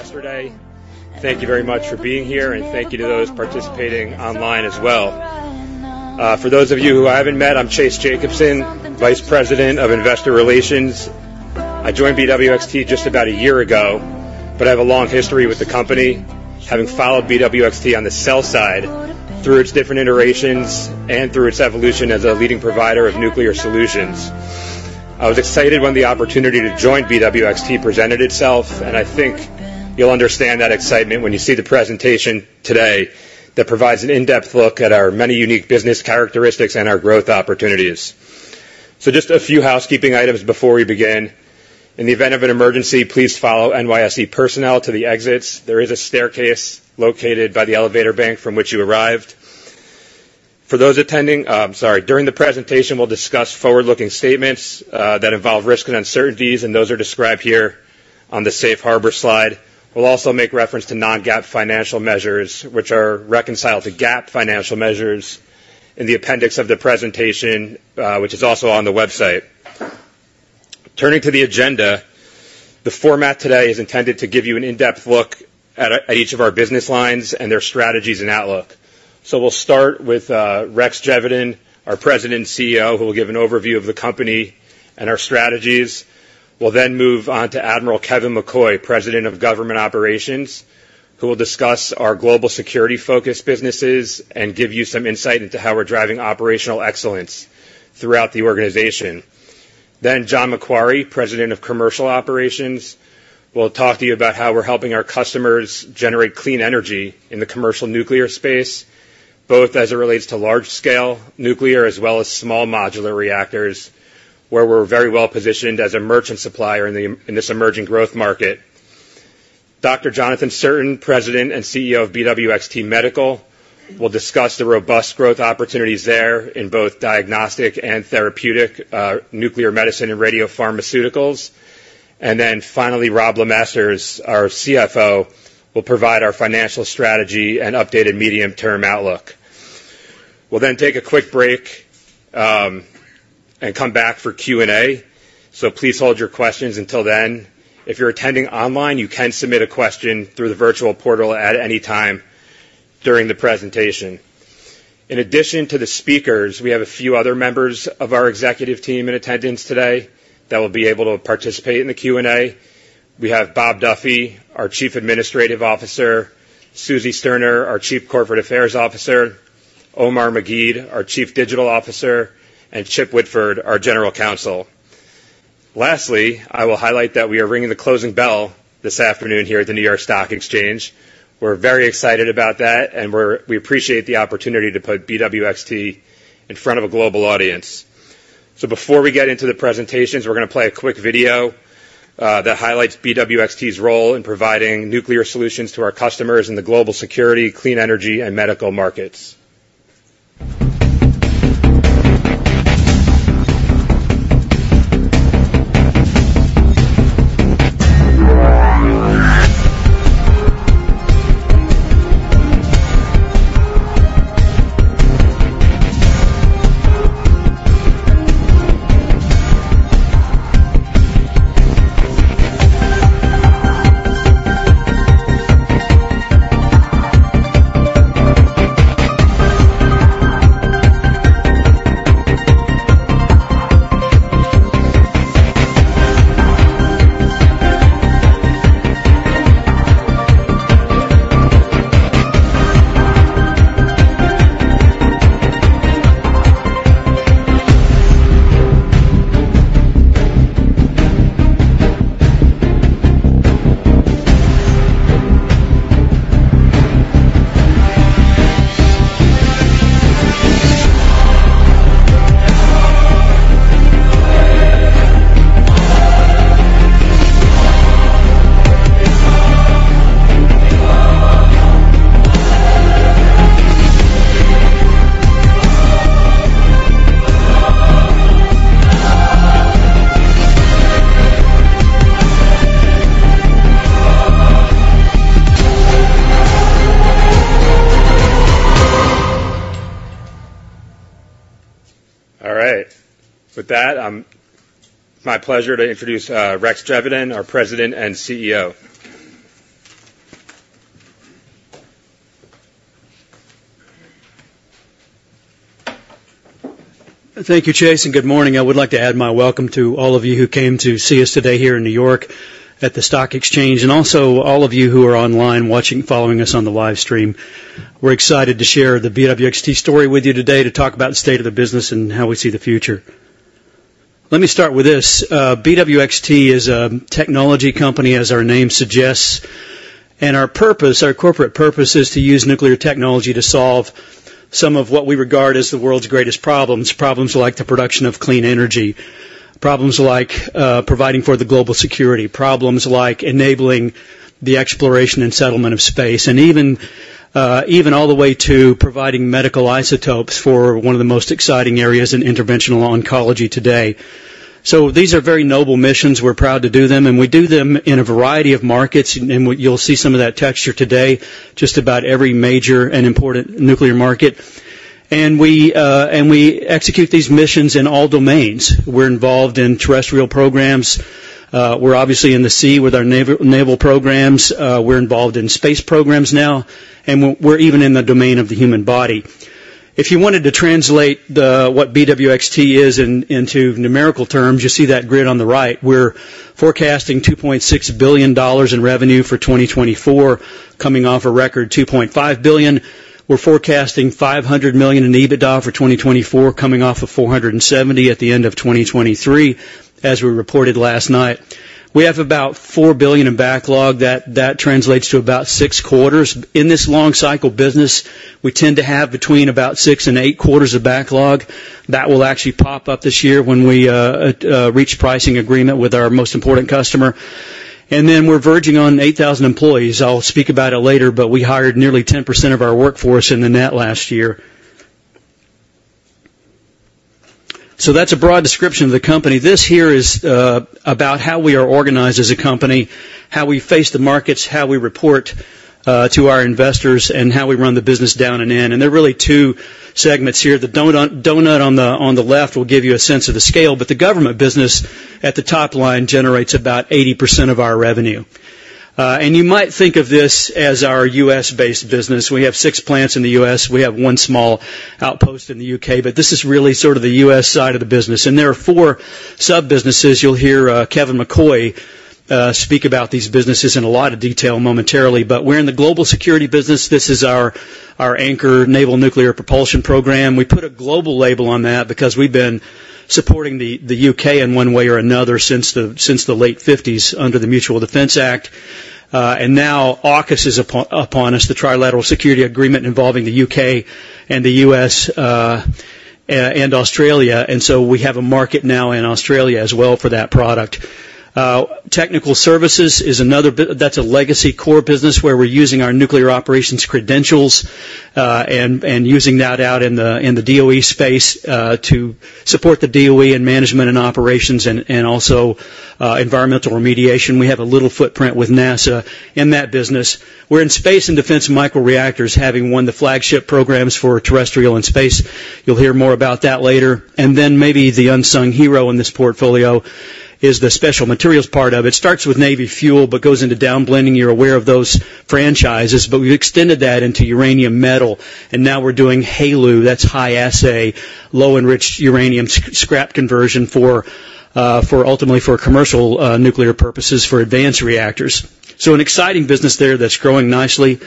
Yesterday, thank you very much for being here, and thank you to those participating online as well. For those of you who I haven't met, I'm Chase Jacobson, Vice President of Investor Relations. I joined BWXT just about a year ago, but I have a long history with the company, having followed BWXT on the sell side through its different iterations and through its evolution as a leading provider of nuclear solutions. I was excited when the opportunity to join BWXT presented itself, and I think you'll understand that excitement when you see the presentation today that provides an in-depth look at our many unique business characteristics and our growth opportunities. So just a few housekeeping items before we begin. In the event of an emergency, please follow NYSE personnel to the exits. There is a staircase located by the elevator bank from which you arrived. For those attending during the presentation, we'll discuss forward-looking statements that involve risks and uncertainties, and those are described here on the Safe Harbor slide. We'll also make reference to non-GAAP financial measures, which are reconciled to GAAP financial measures, in the appendix of the presentation, which is also on the website. Turning to the agenda, the format today is intended to give you an in-depth look at each of our business lines and their strategies and outlook. We'll start with Rex Geveden, our President and CEO, who will give an overview of the company and our strategies. We'll then move on to Admiral Kevin McCoy, President of Government Operations, who will discuss our global security-focused businesses and give you some insight into how we're driving operational excellence throughout the organization. Then John MacQuarrie, President of Commercial Operations, will talk to you about how we're helping our customers generate clean energy in the Commercial Nuclear space, both as it relates to large-scale nuclear as well as small modular reactors, where we're very well positioned as a merchant supplier in this emerging growth market. Dr. Jonathan Cirtain, President and CEO of BWXT Medical, will discuss the robust growth opportunities there in both diagnostic and therapeutic nuclear medicine and radiopharmaceuticals. And then finally, Robb LeMasters, our CFO, will provide our financial strategy and updated medium-term outlook. We'll then take a quick break and come back for Q&A, so please hold your questions until then. If you're attending online, you can submit a question through the virtual portal at any time during the presentation. In addition to the speakers, we have a few other members of our executive team in attendance today that will be able to participate in the Q&A. We have Bob Duffy, our Chief Administrative Officer, Suzy Sterner, our Chief Corporate Affairs Officer, Omar Meguid, our Chief Digital Officer, and Chip Whitford, our General Counsel. Lastly, I will highlight that we are ringing the closing bell this afternoon here at the New York Stock Exchange. We're very excited about that, and we appreciate the opportunity to put BWXT in front of a global audience. So before we get into the presentations, we're going to play a quick video that highlights BWXT's role in providing nuclear solutions to our customers in the global security, clean energy, and medical markets. All right. With that, it's my pleasure to introduce Rex Geveden, our President and CEO. Thank you, Chase, and good morning. I would like to add my welcome to all of you who came to see us today here in New York, at the New York Stock Exchange, and also all of you who are online watching, following us on the live stream. We're excited to share the BWXT story with you today to talk about the state of the business and how we see the future. Let me start with this. BWXT is a technology company, as our name suggests, and our purpose, our corporate purpose, is to use nuclear technology to solve some of what we regard as the world's greatest problems: problems like the production of clean energy, problems like providing for the global security, problems like enabling the exploration and settlement of space, and even all the way to providing medical isotopes for one of the most exciting areas in interventional oncology today. So these are very noble missions. We're proud to do them, and we do them in a variety of markets, and you'll see some of that texture today just about every major and important nuclear market. And we execute these missions in all domains. We're involved in terrestrial programs. We're obviously in the sea with our naval programs. We're involved in space programs now, and we're even in the domain of the human body. If you wanted to translate what BWXT is into numerical terms, you see that grid on the right. We're forecasting $2.6 billion in revenue for 2024, coming off a record $2.5 billion. We're forecasting $500 million in EBITDA for 2024, coming off of $470 million at the end of 2023, as we reported last night. We have about $4 billion in backlog. That translates to about six quarters. In this long-cycle business, we tend to have between about six and eight quarters of backlog. That will actually pop up this year when we reach pricing agreement with our most important customer. And then we're verging on 8,000 employees. I'll speak about it later, but we hired nearly 10% of our workforce in the net last year. So that's a broad description of the company. This here is about how we are organized as a company, how we face the markets, how we report to our investors, and how we run the business down and in. And there are really two segments here. The donut on the left will give you a sense of the scale, but the government business at the top line generates about 80% of our revenue. And you might think of this as our U.S.-based business. We have six plants in the U.S. We have one small outpost in the U.K., but this is really sort of the U.S. side of the business. There are four sub-businesses. You'll hear Kevin McCoy speak about these businesses in a lot of detail momentarily, but we're in the global security business. This is our anchor, Naval Nuclear Propulsion Program. We put a global label on that because we've been supporting the U.K. in one way or another since the late 1950s under the Mutual Defense Act. Now AUKUS is upon us, the trilateral security agreement involving the U.K. and the U.S. and Australia, and so we have a market now in Australia as well for that product. Technical services is another, that's a legacy core business where we're using our nuclear operations credentials and using that out in the DOE space to support the DOE in management and operations and also environmental remediation. We have a little footprint with NASA in that business. We're in space and defense microreactors, having won the flagship programs for terrestrial and space. You'll hear more about that later. And then maybe the unsung hero in this portfolio is the Special Materials part of it. It starts with Navy fuel but goes into downblending. You're aware of those franchises, but we've extended that into uranium metal, and now we're doing HALEU. That's high assay, low-enriched uranium scrap conversion ultimately for Commercial Nuclear purposes for advanced reactors. So an exciting business there that's growing nicely.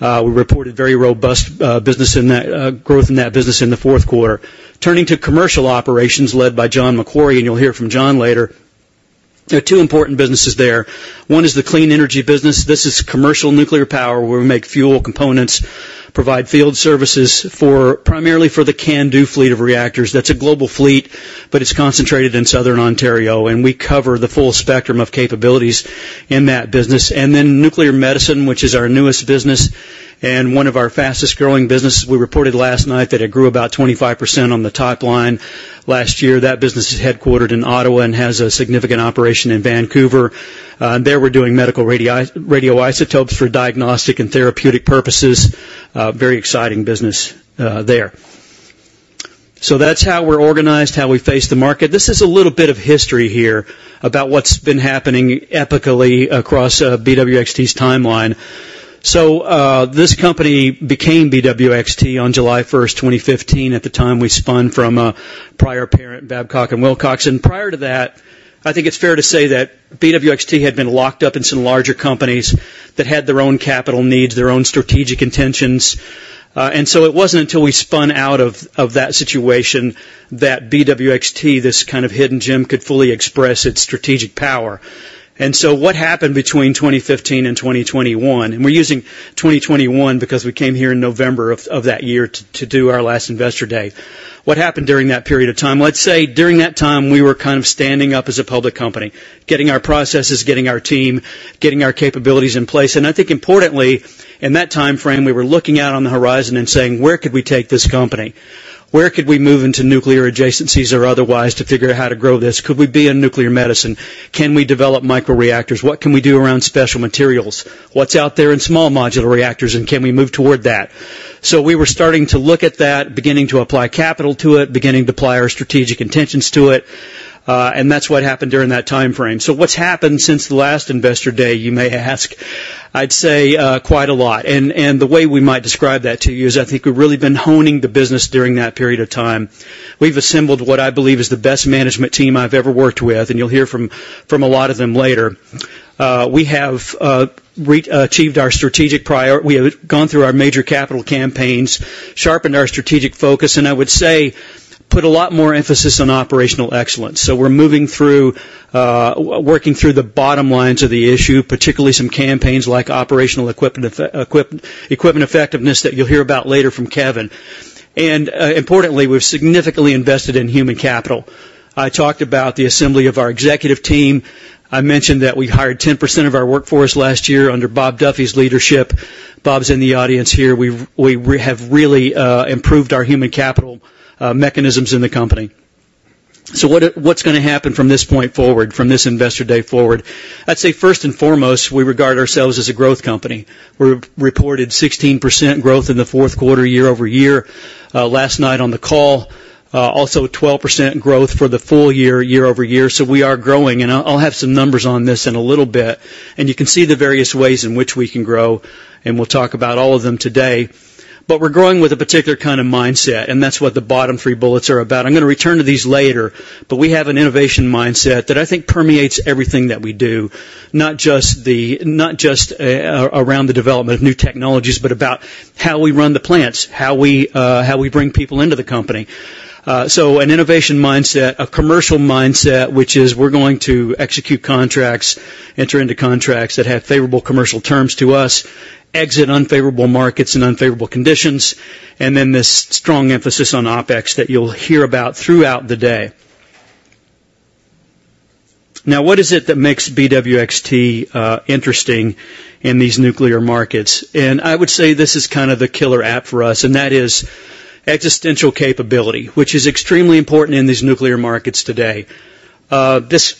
We reported very robust growth in that business in the fourth quarter. Turning to Commercial Operations led by John MacQuarrie, and you'll hear from John later, there are two important businesses there. One is the clean energy business. This is Commercial Nuclear power where we make fuel components, provide field services primarily for the CANDU fleet of reactors. That's a global fleet, but it's concentrated in southern Ontario, and we cover the full spectrum of capabilities in that business. And then nuclear medicine, which is our newest business and one of our fastest-growing businesses. We reported last night that it grew about 25% on the top line last year. That business is headquartered in Ottawa and has a significant operation in Vancouver. There we're doing medical radioisotopes for diagnostic and therapeutic purposes. Very exciting business there. So that's how we're organized, how we face the market. This is a little bit of history here about what's been happening epically across BWXT's timeline. So this company became BWXT on July 1st, 2015, at the time we spun from a prior parent, Babcock & Wilcox. And prior to that, I think it's fair to say that BWXT had been locked up in some larger companies that had their own capital needs, their own strategic intentions. And so it wasn't until we spun out of that situation that BWXT, this kind of hidden gem, could fully express its strategic power. And so what happened between 2015 and 2021 (and we're using 2021 because we came here in November of that year to do our last investor day) what happened during that period of time? Let's say during that time we were kind of standing up as a public company, getting our processes, getting our team, getting our capabilities in place. And I think importantly, in that time frame, we were looking out on the horizon and saying, "Where could we take this company? Where could we move into nuclear adjacencies or otherwise to figure out how to grow this? Could we be in nuclear medicine? Can we develop microreactors? What can we do around Special Materials? What's out there in small modular reactors, and can we move toward that?" So we were starting to look at that, beginning to apply capital to it, beginning to apply our strategic intentions to it, and that's what happened during that time frame. So what's happened since the last investor day, you may ask, I'd say quite a lot. And the way we might describe that to you is I think we've really been honing the business during that period of time. We've assembled what I believe is the best management team I've ever worked with, and you'll hear from a lot of them later. We have achieved our strategic priority. We have gone through our major capital campaigns, sharpened our strategic focus, and I would say put a lot more emphasis on operational excellence. So we're moving through, working through the bottom lines of the issue, particularly some campaigns like operational equipment effectiveness that you'll hear about later from Kevin. Importantly, we've significantly invested in human capital. I talked about the assembly of our executive team. I mentioned that we hired 10% of our workforce last year under Bob Duffy's leadership. Bob's in the audience here. We have really improved our human capital mechanisms in the company. What's going to happen from this point forward, from this Investor Day forward? I'd say first and foremost, we regard ourselves as a growth company. We reported 16% growth in the fourth quarter, year-over-year, last night on the call. Also 12% growth for the full year, year-over-year. We are growing, and I'll have some numbers on this in a little bit. You can see the various ways in which we can grow, and we'll talk about all of them today. We're growing with a particular kind of mindset, and that's what the bottom three bullets are about. I'm going to return to these later, but we have an innovation mindset that I think permeates everything that we do, not just around the development of new technologies, but about how we run the plants, how we bring people into the company. An innovation mindset, a commercial mindset, which is we're going to execute contracts, enter into contracts that have favorable commercial terms to us, exit unfavorable markets in unfavorable conditions, and then this strong emphasis on OpEx that you'll hear about throughout the day. Now, what is it that makes BWXT interesting in these nuclear markets? And I would say this is kind of the killer app for us, and that is existential capability, which is extremely important in these nuclear markets today. This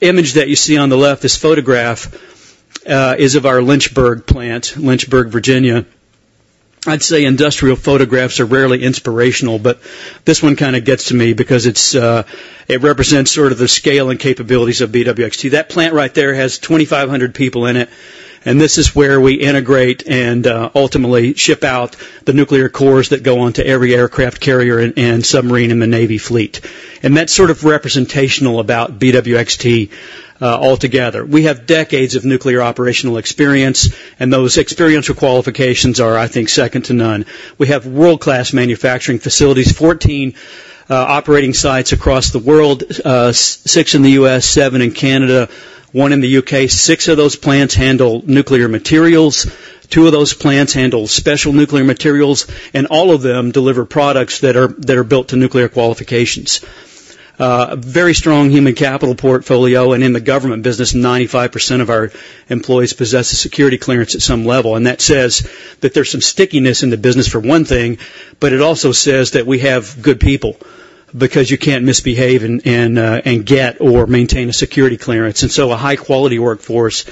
image that you see on the left, this photograph, is of our Lynchburg plant, Lynchburg, Virginia. I'd say industrial photographs are rarely inspirational, but this one kind of gets to me because it represents sort of the scale and capabilities of BWXT. That plant right there has 2,500 people in it, and this is where we integrate and ultimately ship out the nuclear cores that go onto every aircraft carrier and submarine in the Navy fleet. And that's sort of representational about BWXT altogether. We have decades of nuclear operational experience, and those experiential qualifications are, I think, second to none. We have world-class manufacturing facilities, 14 operating sites across the world, six in the U.S., seven in Canada, one in the U.K. six of those plants handle nuclear materials. Two of those plants handle special nuclear materials, and all of them deliver products that are built to nuclear qualifications. A very strong human capital portfolio, and in the government business, 95% of our employees possess a security clearance at some level. That says that there's some stickiness in the business for one thing, but it also says that we have good people because you can't misbehave and get or maintain a security clearance. So a high-quality workforce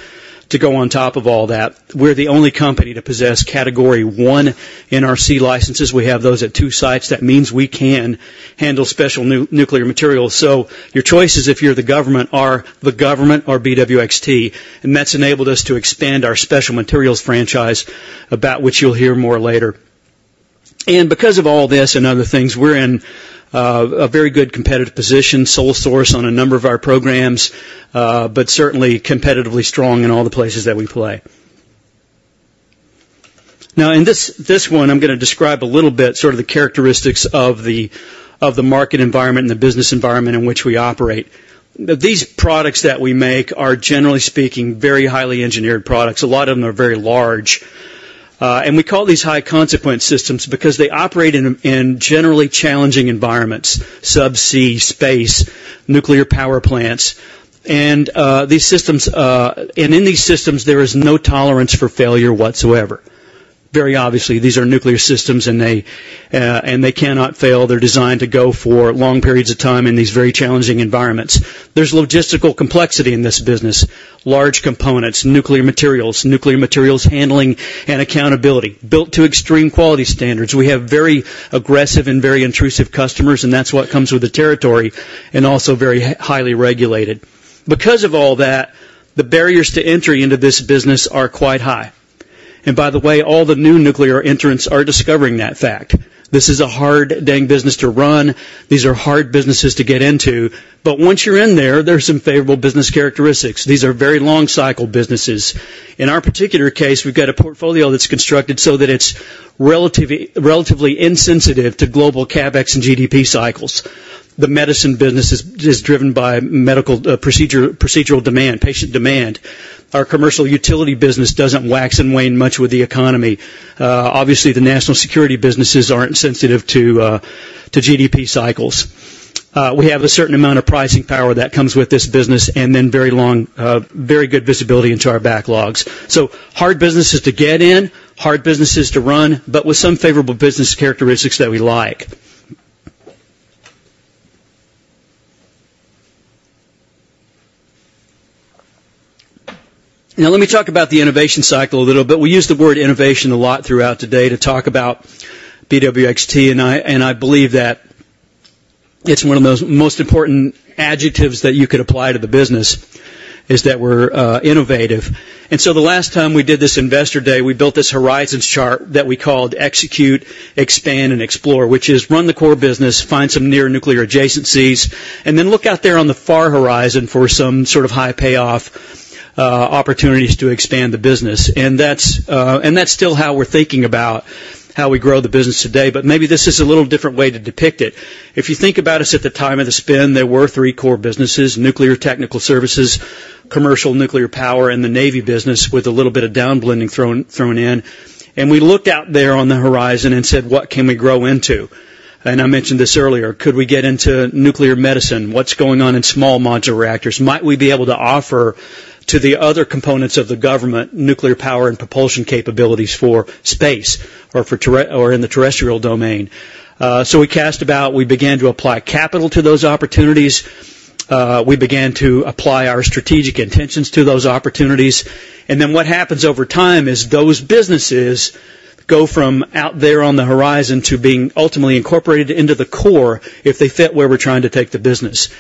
to go on top of all that. We're the only company to possess Category I NRC licenses. We have those at two sites. That means we can handle special nuclear materials. Your choices, if you're the government, are the government or BWXT. That's enabled us to expand our Special Materials franchise, about which you'll hear more later. Because of all this and other things, we're in a very good competitive position, sole source on a number of our programs, but certainly competitively strong in all the places that we play. Now, in this one, I'm going to describe a little bit sort of the characteristics of the market environment and the business environment in which we operate. These products that we make are, generally speaking, very highly engineered products. A lot of them are very large. We call these high-consequence systems because they operate in generally challenging environments: subsea, space, nuclear power plants. In these systems, there is no tolerance for failure whatsoever. Very obviously, these are nuclear systems, and they cannot fail. They're designed to go for long periods of time in these very challenging environments. There's logistical complexity in this business: large components, nuclear materials, nuclear materials handling and accountability, built to extreme quality standards. We have very aggressive and very intrusive customers, and that's what comes with the territory, and also very highly regulated. Because of all that, the barriers to entry into this business are quite high. By the way, all the new nuclear entrants are discovering that fact. This is a hard dang business to run. These are hard businesses to get into. But once you're in there, there are some favorable business characteristics. These are very long-cycle businesses. In our particular case, we've got a portfolio that's constructed so that it's relatively insensitive to global CapEx and GDP cycles. The medicine business is driven by medical procedural demand, patient demand. Our commercial utility business doesn't wax and wane much with the economy. Obviously, the national security businesses aren't sensitive to GDP cycles. We have a certain amount of pricing power that comes with this business and then very good visibility into our backlogs. So hard businesses to get in, hard businesses to run, but with some favorable business characteristics that we like. Now, let me talk about the innovation cycle a little bit. We use the word innovation a lot throughout today to talk about BWXT, and I believe that it's one of the most important adjectives that you could apply to the business, is that we're innovative. And so the last time we did this investor day, we built this horizons chart that we called Execute, Expand, and Explore, which is run the core business, find some near-nuclear adjacencies, and then look out there on the far horizon for some sort of high payoff opportunities to expand the business. And that's still how we're thinking about how we grow the business today, but maybe this is a little different way to depict it. If you think about us at the time of the spin, there were three core businesses: nuclear Technical Services, Commercial Nuclear power, and the Navy business with a little bit of downblending thrown in. And we looked out there on the horizon and said, "What can we grow into?" And I mentioned this earlier. Could we get into nuclear medicine? What's going on in small modular reactors? Might we be able to offer to the other components of the government nuclear power and propulsion capabilities for space or in the terrestrial domain? So we began to apply capital to those opportunities. We began to apply our strategic intentions to those opportunities. Then what happens over time is those businesses go from out there on the horizon to being ultimately incorporated into the core if they fit where we're trying to take the business.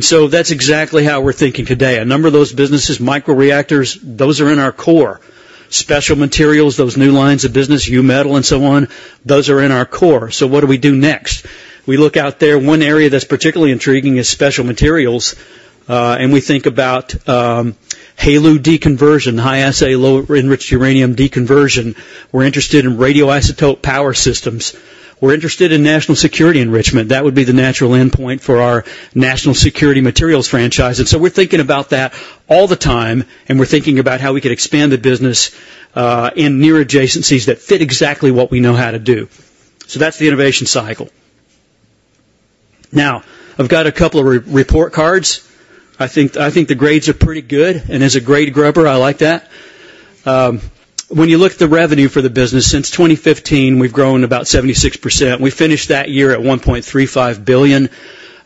So that's exactly how we're thinking today. A number of those businesses, microreactors, those are in our core. Special materials, those new lines of business, U-metal and so on, those are in our core. So what do we do next? We look out there. One area that's particularly intriguing is Special Materials, and we think about HALEU deconversion, high-assay low-enriched uranium deconversion. We're interested in radioisotope power systems. We're interested in national security enrichment. That would be the natural endpoint for our national security materials franchise. And so we're thinking about that all the time, and we're thinking about how we could expand the business in near adjacencies that fit exactly what we know how to do. So that's the innovation cycle. Now, I've got a couple of report cards. I think the grades are pretty good, and as a grade grubber, I like that. When you look at the revenue for the business, since 2015, we've grown about 76%. We finished that year at $1.35 billion.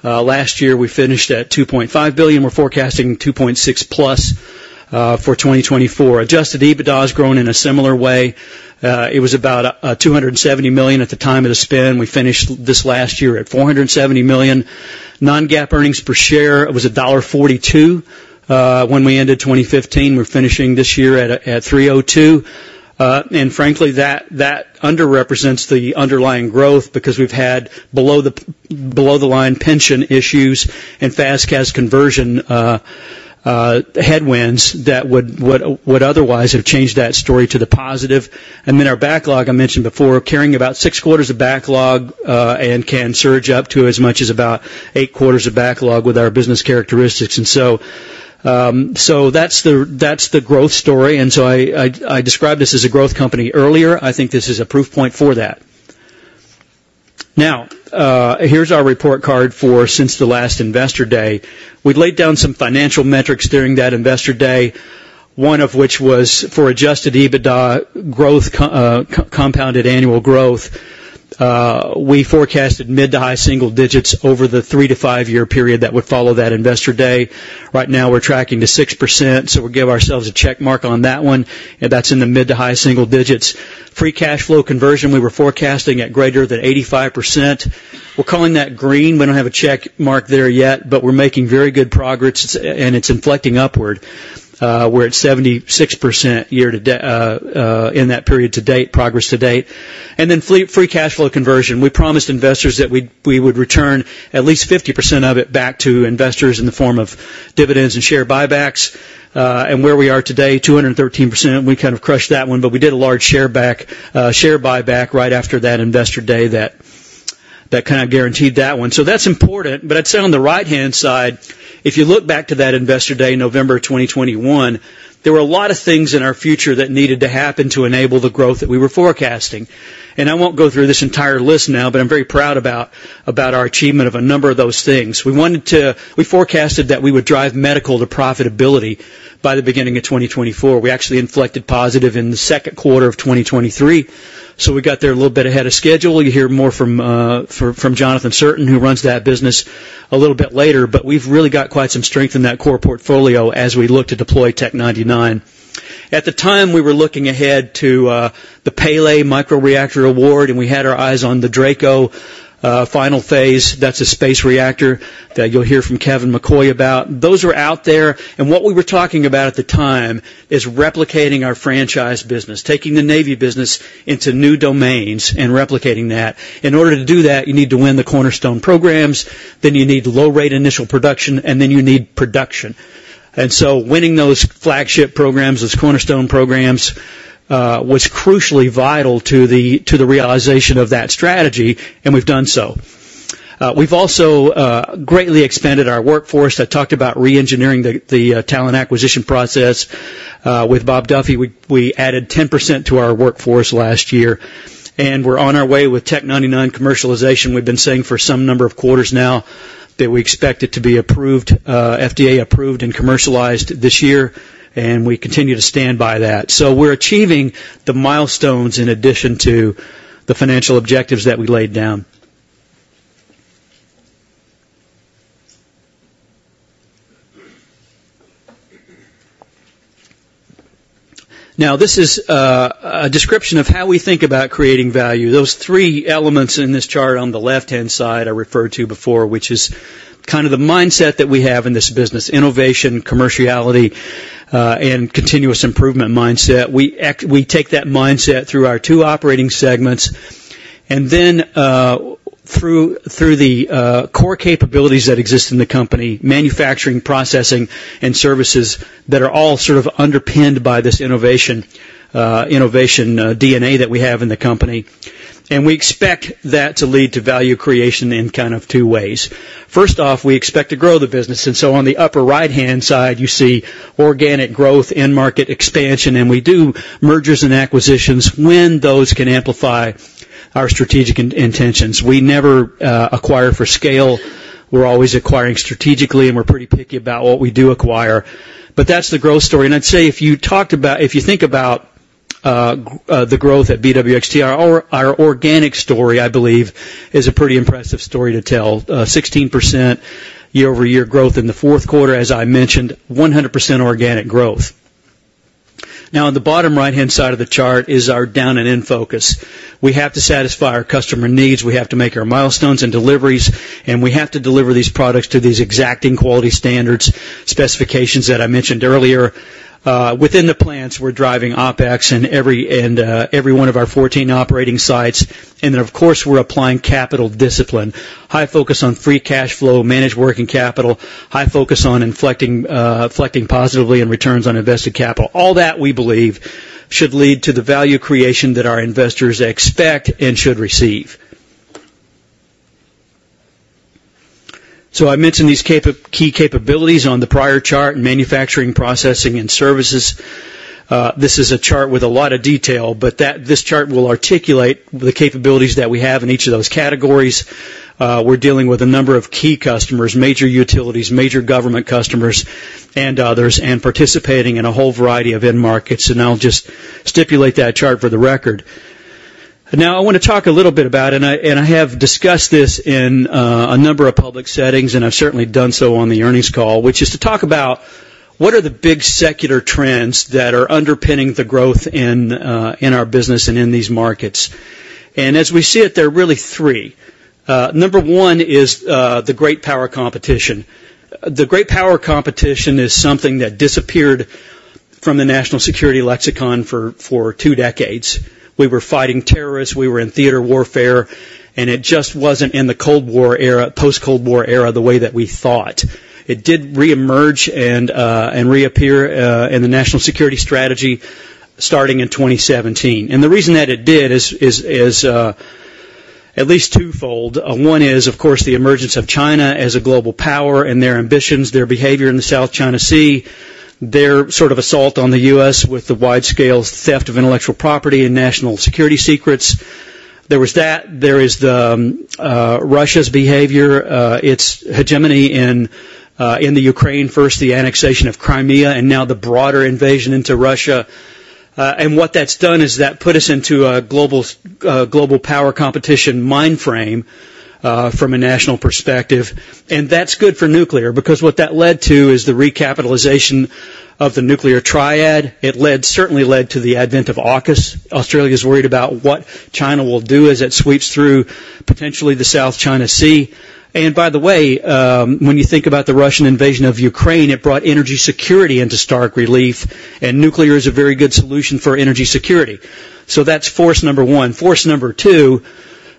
Last year, we finished at $2.5 billion. We're forecasting 2.6+ for 2024. Adjusted EBITDA has grown in a similar way. It was about $270 million at the time of the spin. We finished this last year at $470 million. Non-GAAP earnings per share was $1.42 when we ended 2015. We're finishing this year at $3.02. Frankly, that underrepresents the underlying growth because we've had below-the-line pension issues and FAS/CAS conversion headwinds that would otherwise have changed that story to the positive. Then our backlog, I mentioned before, carrying about six quarters of backlog and can surge up to as much as about 8 quarters of backlog with our business characteristics. So that's the growth story. So I described this as a growth company earlier. I think this is a proof point for that. Now, here's our report card for since the last investor day. We laid down some financial metrics during that investor day, one of which was for adjusted EBITDA, compounded annual growth. We forecasted mid- to high-single digits over the three to five year period that would follow that investor day. Right now, we're tracking to 6%, so we give ourselves a check mark on that one, and that's in the mid to high single digits. Free cash flow conversion, we were forecasting at greater than 85%. We're calling that green. We don't have a check mark there yet, but we're making very good progress, and it's inflecting upward, where it's 76% in that period to date, progress to date. And then free cash flow conversion. We promised investors that we would return at least 50% of it back to investors in the form of dividends and share buybacks. And where we are today, 213%, we kind of crushed that one, but we did a large share buyback right after that investor day that kind of guaranteed that one. So that's important. But I'd say on the right-hand side, if you look back to that investor day, November 2021, there were a lot of things in our future that needed to happen to enable the growth that we were forecasting. And I won't go through this entire list now, but I'm very proud about our achievement of a number of those things. We forecasted that we would drive medical to profitability by the beginning of 2024. We actually inflected positive in the second quarter of 2023, so we got there a little bit ahead of schedule. You'll hear more from Jonathan Cirtain, who runs that business, a little bit later. But we've really got quite some strength in that core portfolio as we look to deploy Tc-99. At the time, we were looking ahead to the Pele Microreactor Award, and we had our eyes on the DRACO final phase. That's a space reactor that you'll hear from Kevin McCoy about. Those were out there. And what we were talking about at the time is replicating our franchise business, taking the Navy business into new domains and replicating that. In order to do that, you need to win the cornerstone programs, then you need low-rate initial production, and then you need production. And so winning those flagship programs, those cornerstone programs, was crucially vital to the realization of that strategy, and we've done so. We've also greatly expanded our workforce. I talked about re-engineering the talent acquisition process. With Bob Duffy, we added 10% to our workforce last year. And we're on our way with Tc-99 commercialization. We've been saying for some number of quarters now that we expect it to be FDA-approved and commercialized this year, and we continue to stand by that. We're achieving the milestones in addition to the financial objectives that we laid down. Now, this is a description of how we think about creating value. Those three elements in this chart on the left-hand side I referred to before, which is kind of the mindset that we have in this business: innovation, commerciality, and continuous improvement mindset. We take that mindset through our two operating segments and then through the core capabilities that exist in the company, manufacturing, processing, and services that are all sort of underpinned by this innovation DNA that we have in the company. And we expect that to lead to value creation in kind of two ways. First off, we expect to grow the business. On the upper right-hand side, you see organic growth and market expansion, and we do mergers and acquisitions when those can amplify our strategic intentions. We never acquire for scale. We're always acquiring strategically, and we're pretty picky about what we do acquire. But that's the growth story. And I'd say if you think about the growth at BWXT, our organic story, I believe, is a pretty impressive story to tell: 16% year-over-year growth in the fourth quarter. As I mentioned, 100% organic growth. Now, on the bottom right-hand side of the chart is our down-and-in focus. We have to satisfy our customer needs. We have to make our milestones and deliveries, and we have to deliver these products to these exacting quality standards, specifications that I mentioned earlier. Within the plants, we're driving OpEx in every one of our 14 operating sites. And then, of course, we're applying capital discipline, high focus on free cash flow, managed working capital, high focus on inflecting positively in returns on invested capital. All that, we believe, should lead to the value creation that our investors expect and should receive. So I mentioned these key capabilities on the prior chart in manufacturing, processing, and services. This is a chart with a lot of detail, but this chart will articulate the capabilities that we have in each of those categories. We're dealing with a number of key customers, major utilities, major government customers, and others, and participating in a whole variety of end markets. And I'll just stipulate that chart for the record. Now, I want to talk a little bit about it, and I have discussed this in a number of public settings, and I've certainly done so on the earnings call, which is to talk about what are the big secular trends that are underpinning the growth in our business and in these markets. And as we see it, there are really three. Number one is the great power competition. The great power competition is something that disappeared from the national security lexicon for two decades. We were fighting terrorists. We were in theater warfare, and it just wasn't in the post-Cold War era the way that we thought. It did reemerge and reappear in the National Security Strategy starting in 2017. And the reason that it did is at least twofold. One is, of course, the emergence of China as a global power and their ambitions, their behavior in the South China Sea, their sort of assault on the U.S. with the wide-scale theft of intellectual property and national security secrets. There was that. There is Russia's behavior, its hegemony in the Ukraine, first the annexation of Crimea, and now the broader invasion into Russia. What that's done is that put us into a global power competition mind frame from a national perspective. That's good for nuclear because what that led to is the recapitalization of the Nuclear Triad. It certainly led to the advent of AUKUS. Australia is worried about what China will do as it sweeps through potentially the South China Sea. And by the way, when you think about the Russian invasion of Ukraine, it brought energy security into stark relief, and nuclear is a very good solution for energy security. That's force number one. Force number two,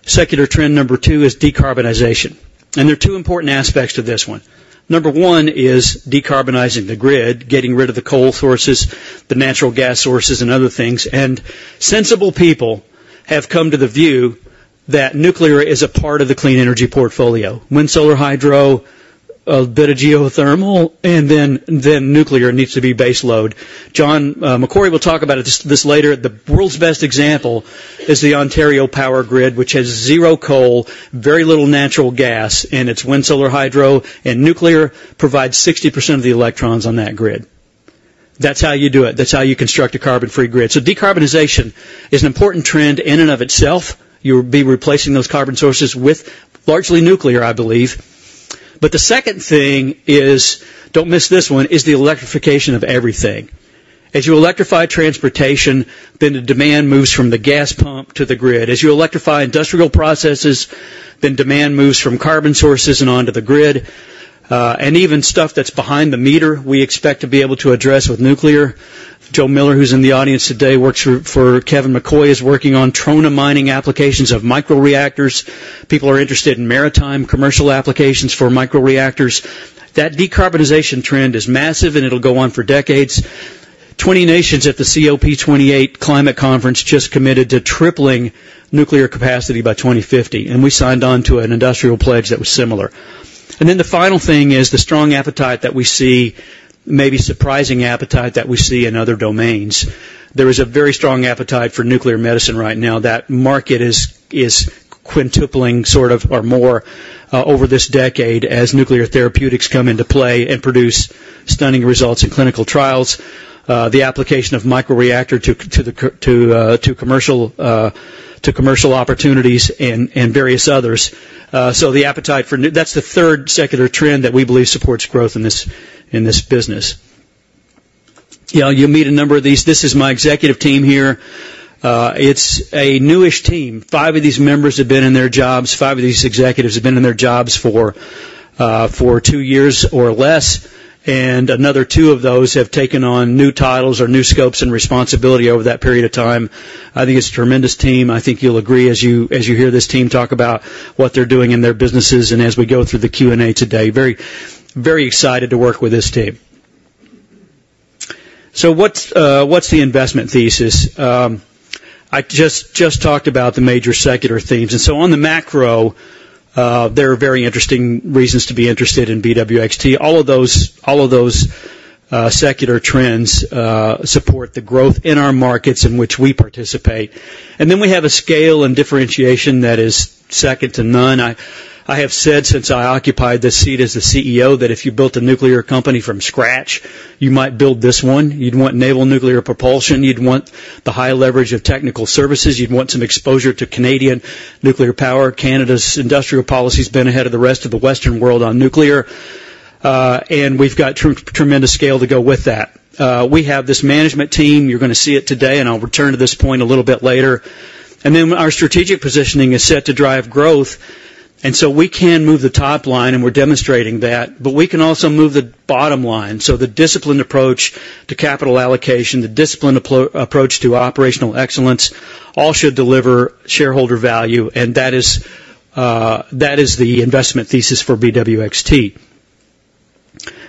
secular trend number two is decarbonization. There are two important aspects to this one. Number one is decarbonizing the grid, getting rid of the coal sources, the natural gas sources, and other things. Sensible people have come to the view that nuclear is a part of the clean energy portfolio: wind, solar, hydro, a bit of geothermal, and then nuclear needs to be baseload. Kevin McCoy will talk about it this later. The world's best example is the Ontario Power Grid, which has zero coal, very little natural gas, and it's wind, solar, hydro, and nuclear provide 60% of the electrons on that grid. That's how you do it. That's how you construct a carbon-free grid. So decarbonization is an important trend in and of itself. You'll be replacing those carbon sources with largely nuclear, I believe. But the second thing is, don't miss this one, is the electrification of everything. As you electrify transportation, then the demand moves from the gas pump to the grid. As you electrify industrial processes, then demand moves from carbon sources and onto the grid. Even stuff that's behind the meter, we expect to be able to address with nuclear. Joe Miller, who's in the audience today, works for Kevin McCoy, is working on trona mining applications of microreactors. People are interested in maritime commercial applications for microreactors. That decarbonization trend is massive, and it'll go on for decades. 20 nations at the COP28 climate conference just committed to tripling nuclear capacity by 2050, and we signed on to an industrial pledge that was similar. Then the final thing is the strong appetite that we see, maybe surprising appetite that we see in other domains. There is a very strong appetite for nuclear medicine right now. That market is quintupling sort of or more over this decade as nuclear therapeutics come into play and produce stunning results in clinical trials, the application of microreactors to commercial opportunities and various others. So the appetite for that's the third secular trend that we believe supports growth in this business. You'll meet a number of these. This is my executive team here. It's a new-ish team. Five of these members have been in their jobs. Five of these executives have been in their jobs for two years or less, and another two of those have taken on new titles or new scopes and responsibility over that period of time. I think it's a tremendous team. I think you'll agree as you hear this team talk about what they're doing in their businesses and as we go through the Q&A today. Very excited to work with this team. So what's the investment thesis? I just talked about the major secular themes. And so on the macro, there are very interesting reasons to be interested in BWXT. All of those secular trends support the growth in our markets in which we participate. And then we have a scale and differentiation that is second to none. I have said since I occupied this seat as the CEO that if you built a nuclear company from scratch, you might build this one. You'd want naval nuclear propulsion. You'd want the high leverage of Technical Services. You'd want some exposure to Canadian nuclear power. Canada's industrial policy's been ahead of the rest of the Western world on nuclear, and we've got tremendous scale to go with that. We have this management team. You're going to see it today, and I'll return to this point a little bit later. And then our strategic positioning is set to drive growth, and so we can move the top line, and we're demonstrating that. But we can also move the bottom line. So the disciplined approach to capital allocation, the disciplined approach to operational excellence, all should deliver shareholder value, and that is the investment thesis for BWXT.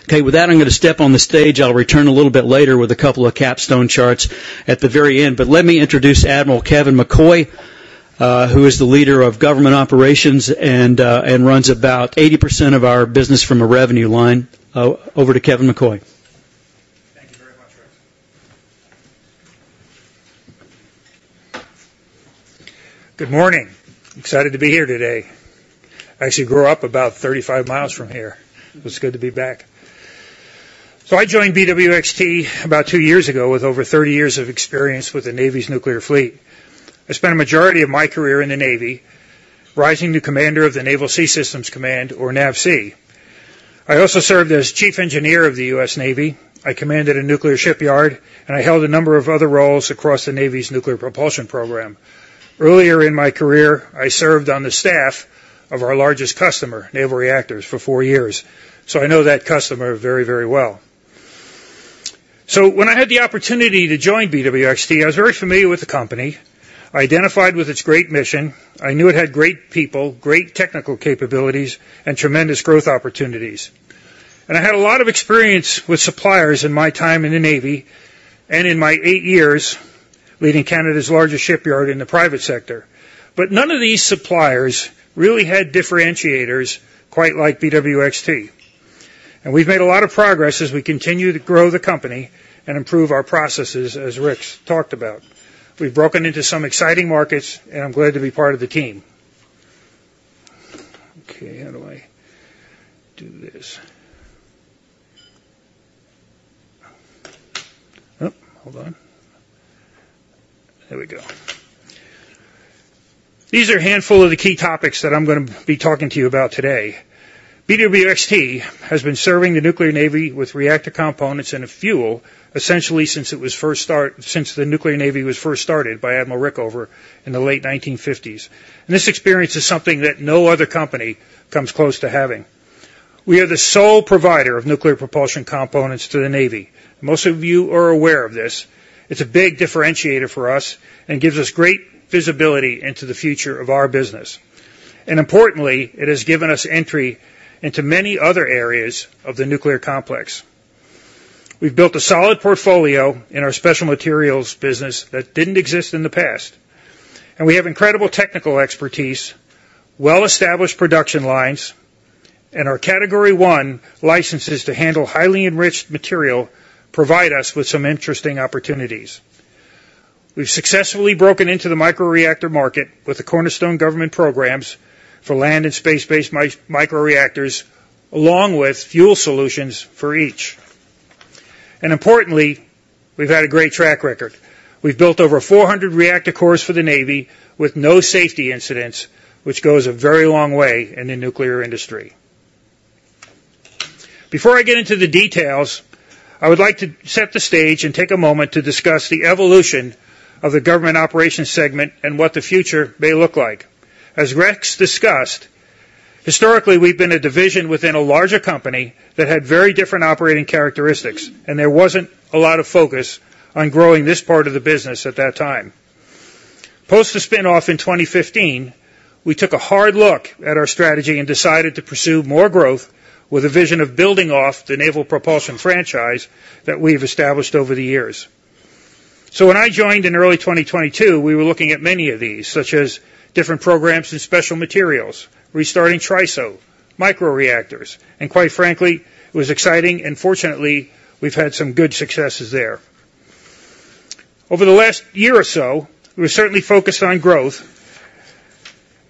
Okay. With that, I'm going to step on the stage. I'll return a little bit later with a couple of capstone charts at the very end. But let me introduce Admiral Kevin McCoy, who is the leader of Government Operations and runs about 80% of our business from a revenue line. Over to Kevin McCoy. Thank you very much, Rex. Good morning. Excited to be here today. I actually grew up about 35 miles from here. It's good to be back. I joined BWXT about two years ago with over 30 years of experience with the Navy's nuclear fleet. I spent a majority of my career in the Navy, rising to commander of the Naval Sea Systems Command, or NAVSEA. I also served as chief engineer of the U.S. Navy. I commanded a nuclear shipyard, and I held a number of other roles across the Navy's nuclear propulsion program. Earlier in my career, I served on the staff of our largest customer, Naval Reactors, for four years. I know that customer very, very well. When I had the opportunity to join BWXT, I was very familiar with the company. I identified with its great mission. I knew it had great people, great technical capabilities, and tremendous growth opportunities. I had a lot of experience with suppliers in my time in the Navy and in my eight years leading Canada's largest shipyard in the private sector. None of these suppliers really had differentiators quite like BWXT. We've made a lot of progress as we continue to grow the company and improve our processes, as Rex talked about. We've broken into some exciting markets, and I'm glad to be part of the team. Okay. How do I do this? Oop. Hold on. There we go. These are a handful of the key topics that I'm going to be talking to you about today. BWXT has been serving the Nuclear Navy with reactor components and a fuel essentially since the Nuclear Navy was first started by Admiral Rickover in the late 1950s. This experience is something that no other company comes close to having. We are the sole provider of nuclear propulsion components to the Navy. Most of you are aware of this. It's a big differentiator for us and gives us great visibility into the future of our business. Importantly, it has given us entry into many other areas of the nuclear complex. We've built a solid portfolio in our Special Materials business that didn't exist in the past. We have incredible technical expertise, well-established production lines, and our Category I licenses to handle highly enriched material provide us with some interesting opportunities. We've successfully broken into the microreactor market with the Cornerstone government programs for land and space-based microreactors, along with fuel solutions for each. Importantly, we've had a great track record. We've built over 400 reactor cores for the Navy with no safety incidents, which goes a very long way in the nuclear industry. Before I get into the details, I would like to set the stage and take a moment to discuss the evolution of the Government Operations segment and what the future may look like. As Rex discussed, historically, we've been a division within a larger company that had very different operating characteristics, and there wasn't a lot of focus on growing this part of the business at that time. Post the spin-off in 2015, we took a hard look at our strategy and decided to pursue more growth with a vision of building off the naval propulsion franchise that we have established over the years. When I joined in early 2022, we were looking at many of these, such as different programs and Special Materials, restarting TRISO, microreactors. Quite frankly, it was exciting. Fortunately, we've had some good successes there. Over the last year or so, we were certainly focused on growth,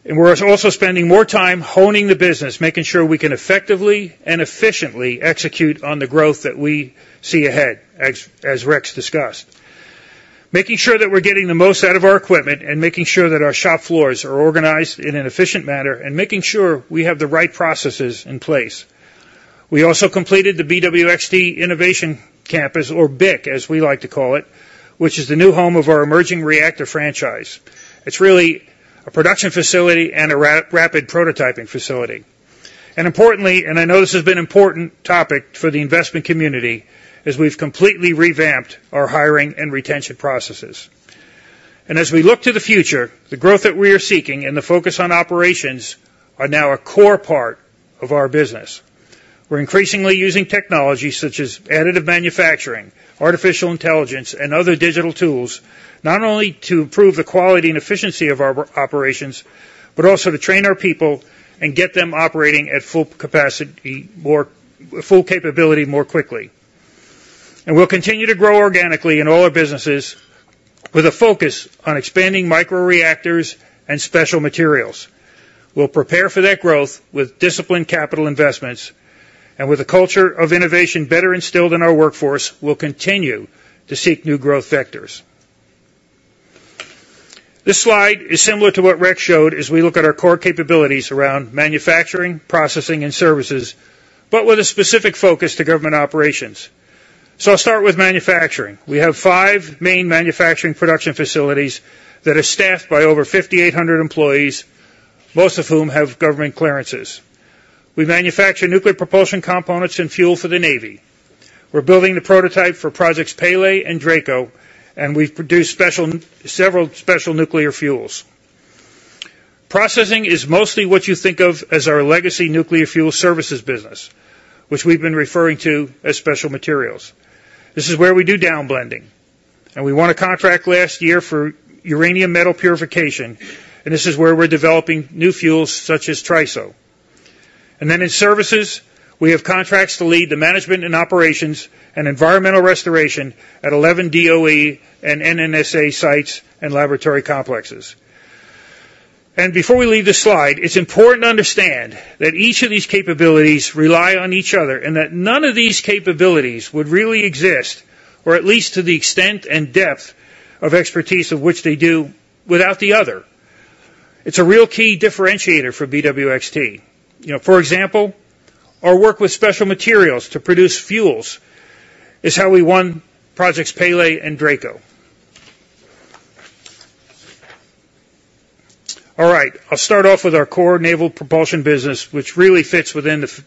and we're also spending more time honing the business, making sure we can effectively and efficiently execute on the growth that we see ahead, as Rex discussed, making sure that we're getting the most out of our equipment and making sure that our shop floors are organized in an efficient manner and making sure we have the right processes in place. We also completed the BWXT Innovation Campus, or BIC, as we like to call it, which is the new home of our emerging reactor franchise. It's really a production facility and a rapid prototyping facility. Importantly, and I know this has been an important topic for the investment community, is we've completely revamped our hiring and retention processes. As we look to the future, the growth that we are seeking and the focus on operations are now a core part of our business. We're increasingly using technology such as additive manufacturing, artificial intelligence, and other digital tools, not only to improve the quality and efficiency of our operations, but also to train our people and get them operating at full capability more quickly. We'll continue to grow organically in all our businesses with a focus on expanding microreactors and Special Materials. We'll prepare for that growth with disciplined capital investments, and with a culture of innovation better instilled in our workforce, we'll continue to seek new growth vectors. This slide is similar to what Rex showed as we look at our core capabilities around manufacturing, processing, and services, but with a specific focus to Government Operations. So I'll start with manufacturing. We have five main manufacturing production facilities that are staffed by over 5,800 employees, most of whom have government clearances. We manufacture nuclear propulsion components and fuel for the Navy. We're building the prototype for projects Pele and DRACO, and we've produced several special nuclear fuels. Processing is mostly what you think of as our legacy Nuclear Fuel Services business, which we've been referring to as Special Materials. This is where we do downblending. We won a contract last year for uranium metal purification, and this is where we're developing new fuels such as TRISO. And then in services, we have contracts to lead the management and operations and environmental restoration at 11 DOE and NNSA sites and laboratory complexes. And before we leave this slide, it's important to understand that each of these capabilities rely on each other and that none of these capabilities would really exist, or at least to the extent and depth of expertise of which they do, without the other. It's a real key differentiator for BWXT. For example, our work with Special Materials to produce fuels is how we won Project Pele and Project DRACO. All right. I'll start off with our core naval propulsion business, which really fits within the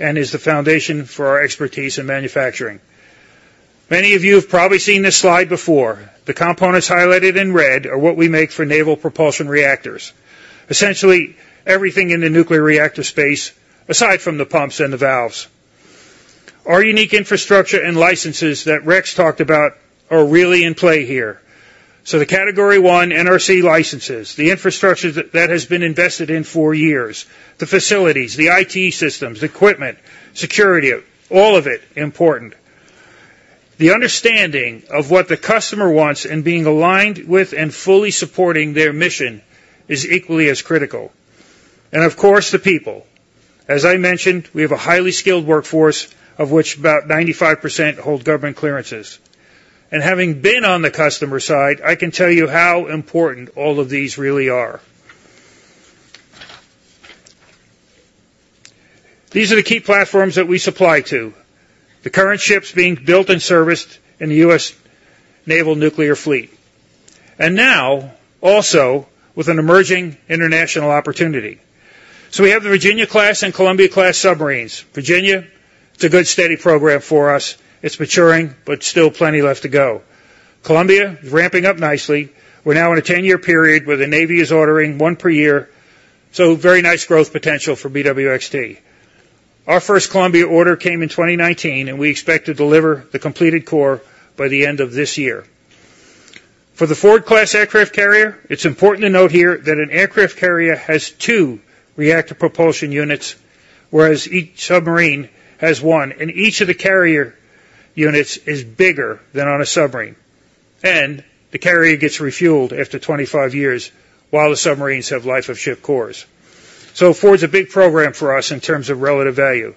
and is the foundation for our expertise in manufacturing. Many of you have probably seen this slide before. The components highlighted in red are what we make for naval propulsion reactors, essentially everything in the nuclear reactor space aside from the pumps and the valves. Our unique infrastructure and licenses that Rex talked about are really in play here. So the Category I NRC licenses, the infrastructure that has been invested in four years, the facilities, the IT systems, equipment, security, all of it important. The understanding of what the customer wants and being aligned with and fully supporting their mission is equally as critical. And of course, the people. As I mentioned, we have a highly skilled workforce of which about 95% hold government clearances. And having been on the customer side, I can tell you how important all of these really are. These are the key platforms that we supply to, the current ships being built and serviced in the U.S. naval nuclear fleet, and now also with an emerging international opportunity. So we have the Virginia-class and Columbia-class submarines. Virginia, it's a good steady program for us. It's maturing, but still plenty left to go. Columbia, it's ramping up nicely. We're now in a 10-year period where the Navy is ordering one per year. So very nice growth potential for BWXT. Our first Columbia order came in 2019, and we expect to deliver the completed core by the end of this year. For the Ford-class aircraft carrier, it's important to note here that an aircraft carrier has two reactor propulsion units, whereas each submarine has one. And each of the carrier units is bigger than on a submarine. And the carrier gets refueled after 25 years while the submarines have life of ship cores. So Ford's a big program for us in terms of relative value.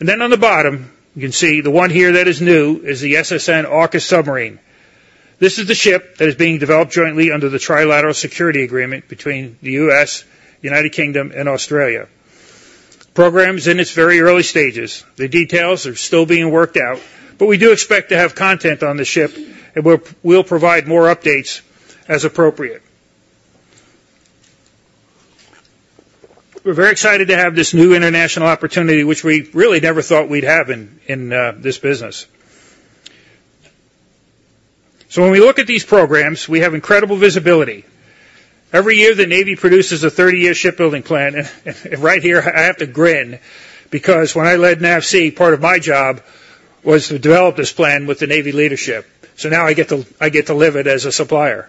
And then on the bottom, you can see the one here that is new is the SSN-AUKUS submarine. This is the ship that is being developed jointly under the trilateral security agreement between the U.S., United Kingdom, and Australia. Program is in its very early stages. The details are still being worked out, but we do expect to have content on the ship, and we'll provide more updates as appropriate. We're very excited to have this new international opportunity, which we really never thought we'd have in this business. So when we look at these programs, we have incredible visibility. Every year, the Navy produces a 30-year shipbuilding plan. Right here, I have to grin because when I led NAVSEA, part of my job was to develop this plan with the Navy leadership. So now I get to live it as a supplier.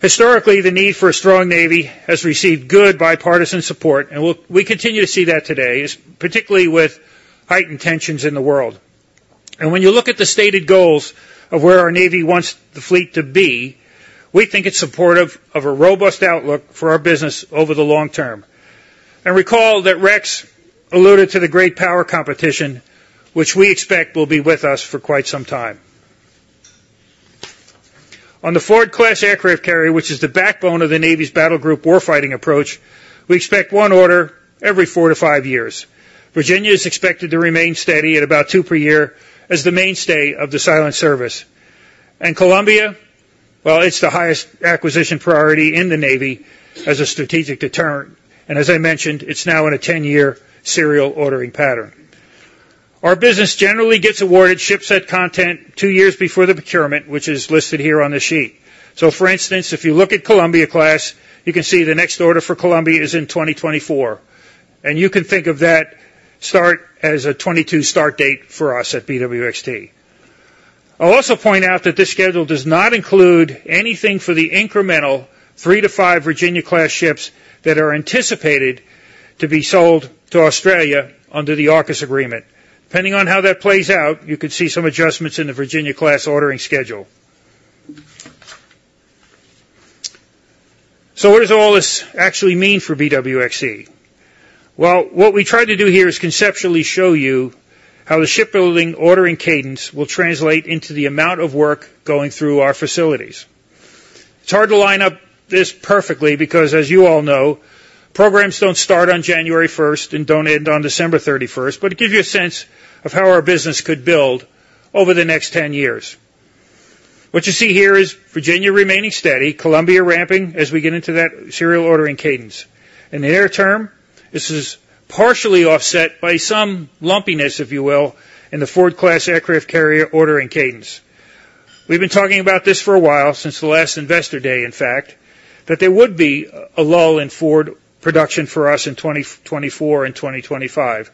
Historically, the need for a strong Navy has received good bipartisan support, and we continue to see that today, particularly with heightened tensions in the world. When you look at the stated goals of where our Navy wants the fleet to be, we think it's supportive of a robust outlook for our business over the long term. Recall that Rex alluded to the great power competition, which we expect will be with us for quite some time. On the Ford-class aircraft carrier, which is the backbone of the Navy's battlegroup warfighting approach, we expect one order every four to five years. Virginia-class is expected to remain steady at about two per year as the mainstay of the Silent Service. Columbia-class, well, it's the highest acquisition priority in the Navy as a strategic deterrent. As I mentioned, it's now in a 10-year serial ordering pattern. Our business generally gets awarded ship set content two years before the procurement, which is listed here on the sheet. For instance, if you look at Columbia-class, you can see the next order for Columbia-class is in 2024. You can think of that start as a 2022 start date for us at BWXT. I'll also point out that this schedule does not include anything for the incremental three to five Virginia-class ships that are anticipated to be sold to Australia under the AUKUS agreement. Depending on how that plays out, you could see some adjustments in the Virginia-class ordering schedule. So what does all this actually mean for BWXT? Well, what we tried to do here is conceptually show you how the shipbuilding ordering cadence will translate into the amount of work going through our facilities. It's hard to line up this perfectly because, as you all know, programs don't start on January 1st and don't end on December 31st, but it gives you a sense of how our business could build over the next 10 years. What you see here is Virginia-class remaining steady, Columbia-class ramping as we get into that serial ordering cadence. In the near term, this is partially offset by some lumpiness, if you will, in the Ford-class aircraft carrier ordering cadence. We've been talking about this for a while, since the last Investor Day, in fact, that there would be a lull in Ford production for us in 2024 and 2025,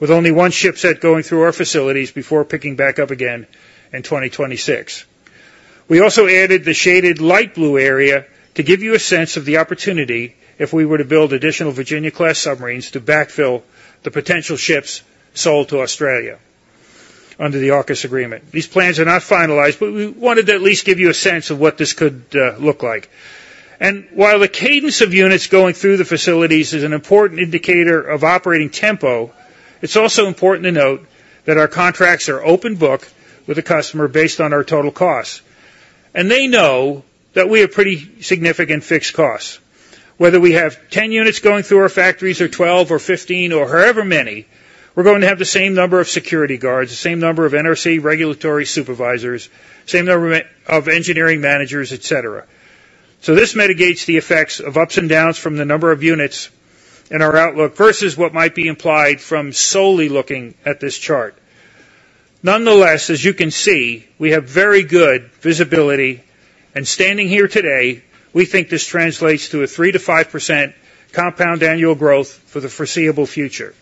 with only one ship set going through our facilities before picking back up again in 2026. We also added the shaded light blue area to give you a sense of the opportunity if we were to build additional Virginia-class submarines to backfill the potential ships sold to Australia under the AUKUS agreement. These plans are not finalized, but we wanted to at least give you a sense of what this could look like. And while the cadence of units going through the facilities is an important indicator of operating tempo, it's also important to note that our contracts are open book with the customer based on our total costs. And they know that we have pretty significant fixed costs. Whether we have 10 units going through our factories or 12 or 15 or however many, we're going to have the same number of security guards, the same number of NRC regulatory supervisors, same number of engineering managers, etc. So this mitigates the effects of ups and downs from the number of units in our outlook versus what might be implied from solely looking at this chart. Nonetheless, as you can see, we have very good visibility. Standing here today, we think this translates to a 3%-5% compound annual growth for the foreseeable future.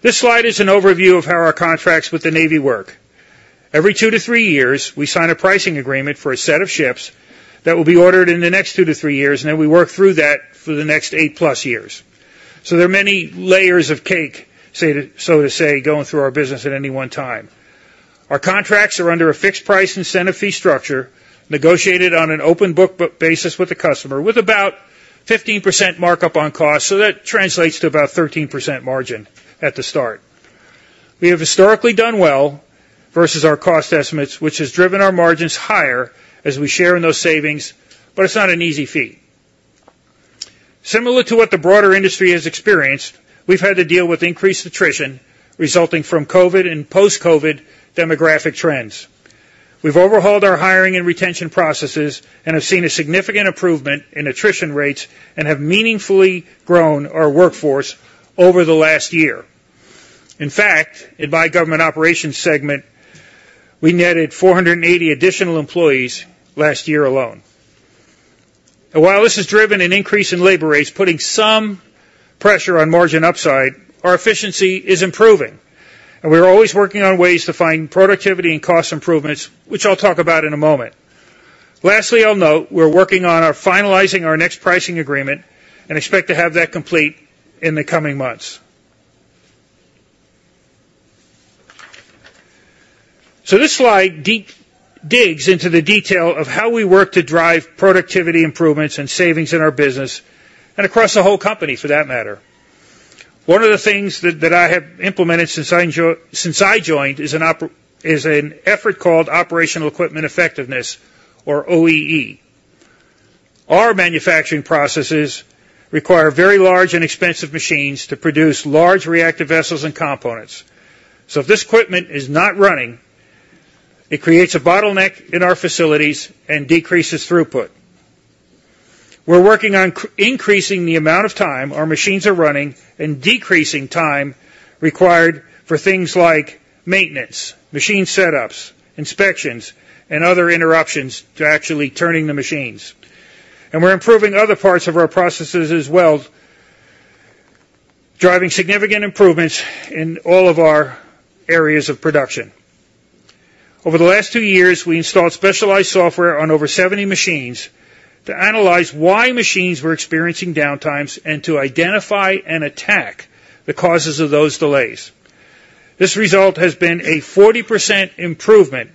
This slide is an overview of how our contracts with the Navy work. Every two to three years, we sign a pricing agreement for a set of ships that will be ordered in the next two to three years, and then we work through that for the next 8+ years. So there are many layers of cake, so to say, going through our business at any one time. Our contracts are under a fixed price incentive fee structure negotiated on an open book basis with the customer, with about 15% markup on costs. So that translates to about 13% margin at the start. We have historically done well versus our cost estimates, which has driven our margins higher as we share in those savings, but it's not an easy feat. Similar to what the broader industry has experienced, we've had to deal with increased attrition resulting from COVID and post-COVID demographic trends. We've overhauled our hiring and retention processes and have seen a significant improvement in attrition rates and have meaningfully grown our workforce over the last year. In fact, in my Government Operations segment, we netted 480 additional employees last year alone. And while this has driven an increase in labor rates, putting some pressure on margin upside, our efficiency is improving. And we're always working on ways to find productivity and cost improvements, which I'll talk about in a moment. Lastly, I'll note we're working on finalizing our next pricing agreement and expect to have that complete in the coming months. So this slide digs into the detail of how we work to drive productivity improvements and savings in our business and across the whole company, for that matter. One of the things that I have implemented since I joined is an effort called Operational Equipment Effectiveness, or OEE. Our manufacturing processes require very large and expensive machines to produce large reactive vessels and components. So if this equipment is not running, it creates a bottleneck in our facilities and decreases throughput. We're working on increasing the amount of time our machines are running and decreasing time required for things like maintenance, machine setups, inspections, and other interruptions to actually turning the machines. We're improving other parts of our processes as well, driving significant improvements in all of our areas of production. Over the last two years, we installed specialized software on over 70 machines to analyze why machines were experiencing downtimes and to identify and attack the causes of those delays. This result has been a 40% improvement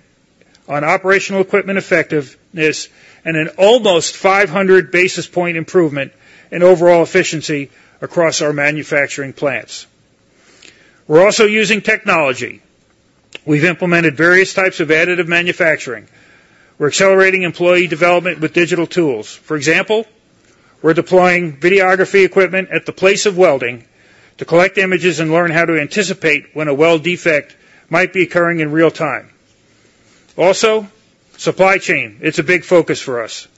on operational equipment effectiveness and an almost 500 basis point improvement in overall efficiency across our manufacturing plants. We're also using technology. We've implemented various types of additive manufacturing. We're accelerating employee development with digital tools. For example, we're deploying videography equipment at the place of welding to collect images and learn how to anticipate when a weld defect might be occurring in real time. Also, supply chain. It's a big focus for us.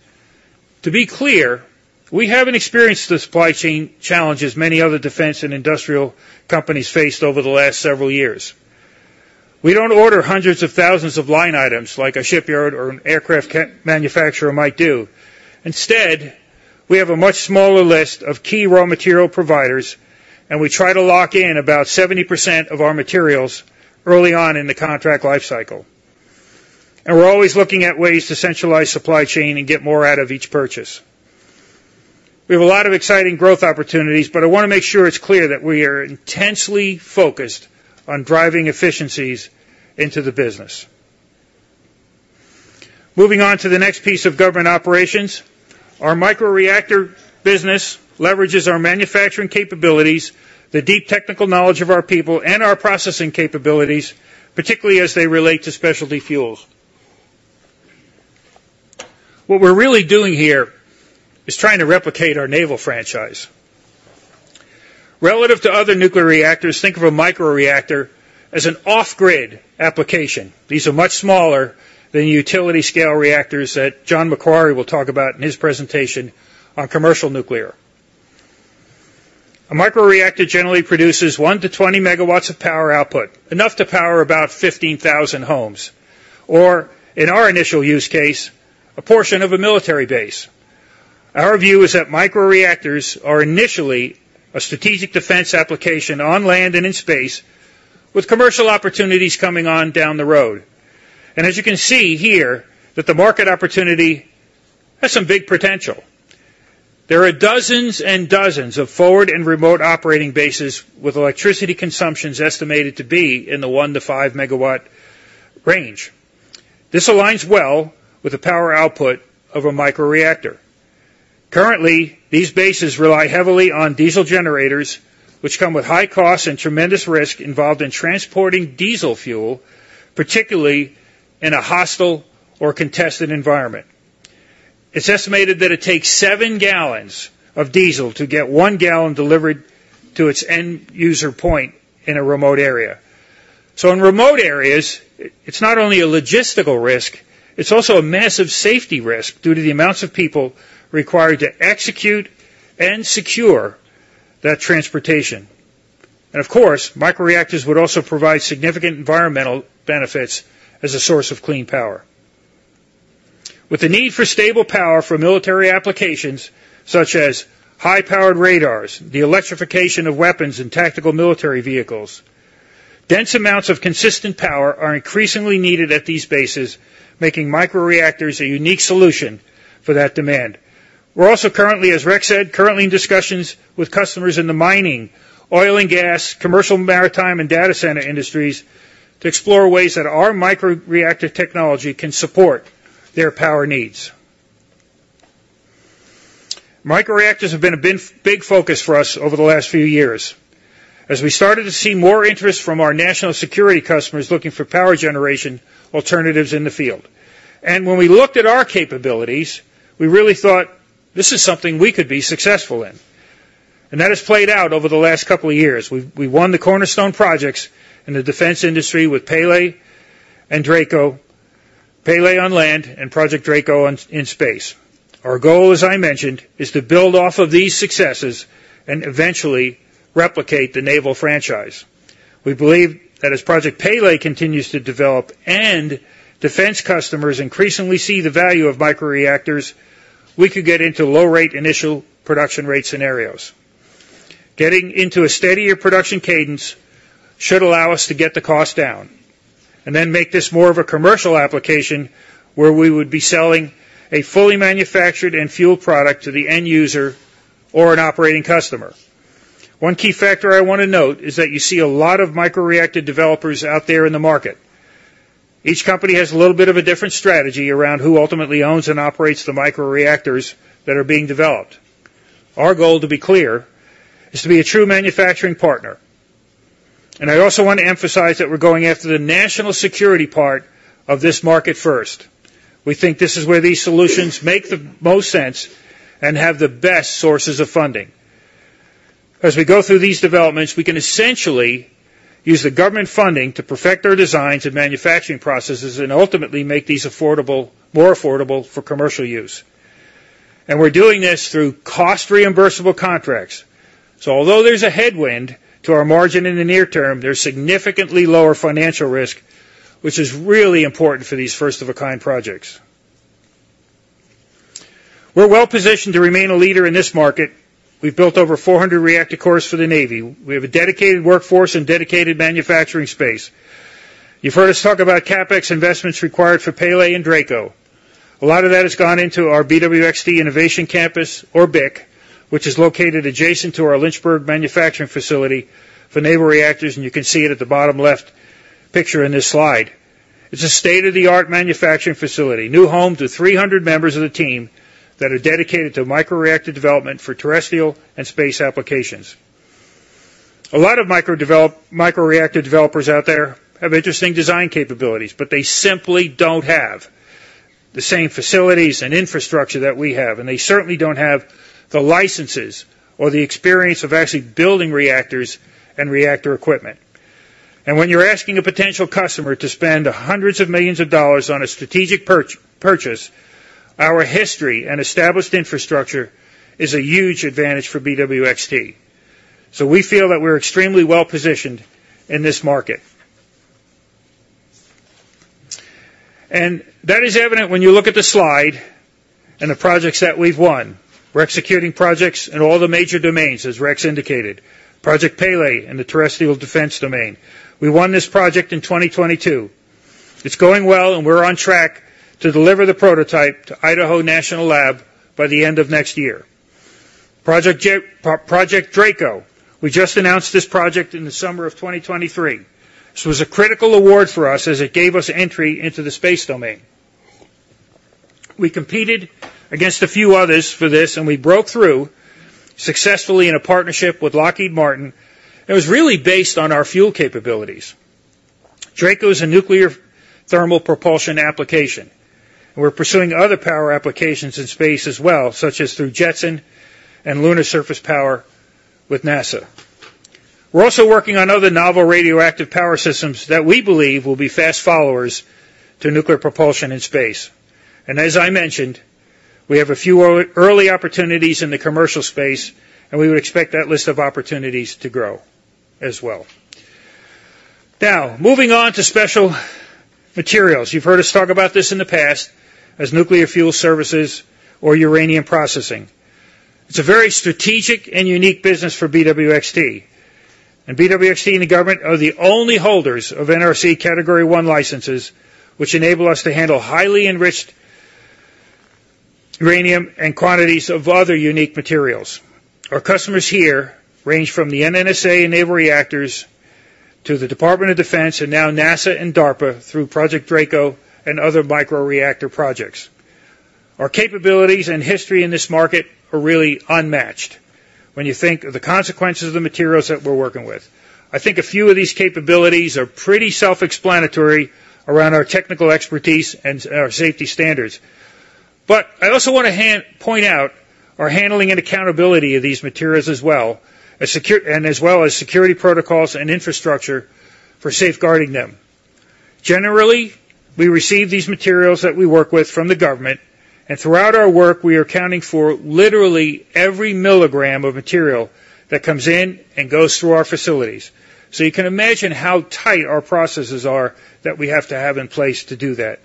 To be clear, we haven't experienced the supply chain challenges many other defense and industrial companies faced over the last several years. We don't order hundreds of thousands of line items like a shipyard or an aircraft manufacturer might do. Instead, we have a much smaller list of key raw material providers, and we try to lock in about 70% of our materials early on in the contract lifecycle. And we're always looking at ways to centralize supply chain and get more out of each purchase. We have a lot of exciting growth opportunities, but I want to make sure it's clear that we are intensely focused on driving efficiencies into the business. Moving on to the next piece of Government Operations, our microreactor business leverages our manufacturing capabilities, the deep technical knowledge of our people, and our processing capabilities, particularly as they relate to specialty fuels. What we're really doing here is trying to replicate our naval franchise. Relative to other nuclear reactors, think of a microreactor as an off-grid application. These are much smaller than the utility-scale reactors that John MacQuarrie will talk about in his presentation on Commercial Nuclear. A microreactor generally produces 1-20 MW of power output, enough to power about 15,000 homes or, in our initial use case, a portion of a military base. Our view is that microreactors are initially a strategic defense application on land and in space, with commercial opportunities coming on down the road. As you can see here, the market opportunity has some big potential. There are dozens and dozens of forward and remote operating bases with electricity consumptions estimated to be in the 1-5 MW range. This aligns well with the power output of a microreactor. Currently, these bases rely heavily on diesel generators, which come with high costs and tremendous risk involved in transporting diesel fuel, particularly in a hostile or contested environment. It's estimated that it takes 7 gal of diesel to get 1 gal delivered to its end user point in a remote area. So in remote areas, it's not only a logistical risk, it's also a massive safety risk due to the amounts of people required to execute and secure that transportation. Of course, microreactors would also provide significant environmental benefits as a source of clean power. With the need for stable power for military applications such as high-powered radars, the electrification of weapons, and tactical military vehicles, dense amounts of consistent power are increasingly needed at these bases, making microreactors a unique solution for that demand. We're also currently, as Rex said, in discussions with customers in the mining, oil and gas, commercial maritime, and data center industries to explore ways that our microreactor technology can support their power needs. Microreactors have been a big focus for us over the last few years as we started to see more interest from our national security customers looking for power generation alternatives in the field. And when we looked at our capabilities, we really thought, "This is something we could be successful in." And that has played out over the last couple of years. We won the cornerstone projects in the defense industry with Pele and DRACO, Pele on land and Project DRACO in space. Our goal, as I mentioned, is to build off of these successes and eventually replicate the naval franchise. We believe that as Project Pele continues to develop and defense customers increasingly see the value of microreactors, we could get into low-rate initial production rate scenarios. Getting into a steadier production cadence should allow us to get the cost down and then make this more of a commercial application where we would be selling a fully manufactured and fueled product to the end user or an operating customer. One key factor I want to note is that you see a lot of microreactor developers out there in the market. Each company has a little bit of a different strategy around who ultimately owns and operates the microreactors that are being developed. Our goal, to be clear, is to be a true manufacturing partner. I also want to emphasize that we're going after the national security part of this market first. We think this is where these solutions make the most sense and have the best sources of funding. As we go through these developments, we can essentially use the government funding to perfect our designs and manufacturing processes and ultimately make these more affordable for commercial use. And we're doing this through cost reimbursable contracts. So although there's a headwind to our margin in the near term, there's significantly lower financial risk, which is really important for these first-of-a-kind projects. We're well positioned to remain a leader in this market. We've built over 400 reactor cores for the Navy. We have a dedicated workforce and dedicated manufacturing space. You've heard us talk about CapEx investments required for Pele and DRACO. A lot of that has gone into our BWXT Innovation Campus, or BIC, which is located adjacent to our Lynchburg manufacturing facility for Naval Reactors. And you can see it at the bottom left picture in this slide. It's a state-of-the-art manufacturing facility, new home to 300 members of the team that are dedicated to microreactor development for terrestrial and space applications. A lot of microreactor developers out there have interesting design capabilities, but they simply don't have the same facilities and infrastructure that we have. They certainly don't have the licenses or the experience of actually building reactors and reactor equipment. When you're asking a potential customer to spend $hundreds of millions on a strategic purchase, our history and established infrastructure is a huge advantage for BWXT. We feel that we're extremely well positioned in this market. That is evident when you look at the slide and the projects that we've won. We're executing projects in all the major domains, as Rex indicated, Project Pele in the terrestrial defense domain. We won this project in 2022. It's going well, and we're on track to deliver the prototype to Idaho National Lab by the end of next year. Project DRACO, we just announced this project in the summer of 2023. This was a critical award for us as it gave us entry into the space domain. We competed against a few others for this, and we broke through successfully in a partnership with Lockheed Martin. It was really based on our fuel capabilities. DRACO is a nuclear thermal propulsion application, and we're pursuing other power applications in space as well, such as through JETSON and lunar surface power with NASA. We're also working on other novel radioactive power systems that we believe will be fast followers to nuclear propulsion in space. And as I mentioned, we have a few early opportunities in the commercial space, and we would expect that list of opportunities to grow as well. Now, moving on to Special Materials, you've heard us talk about this in the past as nuclear fuel services or uranium processing. It's a very strategic and unique business for BWXT. BWXT and the government are the only holders of NRC Category I licenses, which enable us to handle highly enriched uranium and quantities of other unique materials. Our customers here range from the NNSA and Naval Reactors to the Department of Defense and now NASA and DARPA through Project DRACO and other microreactor projects. Our capabilities and history in this market are really unmatched when you think of the consequences of the materials that we're working with. I think a few of these capabilities are pretty self-explanatory around our technical expertise and our safety standards. But I also want to point out our handling and accountability of these materials as well as security protocols and infrastructure for safeguarding them. Generally, we receive these materials that we work with from the government. And throughout our work, we are accounting for literally every milligram of material that comes in and goes through our facilities. So you can imagine how tight our processes are that we have to have in place to do that.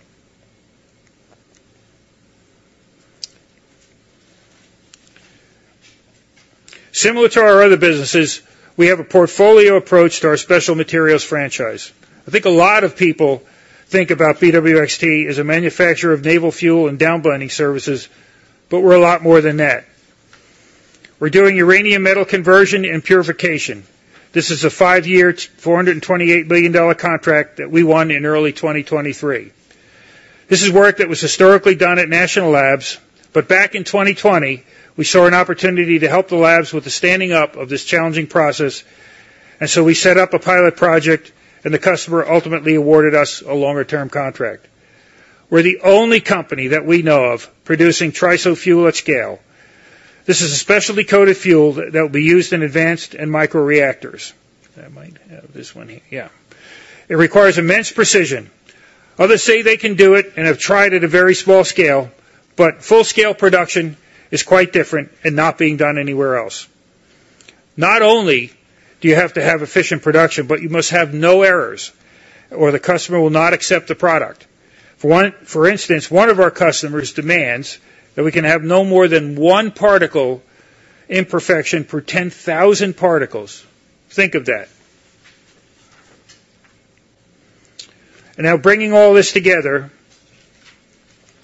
Similar to our other businesses, we have a portfolio approach to our Special Materials franchise. I think a lot of people think about BWXT as a manufacturer of naval fuel and downblending services, but we're a lot more than that. We're doing uranium metal conversion and purification. This is a five-year, $428 million contract that we won in early 2023. This is work that was historically done at national labs, but back in 2020, we saw an opportunity to help the labs with the standing up of this challenging process. So we set up a pilot project, and the customer ultimately awarded us a longer-term contract. We're the only company that we know of producing TRISO fuel at scale. This is a specially coated fuel that will be used in advanced and microreactors. That might have this one here. Yeah. It requires immense precision. Others say they can do it and have tried at a very small scale, but full-scale production is quite different and not being done anywhere else. Not only do you have to have efficient production, but you must have no errors or the customer will not accept the product. For instance, one of our customers demands that we can have no more than one particle imperfection per 10,000 particles. Think of that. Now, bringing all this together,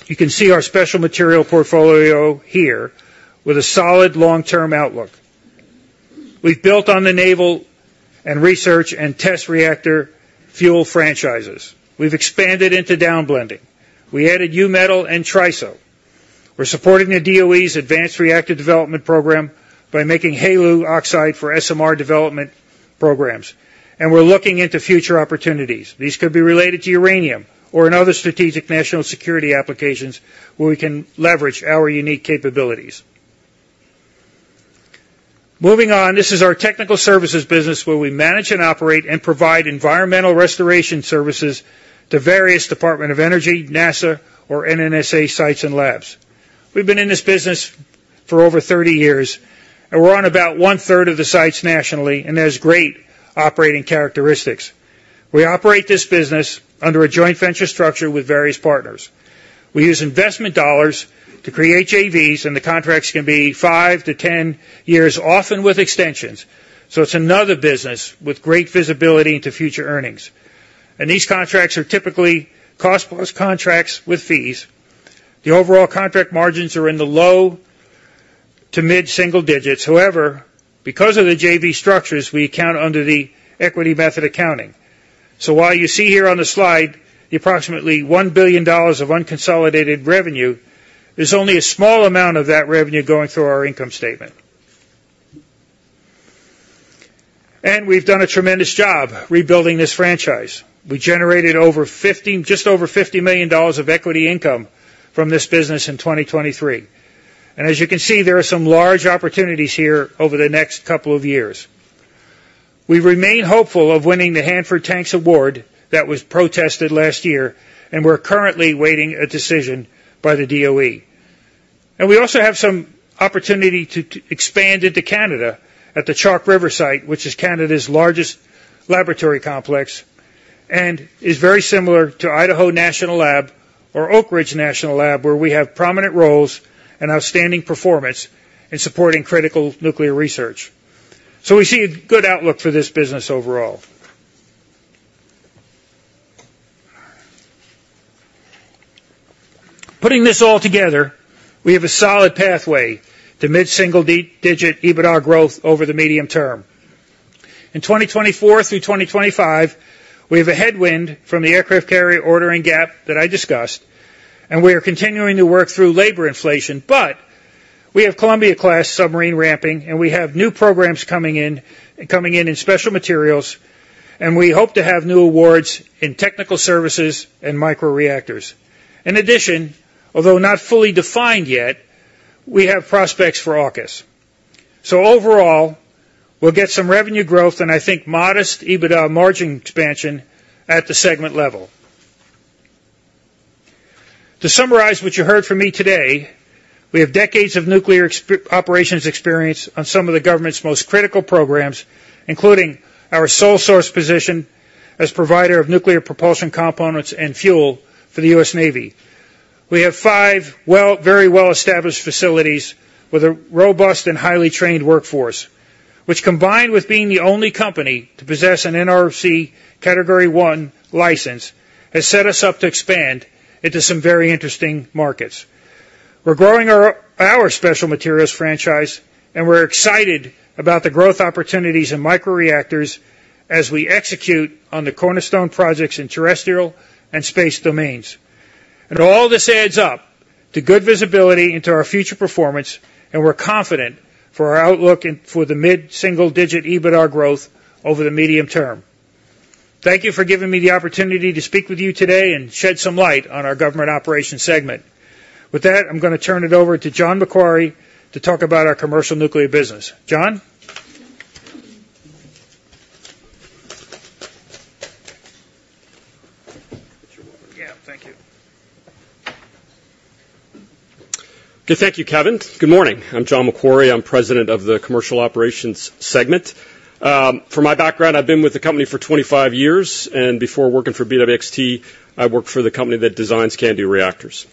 you can see our special material portfolio here with a solid long-term outlook. We've built on the naval and research and test reactor fuel franchises. We've expanded into downblending. We added U-metal and TRISO fuel. We're supporting the DOE's Advanced Reactor Development Program by making HALEU oxide for SMR development programs. We're looking into future opportunities. These could be related to uranium or in other strategic national security applications where we can leverage our unique capabilities. Moving on, this is our Technical Services business where we manage and operate and provide environmental restoration services to various Department of Energy, NASA, or NNSA sites and labs. We've been in this business for over 30 years, and we're on about 1/3 of the sites nationally, and there's great operating characteristics. We operate this business under a joint venture structure with various partners. We use investment dollars to create JVs, and the contracts can be 5-10 years, often with extensions. So it's another business with great visibility into future earnings. And these contracts are typically cost-plus contracts with fees. The overall contract margins are in the low-to-mid single digits. However, because of the JV structures, we account under the equity method accounting. So while you see here on the slide the approximately $1 billion of unconsolidated revenue, there's only a small amount of that revenue going through our income statement. And we've done a tremendous job rebuilding this franchise. We generated just over $50 million of equity income from this business in 2023. As you can see, there are some large opportunities here over the next couple of years. We remain hopeful of winning the Hanford Tanks Award that was protested last year, and we're currently waiting a decision by the DOE. We also have some opportunity to expand into Canada at the Chalk River site, which is Canada's largest laboratory complex and is very similar to Idaho National Lab or Oak Ridge National Lab, where we have prominent roles and outstanding performance in supporting critical nuclear research. We see a good outlook for this business overall. Putting this all together, we have a solid pathway to mid-single digit EBITDA growth over the medium term. In 2024 through 2025, we have a headwind from the aircraft carrier ordering gap that I discussed, and we are continuing to work through labor inflation. But we have Columbia-class submarine ramping, and we have new programs coming in in Special Materials, and we hope to have new awards in Technical Services and microreactors. In addition, although not fully defined yet, we have prospects for AUKUS. So overall, we'll get some revenue growth and I think modest EBITDA margin expansion at the segment level. To summarize what you heard from me today, we have decades of nuclear operations experience on some of the government's most critical programs, including our sole source position as provider of nuclear propulsion components and fuel for the U.S. Navy. We have five very well-established facilities with a robust and highly trained workforce, which, combined with being the only company to possess an NRC Category I license, has set us up to expand into some very interesting markets. We're growing our Special Materials franchise, and we're excited about the growth opportunities in microreactors as we execute on the cornerstone projects in terrestrial and space domains. All this adds up to good visibility into our future performance, and we're confident for our outlook for the mid-single-digit EBITDA growth over the medium term. Thank you for giving me the opportunity to speak with you today and shed some light on our Government Operations segment. With that, I'm going to turn it over to John MacQuarrie to talk about our Commercial Nuclear business. John? Yeah. Thank you. Good. Thank you, Kevin. Good morning. I'm John MacQuarrie. I'm President of the Commercial Operations segment. For my background, I've been with the company for 25 years, and before working for BWXT, I worked for the company that designs CANDU reactors.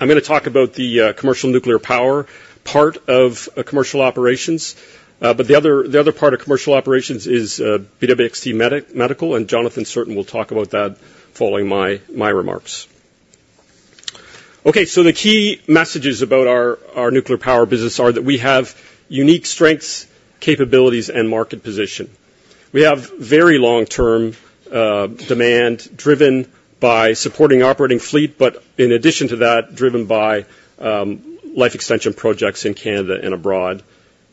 I'm going to talk about the Commercial Nuclear power part of Commercial Operations, but the other part of Commercial Operations is BWXT Medical, and Jonathan Cirtain will talk about that following my remarks. Okay. So the key messages about our nuclear power business are that we have unique strengths, capabilities, and market position. We have very long-term demand driven by supporting operating fleet, but in addition to that, driven by life extension projects in Canada and abroad.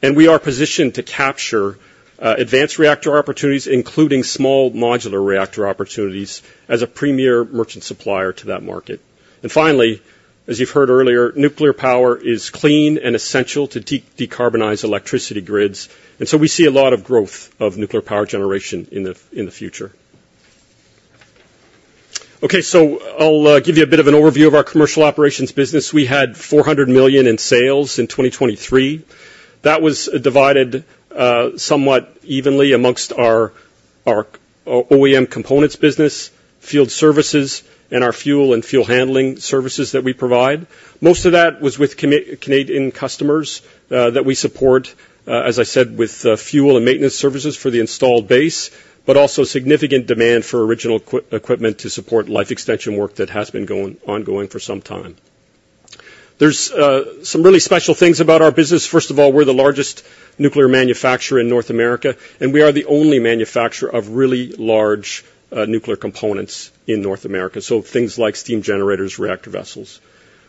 We are positioned to capture advanced reactor opportunities, including small modular reactor opportunities, as a premier merchant supplier to that market. Finally, as you've heard earlier, nuclear power is clean and essential to decarbonize electricity grids. So we see a lot of growth of nuclear power generation in the future. Okay. I'll give you a bit of an overview of our Commercial Operations business. We had $400 million in sales in 2023. That was divided somewhat evenly among our OEM components business, field services, and our fuel and fuel handling services that we provide. Most of that was with Canadian customers that we support, as I said, with fuel and maintenance services for the installed base, but also significant demand for original equipment to support life extension work that has been ongoing for some time. There's some really special things about our business. First of all, we're the largest nuclear manufacturer in North America, and we are the only manufacturer of really large nuclear components in North America, so things like steam generators, reactor vessels.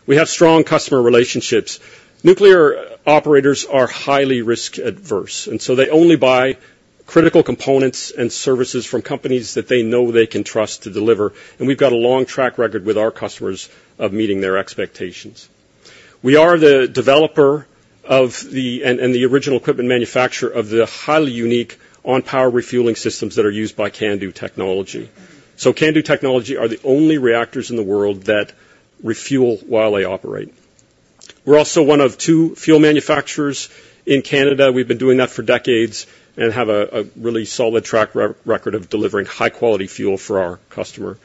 We have strong customer relationships. Nuclear operators are highly risk-averse, and so they only buy critical components and services from companies that they know they can trust to deliver. And we've got a long track record with our customers of meeting their expectations. We are the developer and the original equipment manufacturer of the highly unique on-power refueling systems that are used by CANDU technology. So CANDU technology are the only reactors in the world that refuel while they operate. We're also one of two fuel manufacturers in Canada. We've been doing that for decades and have a really solid track record of delivering high-quality fuel for our customer.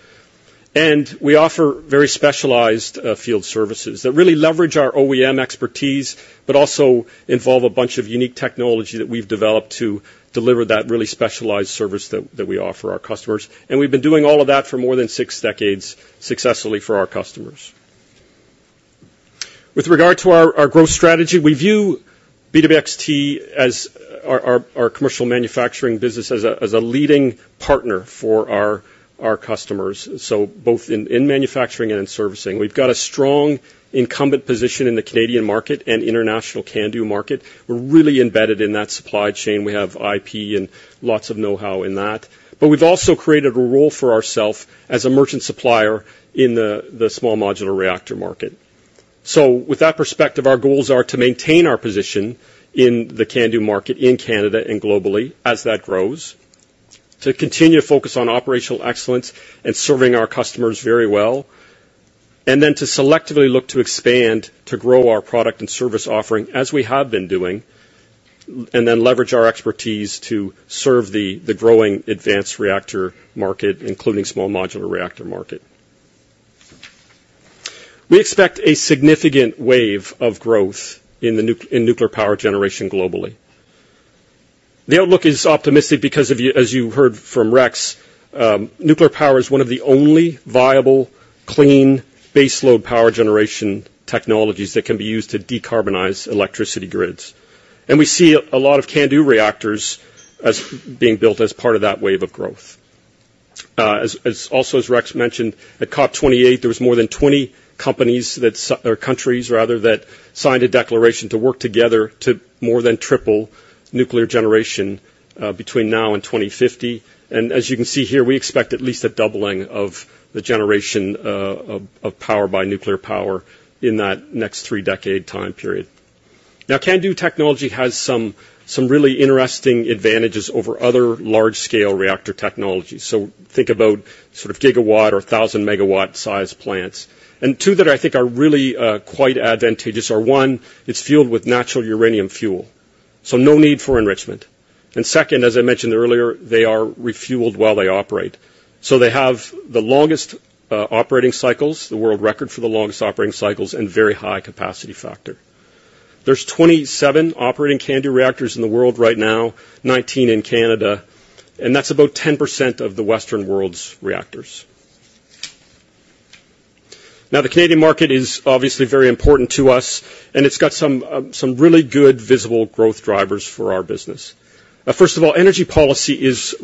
We offer very specialized field services that really leverage our OEM expertise but also involve a bunch of unique technology that we've developed to deliver that really specialized service that we offer our customers. We've been doing all of that for more than six decades successfully for our customers. With regard to our growth strategy, we view BWX as our commercial manufacturing business as a leading partner for our customers, so both in manufacturing and in servicing. We've got a strong incumbent position in the Canadian market and international CANDU market. We're really embedded in that supply chain. We have IP and lots of know-how in that. But we've also created a role for ourselves as a merchant supplier in the small modular reactor market. So with that perspective, our goals are to maintain our position in the CANDU market in Canada and globally as that grows, to continue to focus on operational excellence and serving our customers very well, and then to selectively look to expand to grow our product and service offering as we have been doing, and then leverage our expertise to serve the growing advanced reactor market, including small modular reactor market. We expect a significant wave of growth in nuclear power generation globally. The outlook is optimistic because, as you heard from Rex, nuclear power is one of the only viable, clean baseload power generation technologies that can be used to decarbonize electricity grids. We see a lot of CANDU reactors being built as part of that wave of growth. Also, as Rex mentioned, at COP28, there was more than 20 countries, rather, that signed a declaration to work together to more than triple nuclear generation between now and 2050. And as you can see here, we expect at least a doubling of the generation of power by nuclear power in that next three-decade time period. Now, CANDU technology has some really interesting advantages over other large-scale reactor technologies. So think about sort of gigawatt or 1,000-MW-sized plants. And two that I think are really quite advantageous are, one, it's fueled with natural uranium fuel, so no need for enrichment. And second, as I mentioned earlier, they are refueled while they operate. So they have the longest operating cycles, the world record for the longest operating cycles, and very high capacity factor. There's 27 operating CANDU reactors in the world right now, 19 in Canada, and that's about 10% of the Western world's reactors. Now, the Canadian market is obviously very important to us, and it's got some really good visible growth drivers for our business. First of all, energy policy is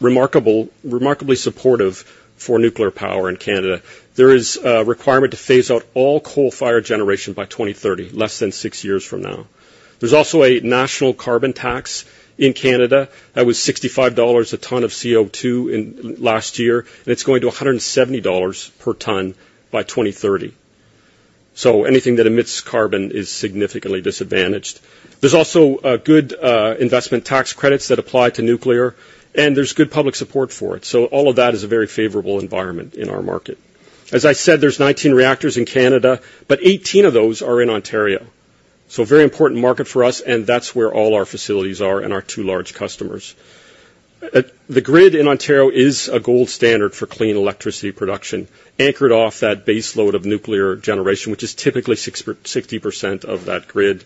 remarkably supportive for nuclear power in Canada. There is a requirement to phase out all coal-fired generation by 2030, less than six years from now. There's also a national carbon tax in Canada. That was 65 dollars a ton of CO2 last year, and it's going to 170 dollars per ton by 2030. So anything that emits carbon is significantly disadvantaged. There's also good investment tax credits that apply to nuclear, and there's good public support for it. So all of that is a very favorable environment in our market. As I said, there's 19 reactors in Canada, but 18 of those are in Ontario. So very important market for us, and that's where all our facilities are and our two large customers. The grid in Ontario is a gold standard for clean electricity production, anchored off that baseload of nuclear generation, which is typically 60% of that grid.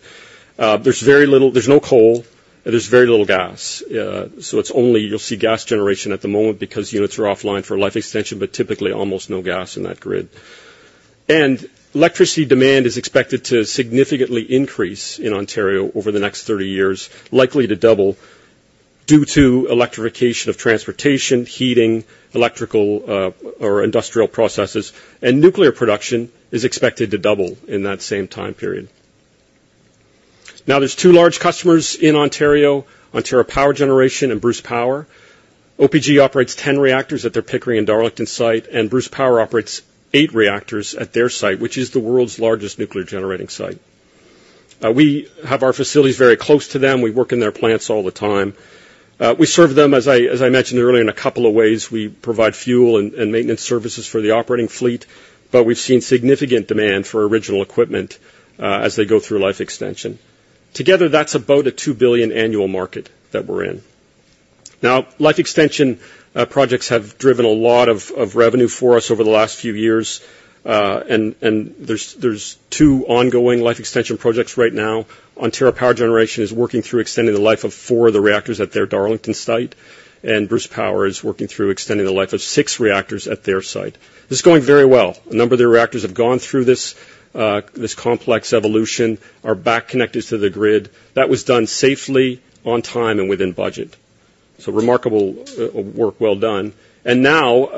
There's no coal, and there's very little gas. So you'll see gas generation at the moment because units are offline for life extension, but typically almost no gas in that grid. And electricity demand is expected to significantly increase in Ontario over the next 30 years, likely to double due to electrification of transportation, heating, electrical or industrial processes, and nuclear production is expected to double in that same time period. Now, there's two large customers in Ontario, Ontario Power Generation and Bruce Power. OPG operates 10 reactors at their Pickering and Darlington site, and Bruce Power operates eight reactors at their site, which is the world's largest nuclear generating site. We have our facilities very close to them. We work in their plants all the time. We serve them, as I mentioned earlier, in a couple of ways. We provide fuel and maintenance services for the operating fleet, but we've seen significant demand for original equipment as they go through life extension. Together, that's about a $2 billion annual market that we're in. Now, life extension projects have driven a lot of revenue for us over the last few years, and there's two ongoing life extension projects right now. Ontario Power Generation is working through extending the life of four of the reactors at their Darlington site, and Bruce Power is working through extending the life of six reactors at their site. This is going very well. A number of their reactors have gone through this complex evolution, are back-connected to the grid. That was done safely, on time, and within budget. So remarkable work well done. Now,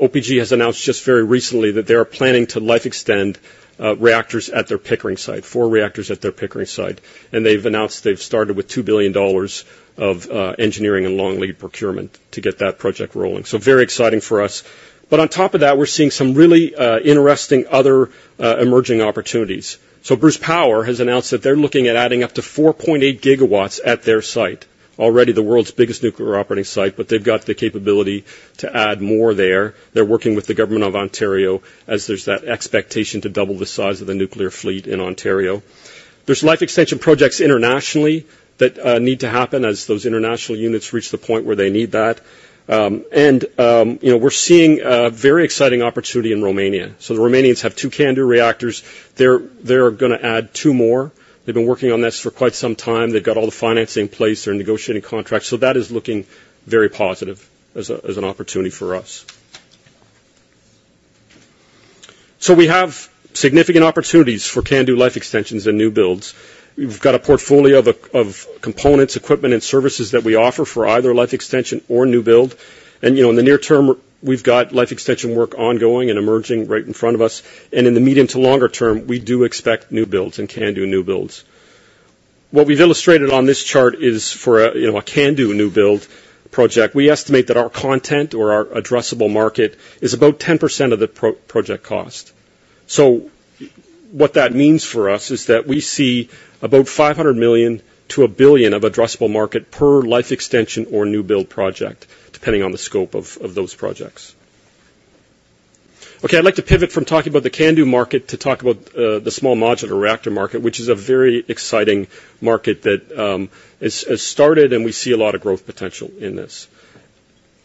OPG has announced just very recently that they are planning to life extend four reactors at their Pickering site. They've announced they've started with $2 billion of engineering and long lead procurement to get that project rolling. So very exciting for us. But on top of that, we're seeing some really interesting other emerging opportunities. So Bruce Power has announced that they're looking at adding up to 4.8 GW at their site, already the world's biggest nuclear operating site, but they've got the capability to add more there. They're working with the government of Ontario as there's that expectation to double the size of the nuclear fleet in Ontario. There's life extension projects internationally that need to happen as those international units reach the point where they need that. And we're seeing a very exciting opportunity in Romania. So the Romanians have two CANDU reactors. They're going to add two more. They've been working on this for quite some time. They've got all the financing in place. They're negotiating contracts. So that is looking very positive as an opportunity for us. So we have significant opportunities for CANDU life extensions and new builds. We've got a portfolio of components, equipment, and services that we offer for either life extension or new build. And in the near term, we've got life extension work ongoing and emerging right in front of us. In the medium to longer term, we do expect new builds and CANDU new builds. What we've illustrated on this chart is for a CANDU new build project, we estimate that our content or our addressable market is about 10% of the project cost. So what that means for us is that we see about $500 million-$1 billion of addressable market per life extension or new build project, depending on the scope of those projects. Okay. I'd like to pivot from talking about the CANDU market to talk about the small modular reactor market, which is a very exciting market that has started, and we see a lot of growth potential in this.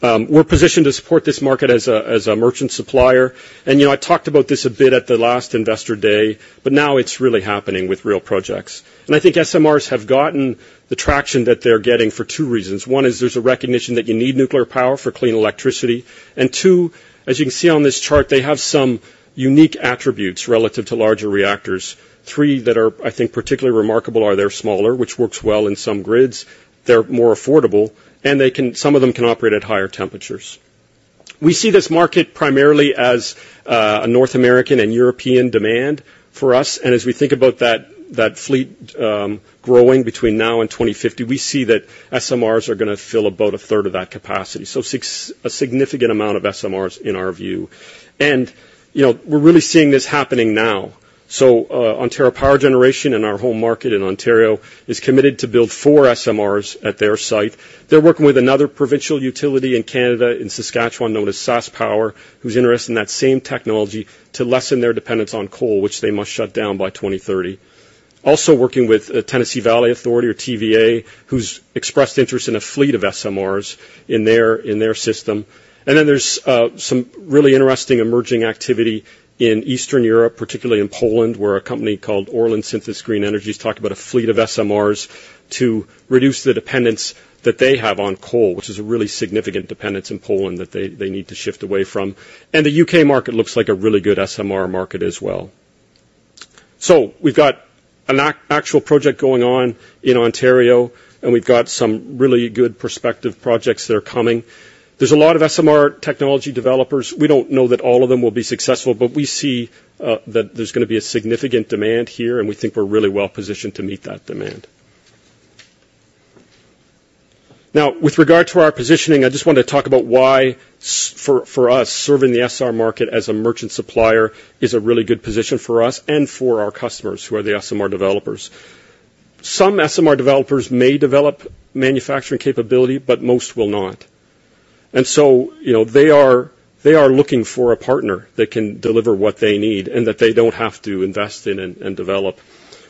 We're positioned to support this market as a merchant supplier. I talked about this a bit at the last investor day, but now it's really happening with real projects. I think SMRs have gotten the traction that they're getting for two reasons. One is there's a recognition that you need nuclear power for clean electricity. And two, as you can see on this chart, they have some unique attributes relative to larger reactors. Three that are, I think, particularly remarkable are they're smaller, which works well in some grids. They're more affordable, and some of them can operate at higher temperatures. We see this market primarily as a North American and European demand for us. As we think about that fleet growing between now and 2050, we see that SMRs are going to fill about a third of that capacity, so a significant amount of SMRs, in our view. We're really seeing this happening now. Ontario Power Generation and our home market in Ontario is committed to build four SMRs at their site. They're working with another provincial utility in Canada, in Saskatchewan, known as SaskPower, who's interested in that same technology to lessen their dependence on coal, which they must shut down by 2030. Also working with Tennessee Valley Authority, or TVA, who's expressed interest in a fleet of SMRs in their system. And then there's some really interesting emerging activity in Eastern Europe, particularly in Poland, where a company called Orlen Synthos Green Energy is talking about a fleet of SMRs to reduce the dependence that they have on coal, which is a really significant dependence in Poland that they need to shift away from. And the UK market looks like a really good SMR market as well. So we've got an actual project going on in Ontario, and we've got some really good prospective projects that are coming. There's a lot of SMR technology developers. We don't know that all of them will be successful, but we see that there's going to be a significant demand here, and we think we're really well positioned to meet that demand. Now, with regard to our positioning, I just want to talk about why, for us, serving the SMR market as a merchant supplier is a really good position for us and for our customers, who are the SMR developers. Some SMR developers may develop manufacturing capability, but most will not. And so they are looking for a partner that can deliver what they need and that they don't have to invest in and develop.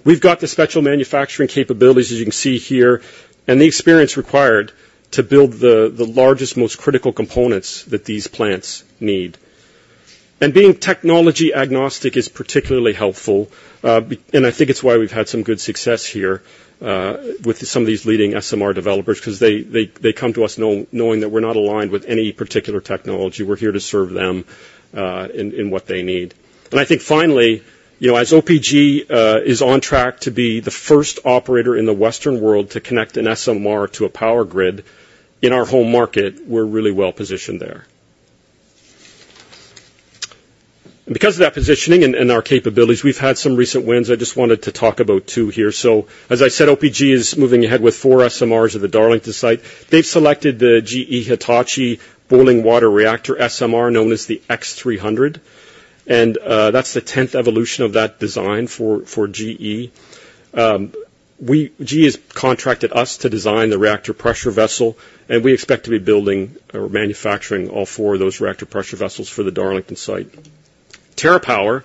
We've got the special manufacturing capabilities, as you can see here, and the experience required to build the largest, most critical components that these plants need. Being technology-agnostic is particularly helpful, and I think it's why we've had some good success here with some of these leading SMR developers, because they come to us knowing that we're not aligned with any particular technology. We're here to serve them in what they need. I think, finally, as OPG is on track to be the first operator in the Western world to connect an SMR to a power grid in our home market, we're really well positioned there. Because of that positioning and our capabilities, we've had some recent wins. I just wanted to talk about two here. As I said, OPG is moving ahead with 4 SMRs at the Darlington site. They've selected the GE Hitachi boiling water reactor SMR, known as the BWRX-300. That's the 10th evolution of that design for GE. GE has contracted us to design the reactor pressure vessel, and we expect to be building or manufacturing all four of those reactor pressure vessels for the Darlington site. TerraPower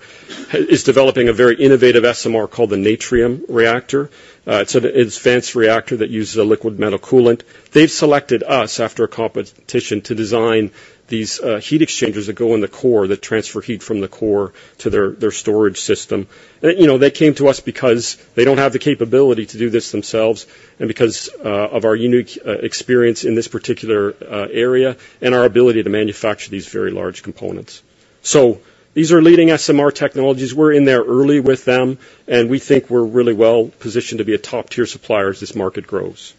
is developing a very innovative SMR called the Natrium Reactor. It's a fancy reactor that uses a liquid metal coolant. They've selected us, after a competition, to design these heat exchangers that go in the core, that transfer heat from the core to their storage system. And they came to us because they don't have the capability to do this themselves and because of our unique experience in this particular area and our ability to manufacture these very large components. So these are leading SMR technologies. We're in there early with them, and we think we're really well positioned to be a top-tier supplier as this market grows.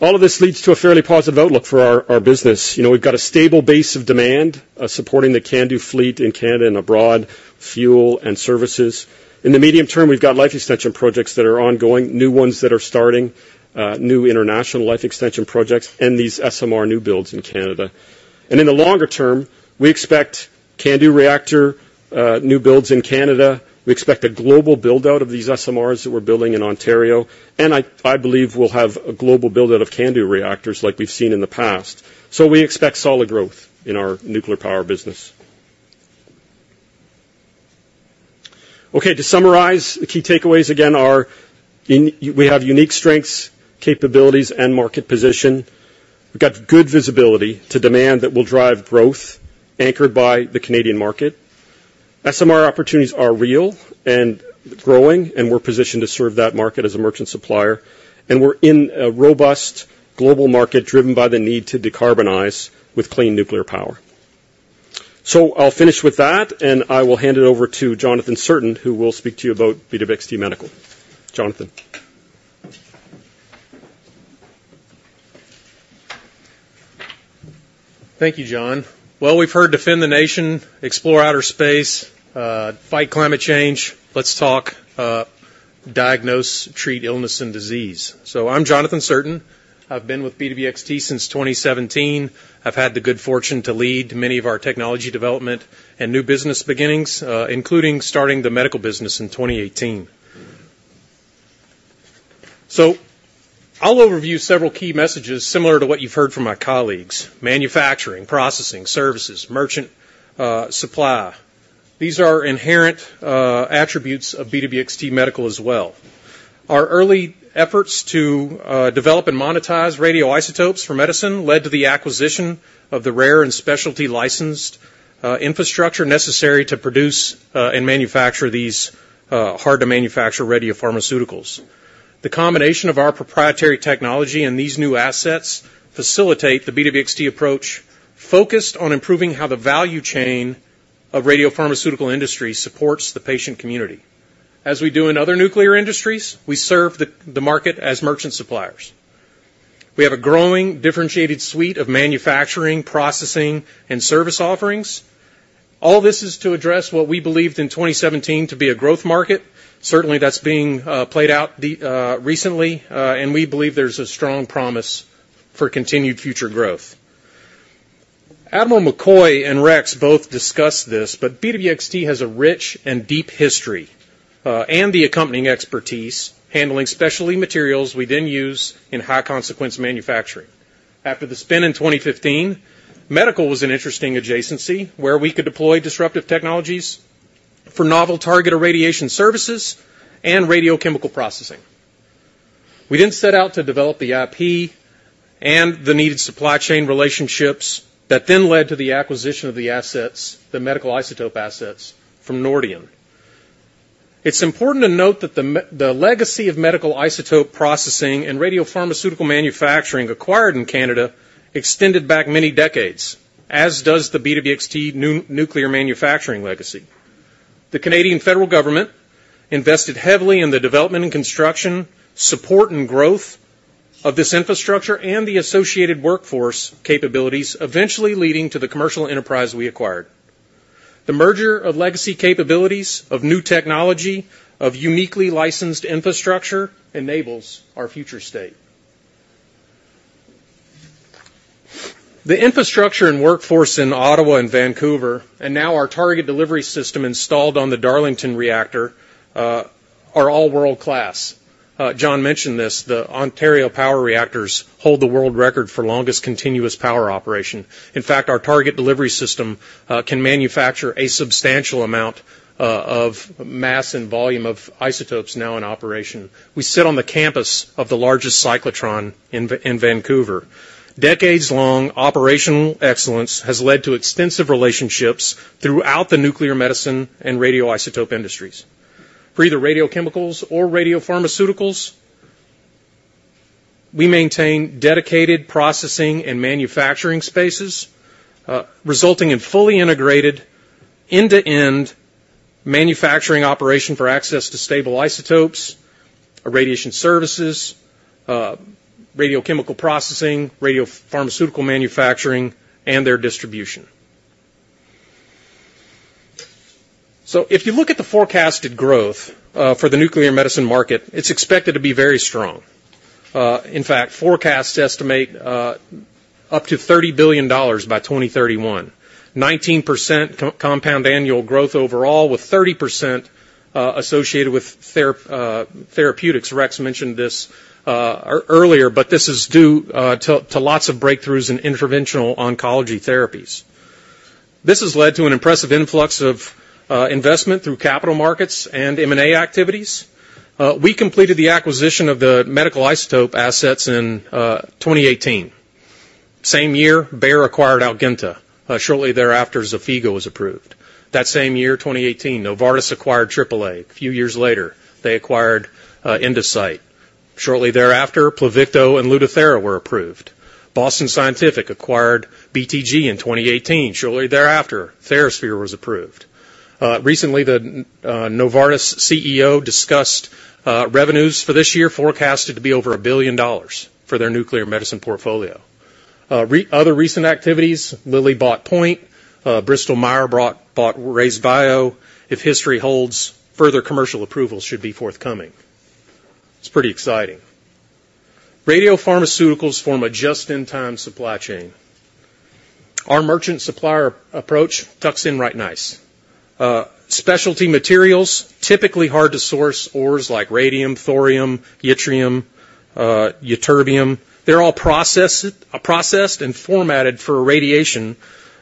All of this leads to a fairly positive outlook for our business. We've got a stable base of demand supporting the CANDU fleet in Canada and abroad, fuel and services. In the medium term, we've got life extension projects that are ongoing, new ones that are starting, new international life extension projects, and these SMR new builds in Canada. And in the longer term, we expect CANDU reactor new builds in Canada. We expect a global buildout of these SMRs that we're building in Ontario, and I believe we'll have a global buildout of CANDU reactors like we've seen in the past. So we expect solid growth in our nuclear power business. Okay. To summarize, the key takeaways, again, are we have unique strengths, capabilities, and market position. We've got good visibility to demand that will drive growth anchored by the Canadian market. SMR opportunities are real and growing, and we're positioned to serve that market as a merchant supplier. We're in a robust global market driven by the need to decarbonize with clean nuclear power. I'll finish with that, and I will hand it over to Jonathan Cirtain, who will speak to you about BWXT Medical. Jonathan. Thank you, John. Well, we've heard defend the nation, explore outer space, fight climate change. Let's talk diagnose, treat illness and disease. So I'm Jonathan Cirtain. I've been with BWXT since 2017. I've had the good fortune to lead many of our technology development and new business beginnings, including starting the medical business in 2018. So I'll overview several key messages similar to what you've heard from my colleagues: manufacturing, processing, services, merchant supply. These are inherent attributes of BWXT Medical as well. Our early efforts to develop and monetize radioisotopes for medicine led to the acquisition of the rare and specialty licensed infrastructure necessary to produce and manufacture these hard-to-manufacture radiopharmaceuticals. The combination of our proprietary technology and these new assets facilitates the BWXT approach focused on improving how the value chain of radiopharmaceutical industry supports the patient community. As we do in other nuclear industries, we serve the market as merchant suppliers. We have a growing, differentiated suite of manufacturing, processing, and service offerings. All this is to address what we believed in 2017 to be a growth market. Certainly, that's being played out recently, and we believe there's a strong promise for continued future growth. Admiral McCoy and Rex both discussed this, but BWXT has a rich and deep history and the accompanying expertise handling specialty materials we then use in high-consequence manufacturing. After the spin in 2015, medical was an interesting adjacency where we could deploy disruptive technologies for novel target irradiation services and radiochemical processing. We then set out to develop the IP and the needed supply chain relationships that then led to the acquisition of the assets, the medical isotope assets, from Nordion. It's important to note that the legacy of medical isotope processing and radiopharmaceutical manufacturing acquired in Canada extended back many decades, as does the BWXT nuclear manufacturing legacy. The Canadian federal government invested heavily in the development and construction, support, and growth of this infrastructure and the associated workforce capabilities, eventually leading to the commercial enterprise we acquired. The merger of legacy capabilities, of new technology, of uniquely licensed infrastructure enables our future state. The infrastructure and workforce in Ottawa and Vancouver, and now our target delivery system installed on the Darlington reactor, are all world-class. John mentioned this. The Ontario Power Reactors hold the world record for longest continuous power operation. In fact, our target delivery system can manufacture a substantial amount of mass and volume of isotopes now in operation. We sit on the campus of the largest cyclotron in Vancouver. Decades-long operational excellence has led to extensive relationships throughout the nuclear medicine and radioisotope industries. For either radiochemicals or radiopharmaceuticals, we maintain dedicated processing and manufacturing spaces, resulting in fully integrated end-to-end manufacturing operation for access to stable isotopes, irradiation services, radiochemical processing, radiopharmaceutical manufacturing, and their distribution. So if you look at the forecasted growth for the nuclear medicine market, it's expected to be very strong. In fact, forecasts estimate up to $30 billion by 2031, 19% compound annual growth overall, with 30% associated with therapeutics. Rex mentioned this earlier, but this is due to lots of breakthroughs in interventional oncology therapies. This has led to an impressive influx of investment through capital markets and M&A activities. We completed the acquisition of the medical isotope assets in 2018. Same year, Bayer acquired Algeta. Shortly thereafter, Xofigo was approved. That same year, 2018, Novartis acquired AAA. A few years later, they acquired Endocyte. Shortly thereafter, Pluvicto and Lutathera were approved. Boston Scientific acquired BTG in 2018. Shortly thereafter, TheraSphere was approved. Recently, the Novartis CEO discussed revenues for this year, forecasted to be over $1 billion for their nuclear medicine portfolio. Other recent activities: Lilly bought Point. Bristol-Myers bought RayzeBio. If history holds, further commercial approvals should be forthcoming. It's pretty exciting. Radiopharmaceuticals form a just-in-time supply chain. Our merchant supplier approach tucks in right nice. Specialty materials, typically hard to source ores like radium, thorium, yttrium, ytterbium, they're all processed and formatted for irradiation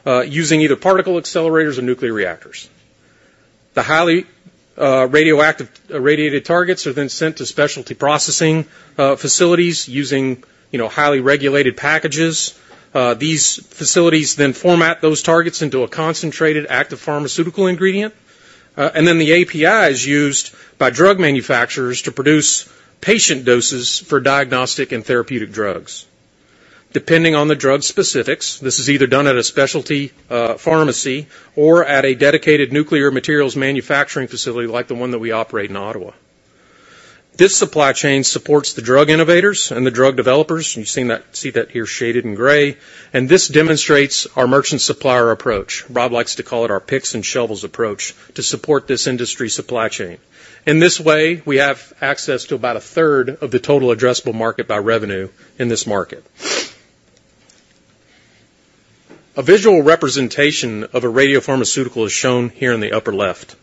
using either particle accelerators or nuclear reactors. The highly radioactive irradiated targets are then sent to specialty processing facilities using highly regulated packages. These facilities then format those targets into a concentrated active pharmaceutical ingredient. And then the API is used by drug manufacturers to produce patient doses for diagnostic and therapeutic drugs. Depending on the drug specifics, this is either done at a specialty pharmacy or at a dedicated nuclear materials manufacturing facility like the one that we operate in Ottawa. This supply chain supports the drug innovators and the drug developers. You see that here shaded in gray. And this demonstrates our merchant supplier approach. Robb likes to call it our picks and shovels approach to support this industry supply chain. In this way, we have access to about a third of the total addressable market by revenue in this market. A visual representation of a radiopharmaceutical is shown here in the upper left.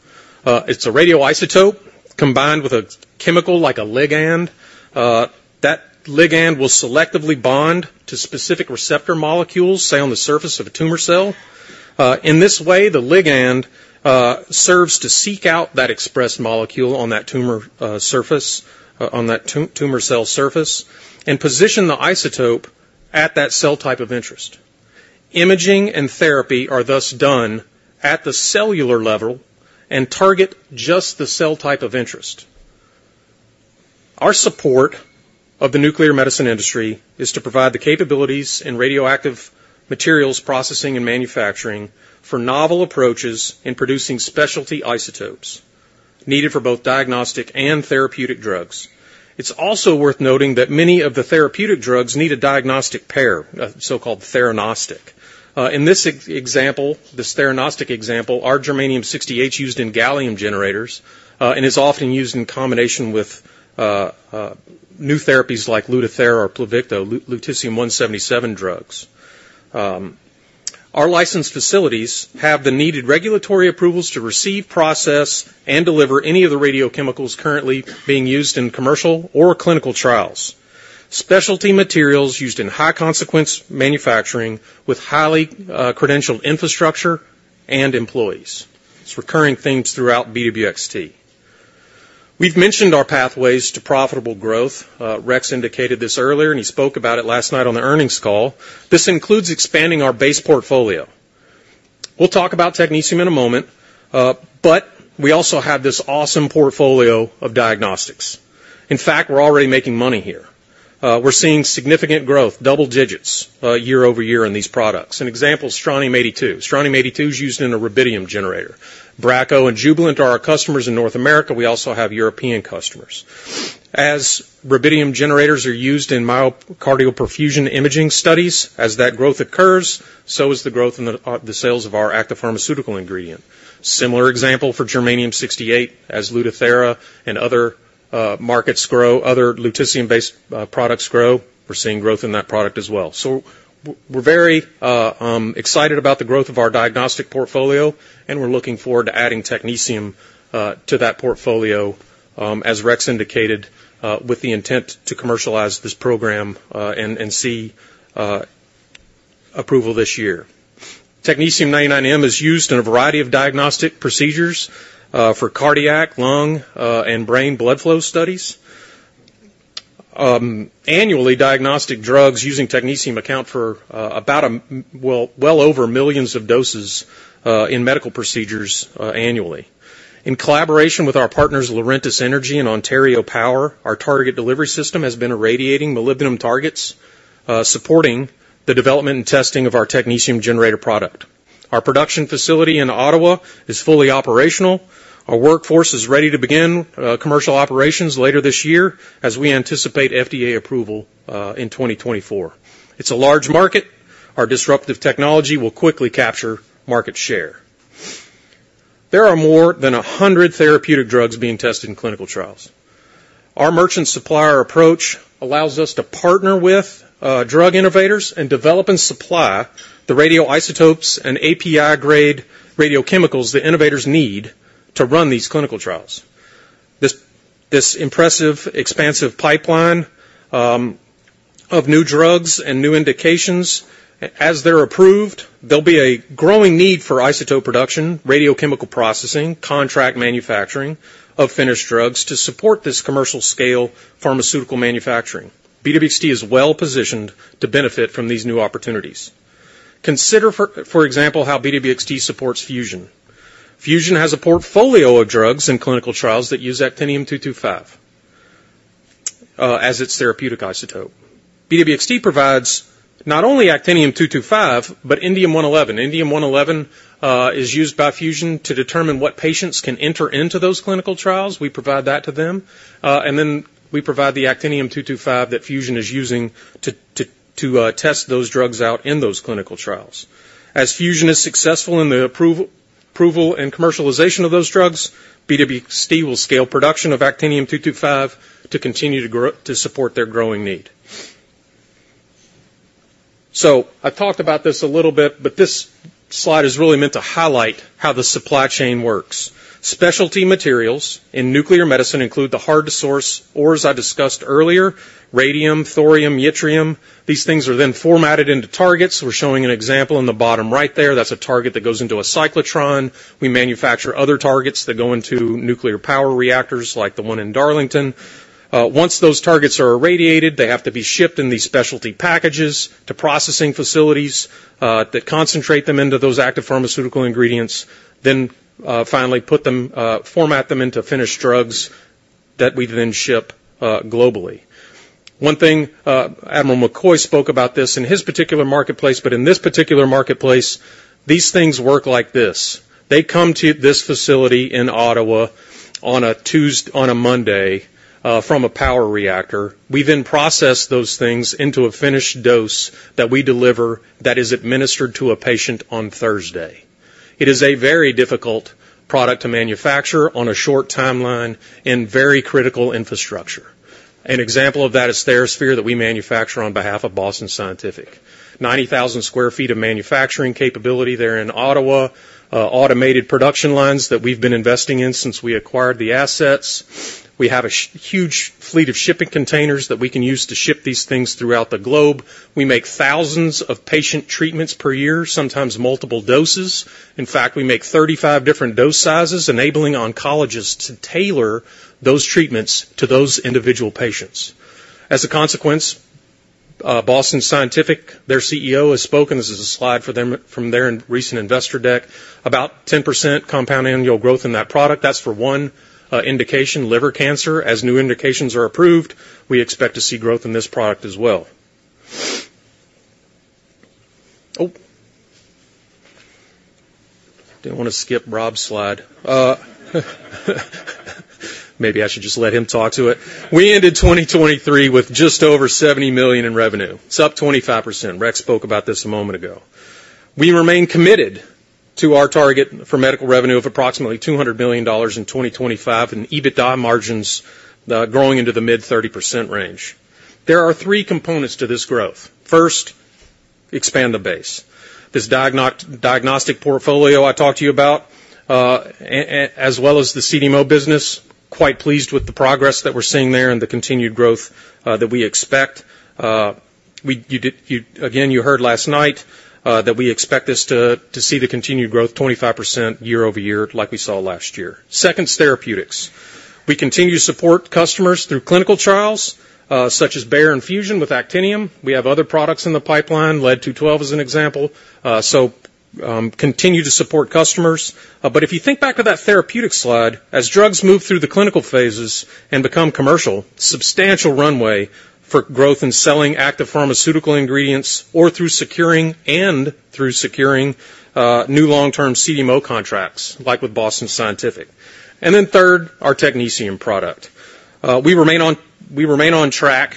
It's a radioisotope combined with a chemical like a ligand. That ligand will selectively bond to specific receptor molecules, say, on the surface of a tumor cell. In this way, the ligand serves to seek out that expressed molecule on that tumor cell surface and position the isotope at that cell type of interest. Imaging and therapy are thus done at the cellular level and target just the cell type of interest. Our support of the nuclear medicine industry is to provide the capabilities in radioactive materials processing and manufacturing for novel approaches in producing specialty isotopes needed for both diagnostic and therapeutic drugs. It's also worth noting that many of the therapeutic drugs need a diagnostic pair, a so-called theranostic. In this theranostic example, our germanium-68 used in gallium generators and is often used in combination with new therapies like Lutathera or Pluvicto, lutetium-177 drugs. Our licensed facilities have the needed regulatory approvals to receive, process, and deliver any of the radiochemicals currently being used in commercial or clinical trials, specialty materials used in high-consequence manufacturing with highly credentialed infrastructure and employees. It's recurring themes throughout BWXT. We've mentioned our pathways to profitable growth. Rex indicated this earlier, and he spoke about it last night on the earnings call. This includes expanding our base portfolio. We'll talk about technetium in a moment, but we also have this awesome portfolio of diagnostics. In fact, we're already making money here. We're seeing significant growth, double digits, year-over-year in these products. An example: Strontium-82. Strontium-82 is used in a rubidium generator. Bracco and Jubilant are our customers in North America. We also have European customers. As rubidium generators are used in myocardial perfusion imaging studies, as that growth occurs, so is the growth in the sales of our active pharmaceutical ingredient. Similar example for germanium-68. As Lutathera and other markets grow, other lutetium-based products grow, we're seeing growth in that product as well. So we're very excited about the growth of our diagnostic portfolio, and we're looking forward to adding technetium to that portfolio, as Rex indicated, with the intent to commercialize this program and see approval this year. Technetium-99m is used in a variety of diagnostic procedures for cardiac, lung, and brain blood flow studies. Annually, diagnostic drugs using technetium account for about a well, well over millions of doses in medical procedures annually. In collaboration with our partners, Laurentis Energy and Ontario Power, our target delivery system has been irradiating molybdenum targets, supporting the development and testing of our technetium generator product. Our production facility in Ottawa is fully operational. Our workforce is ready to begin commercial operations later this year as we anticipate FDA approval in 2024. It's a large market. Our disruptive technology will quickly capture market share. There are more than 100 therapeutic drugs being tested in clinical trials. Our merchant supplier approach allows us to partner with drug innovators and develop and supply the radioisotopes and API-grade radiochemicals the innovators need to run these clinical trials. This impressive, expansive pipeline of new drugs and new indications, as they're approved, there'll be a growing need for isotope production, radiochemical processing, contract manufacturing of finished drugs to support this commercial-scale pharmaceutical manufacturing. BWXT is well positioned to benefit from these new opportunities. Consider, for example, how BWXT supports Fusion. Fusion has a portfolio of drugs in clinical trials that use Actinium-225 as its therapeutic isotope. BWXT provides not only actinium-225 but indium-111. Indium-111 is used by Fusion to determine what patients can enter into those clinical trials. We provide that to them, and then we provide the actinium-225 that Fusion is using to test those drugs out in those clinical trials. As Fusion is successful in the approval and commercialization of those drugs, BWXT will scale production of actinium-225 to continue to support their growing need. So I talked about this a little bit, but this slide is really meant to highlight how the supply chain works. Specialty materials in nuclear medicine include the hard-to-source ores I discussed earlier, radium, thorium, yttrium. These things are then formatted into targets. We're showing an example in the bottom right there. That's a target that goes into a cyclotron. We manufacture other targets that go into nuclear power reactors like the one in Darlington. Once those targets are irradiated, they have to be shipped in these specialty packages to processing facilities that concentrate them into those active pharmaceutical ingredients, then finally format them into finished drugs that we then ship globally. Admiral McCoy spoke about this in his particular marketplace, but in this particular marketplace, these things work like this. They come to this facility in Ottawa on a Monday from a power reactor. We then process those things into a finished dose that we deliver that is administered to a patient on Thursday. It is a very difficult product to manufacture on a short timeline in very critical infrastructure. An example of that is TheraSphere that we manufacture on behalf of Boston Scientific, 90,000 sq ft of manufacturing capability there in Ottawa, automated production lines that we've been investing in since we acquired the assets. We have a huge fleet of shipping containers that we can use to ship these things throughout the globe. We make thousands of patient treatments per year, sometimes multiple doses. In fact, we make 35 different dose sizes, enabling oncologists to tailor those treatments to those individual patients. As a consequence, Boston Scientific, their CEO, has spoken (this is a slide from their recent investor deck) about 10% compound annual growth in that product. That's for one indication, liver cancer. As new indications are approved, we expect to see growth in this product as well. Oh. Didn't want to skip Robb's slide. Maybe I should just let him talk to it. We ended 2023 with just over $70 million in revenue. It's up 25%. Rex spoke about this a moment ago. We remain committed to our target for medical revenue of approximately $200 million in 2025 and EBITDA margins growing into the mid-30% range. There are three components to this growth. First, expand the base. This diagnostic portfolio I talked to you about, as well as the CDMO business, quite pleased with the progress that we're seeing there and the continued growth that we expect. Again, you heard last night that we expect this to see the continued growth 25% year-over-year like we saw last year. Second, therapeutics. We continue to support customers through clinical trials such as Bayer and Fusion with actinium. We have other products in the pipeline, lead-212 as an example. So continue to support customers. But if you think back to that therapeutics slide, as drugs move through the clinical phases and become commercial, substantial runway for growth in selling active pharmaceutical ingredients or through securing new long-term CDMO contracts like with Boston Scientific. And then third, our technetium product. We remain on track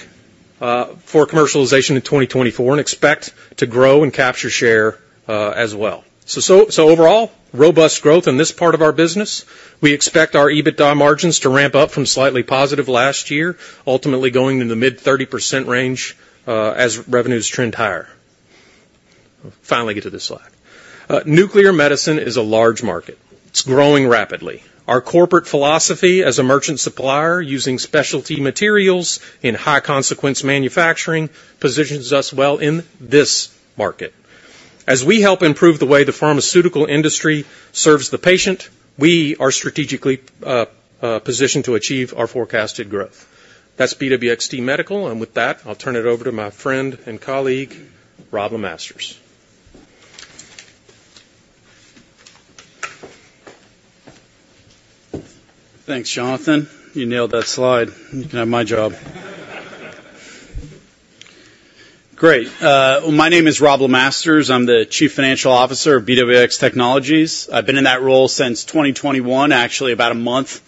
for commercialization in 2024 and expect to grow and capture share as well. So overall, robust growth in this part of our business. We expect our EBITDA margins to ramp up from slightly positive last year, ultimately going in the mid-30% range as revenues trend higher. Finally, get to this slide. Nuclear medicine is a large market. It's growing rapidly. Our corporate philosophy as a merchant supplier using specialty materials in high-consequence manufacturing positions us well in this market. As we help improve the way the pharmaceutical industry serves the patient, we are strategically positioned to achieve our forecasted growth. That's BWXT Medical. And with that, I'll turn it over to my friend and colleague, Robb LeMasters. Thanks, Jonathan. You nailed that slide. You can have my job. Great. Well, my name is Robb LeMasters. I'm the Chief Financial Officer of BWX Technologies. I've been in that role since 2021, actually about a month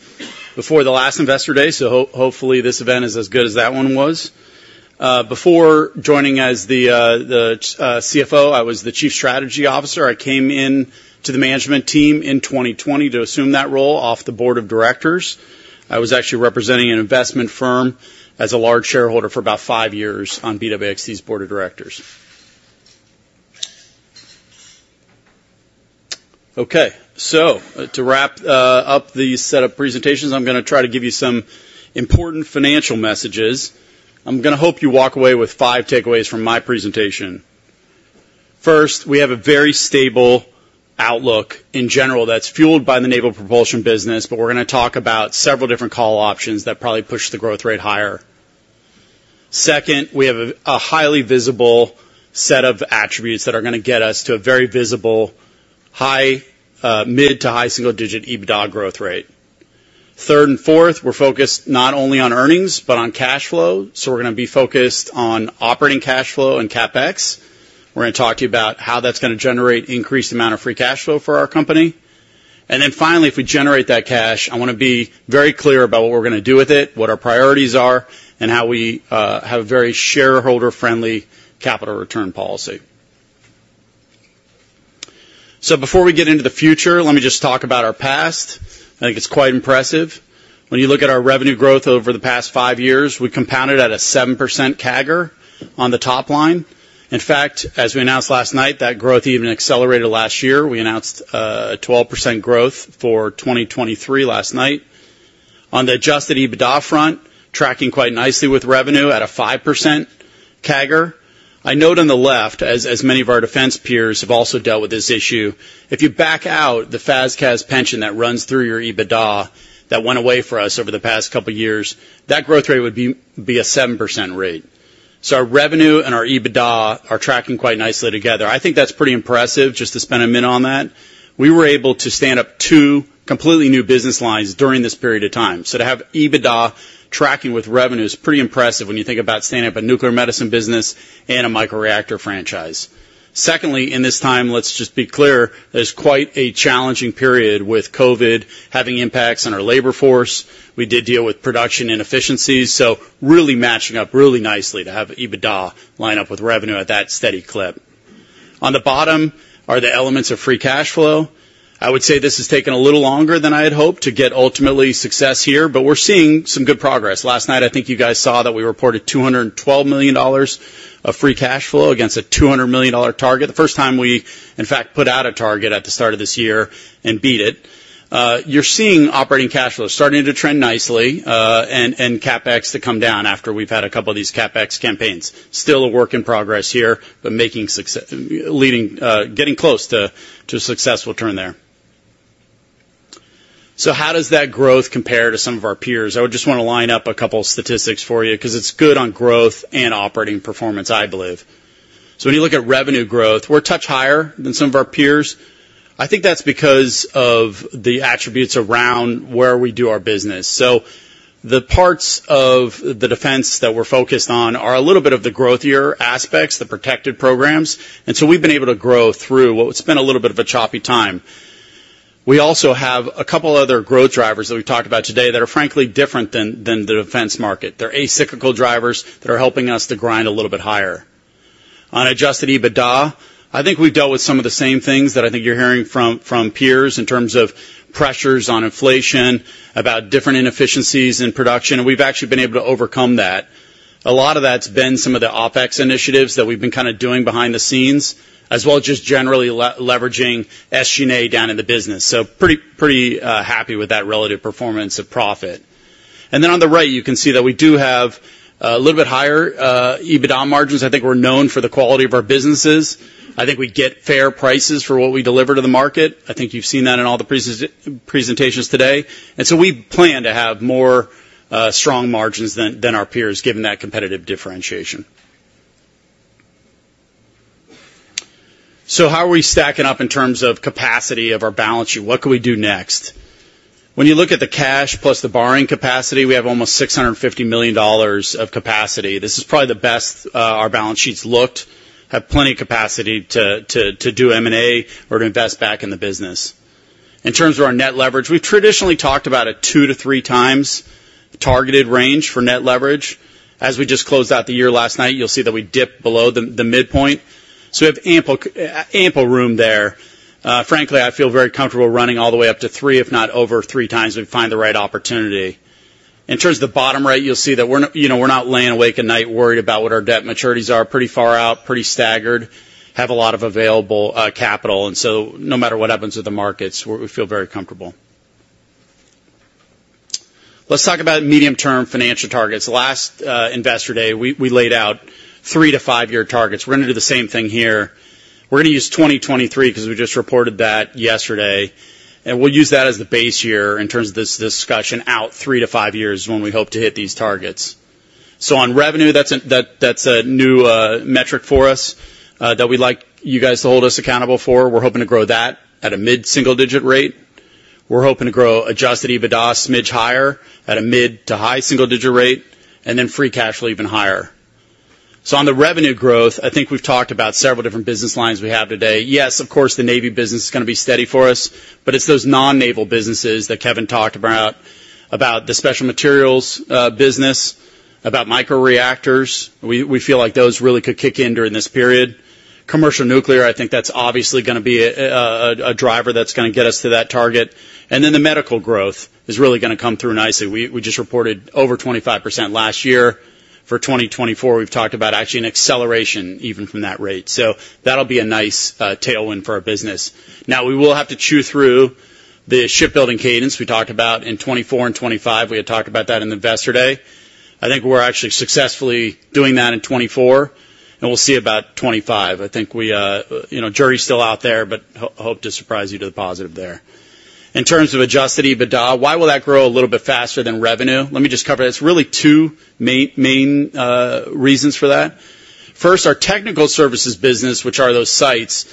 before the last investor day, so hopefully, this event is as good as that one was. Before joining as the CFO, I was the Chief Strategy Officer. I came into the management team in 2020 to assume that role off the board of directors. I was actually representing an investment firm as a large shareholder for about five years on BWXT's board of directors. Okay. So to wrap up these setup presentations, I'm going to try to give you some important financial messages. I'm going to hope you walk away with five takeaways from my presentation. First, we have a very stable outlook in general that's fueled by the naval propulsion business, but we're going to talk about several different call options that probably push the growth rate higher. Second, we have a highly visible set of attributes that are going to get us to a very visible high-mid- to high single-digit EBITDA growth rate. Third and fourth, we're focused not only on earnings but on cash flow. So we're going to be focused on operating cash flow and CapEx. We're going to talk to you about how that's going to generate an increased amount of free cash flow for our company. And then finally, if we generate that cash, I want to be very clear about what we're going to do with it, what our priorities are, and how we have a very shareholder-friendly capital return policy. So before we get into the future, let me just talk about our past. I think it's quite impressive. When you look at our revenue growth over the past five years, we compounded at a 7% CAGR on the top line. In fact, as we announced last night, that growth even accelerated last year. We announced 12% growth for 2023 last night. On the adjusted EBITDA front, tracking quite nicely with revenue at a 5% CAGR. I note on the left, as many of our defense peers have also dealt with this issue, if you back out the FAS/CAS pension that runs through your EBITDA that went away for us over the past couple of years, that growth rate would be a 7% rate. So our revenue and our EBITDA are tracking quite nicely together. I think that's pretty impressive just to spend a minute on that. We were able to stand up two completely new business lines during this period of time. So to have EBITDA tracking with revenue is pretty impressive when you think about standing up a nuclear medicine business and a microreactor franchise. Secondly, in this time, let's just be clear, it's quite a challenging period with COVID having impacts on our labor force. We did deal with production inefficiencies, so really matching up really nicely to have EBITDA line up with revenue at that steady clip. On the bottom are the elements of free cash flow. I would say this has taken a little longer than I had hoped to get ultimate success here, but we're seeing some good progress. Last night, I think you guys saw that we reported $212 million of free cash flow against a $200 million target, the first time we, in fact, put out a target at the start of this year and beat it. You're seeing operating cash flow starting to trend nicely and CapEx to come down after we've had a couple of these CapEx campaigns. Still a work in progress here but getting close to a successful turn there. So how does that growth compare to some of our peers? I would just want to line up a couple of statistics for you because it's good on growth and operating performance, I believe. So when you look at revenue growth, we're a touch higher than some of our peers. I think that's because of the attributes around where we do our business. So the parts of the defense that we're focused on are a little bit of the growthier aspects, the protected programs. And so we've been able to grow through what's been a little bit of a choppy time. We also have a couple of other growth drivers that we've talked about today that are, frankly, different than the defense market. They're acyclical drivers that are helping us to grind a little bit higher. On adjusted EBITDA, I think we've dealt with some of the same things that I think you're hearing from peers in terms of pressures on inflation, about different inefficiencies in production. And we've actually been able to overcome that. A lot of that's been some of the OpEx initiatives that we've been kind of doing behind the scenes as well as just generally leveraging SG&A down in the business. So, pretty happy with that relative performance of profit. And then on the right, you can see that we do have a little bit higher EBITDA margins. I think we're known for the quality of our businesses. I think we get fair prices for what we deliver to the market. I think you've seen that in all the presentations today. And so we plan to have more strong margins than our peers given that competitive differentiation. So how are we stacking up in terms of capacity of our balance sheet? What can we do next? When you look at the cash plus the borrowing capacity, we have almost $650 million of capacity. This is probably the best our balance sheets looked. Have plenty of capacity to do M&A or to invest back in the business. In terms of our net leverage, we've traditionally talked about a 2x to 3x targeted range for net leverage. As we just closed out the year last night, you'll see that we dipped below the midpoint. So we have ample room there. Frankly, I feel very comfortable running all the way up to three, if not over three times we find the right opportunity. In terms of the bottom right, you'll see that we're not laying awake at night worried about what our debt maturities are. Pretty far out, pretty staggered, have a lot of available capital. And so no matter what happens with the markets, we feel very comfortable. Let's talk about medium-term financial targets. Last investor day, we laid out 3-5-year targets. We're going to do the same thing here. We're going to use 2023 because we just reported that yesterday. We'll use that as the base year in terms of this discussion out three to five years when we hope to hit these targets. So on revenue, that's a new metric for us that we'd like you guys to hold us accountable for. We're hoping to grow that at a mid-single-digit rate. We're hoping to grow adjusted EBITDA smidge higher at a mid- to high-single-digit rate, and then free cash flow even higher. So on the revenue growth, I think we've talked about several different business lines we have today. Yes, of course, the navy business is going to be steady for us, but it's those non-naval businesses that Kevin talked about, about the Special Materials business, about microreactors. We feel like those really could kick in during this period. Commercial nuclear, I think that's obviously going to be a driver that's going to get us to that target. And then the medical growth is really going to come through nicely. We just reported over 25% last year. For 2024, we've talked about actually an acceleration even from that rate. So that'll be a nice tailwind for our business. Now, we will have to chew through the shipbuilding cadence we talked about in 2024 and 2025. We had talked about that investor day. I think we're actually successfully doing that in 2024, and we'll see about 2025. I think the jury's still out there, but hope to surprise you to the positive there. In terms of adjusted EBITDA, why will that grow a little bit faster than revenue? Let me just cover that. It's really two main reasons for that. First, our Technical Services business, which are those sites,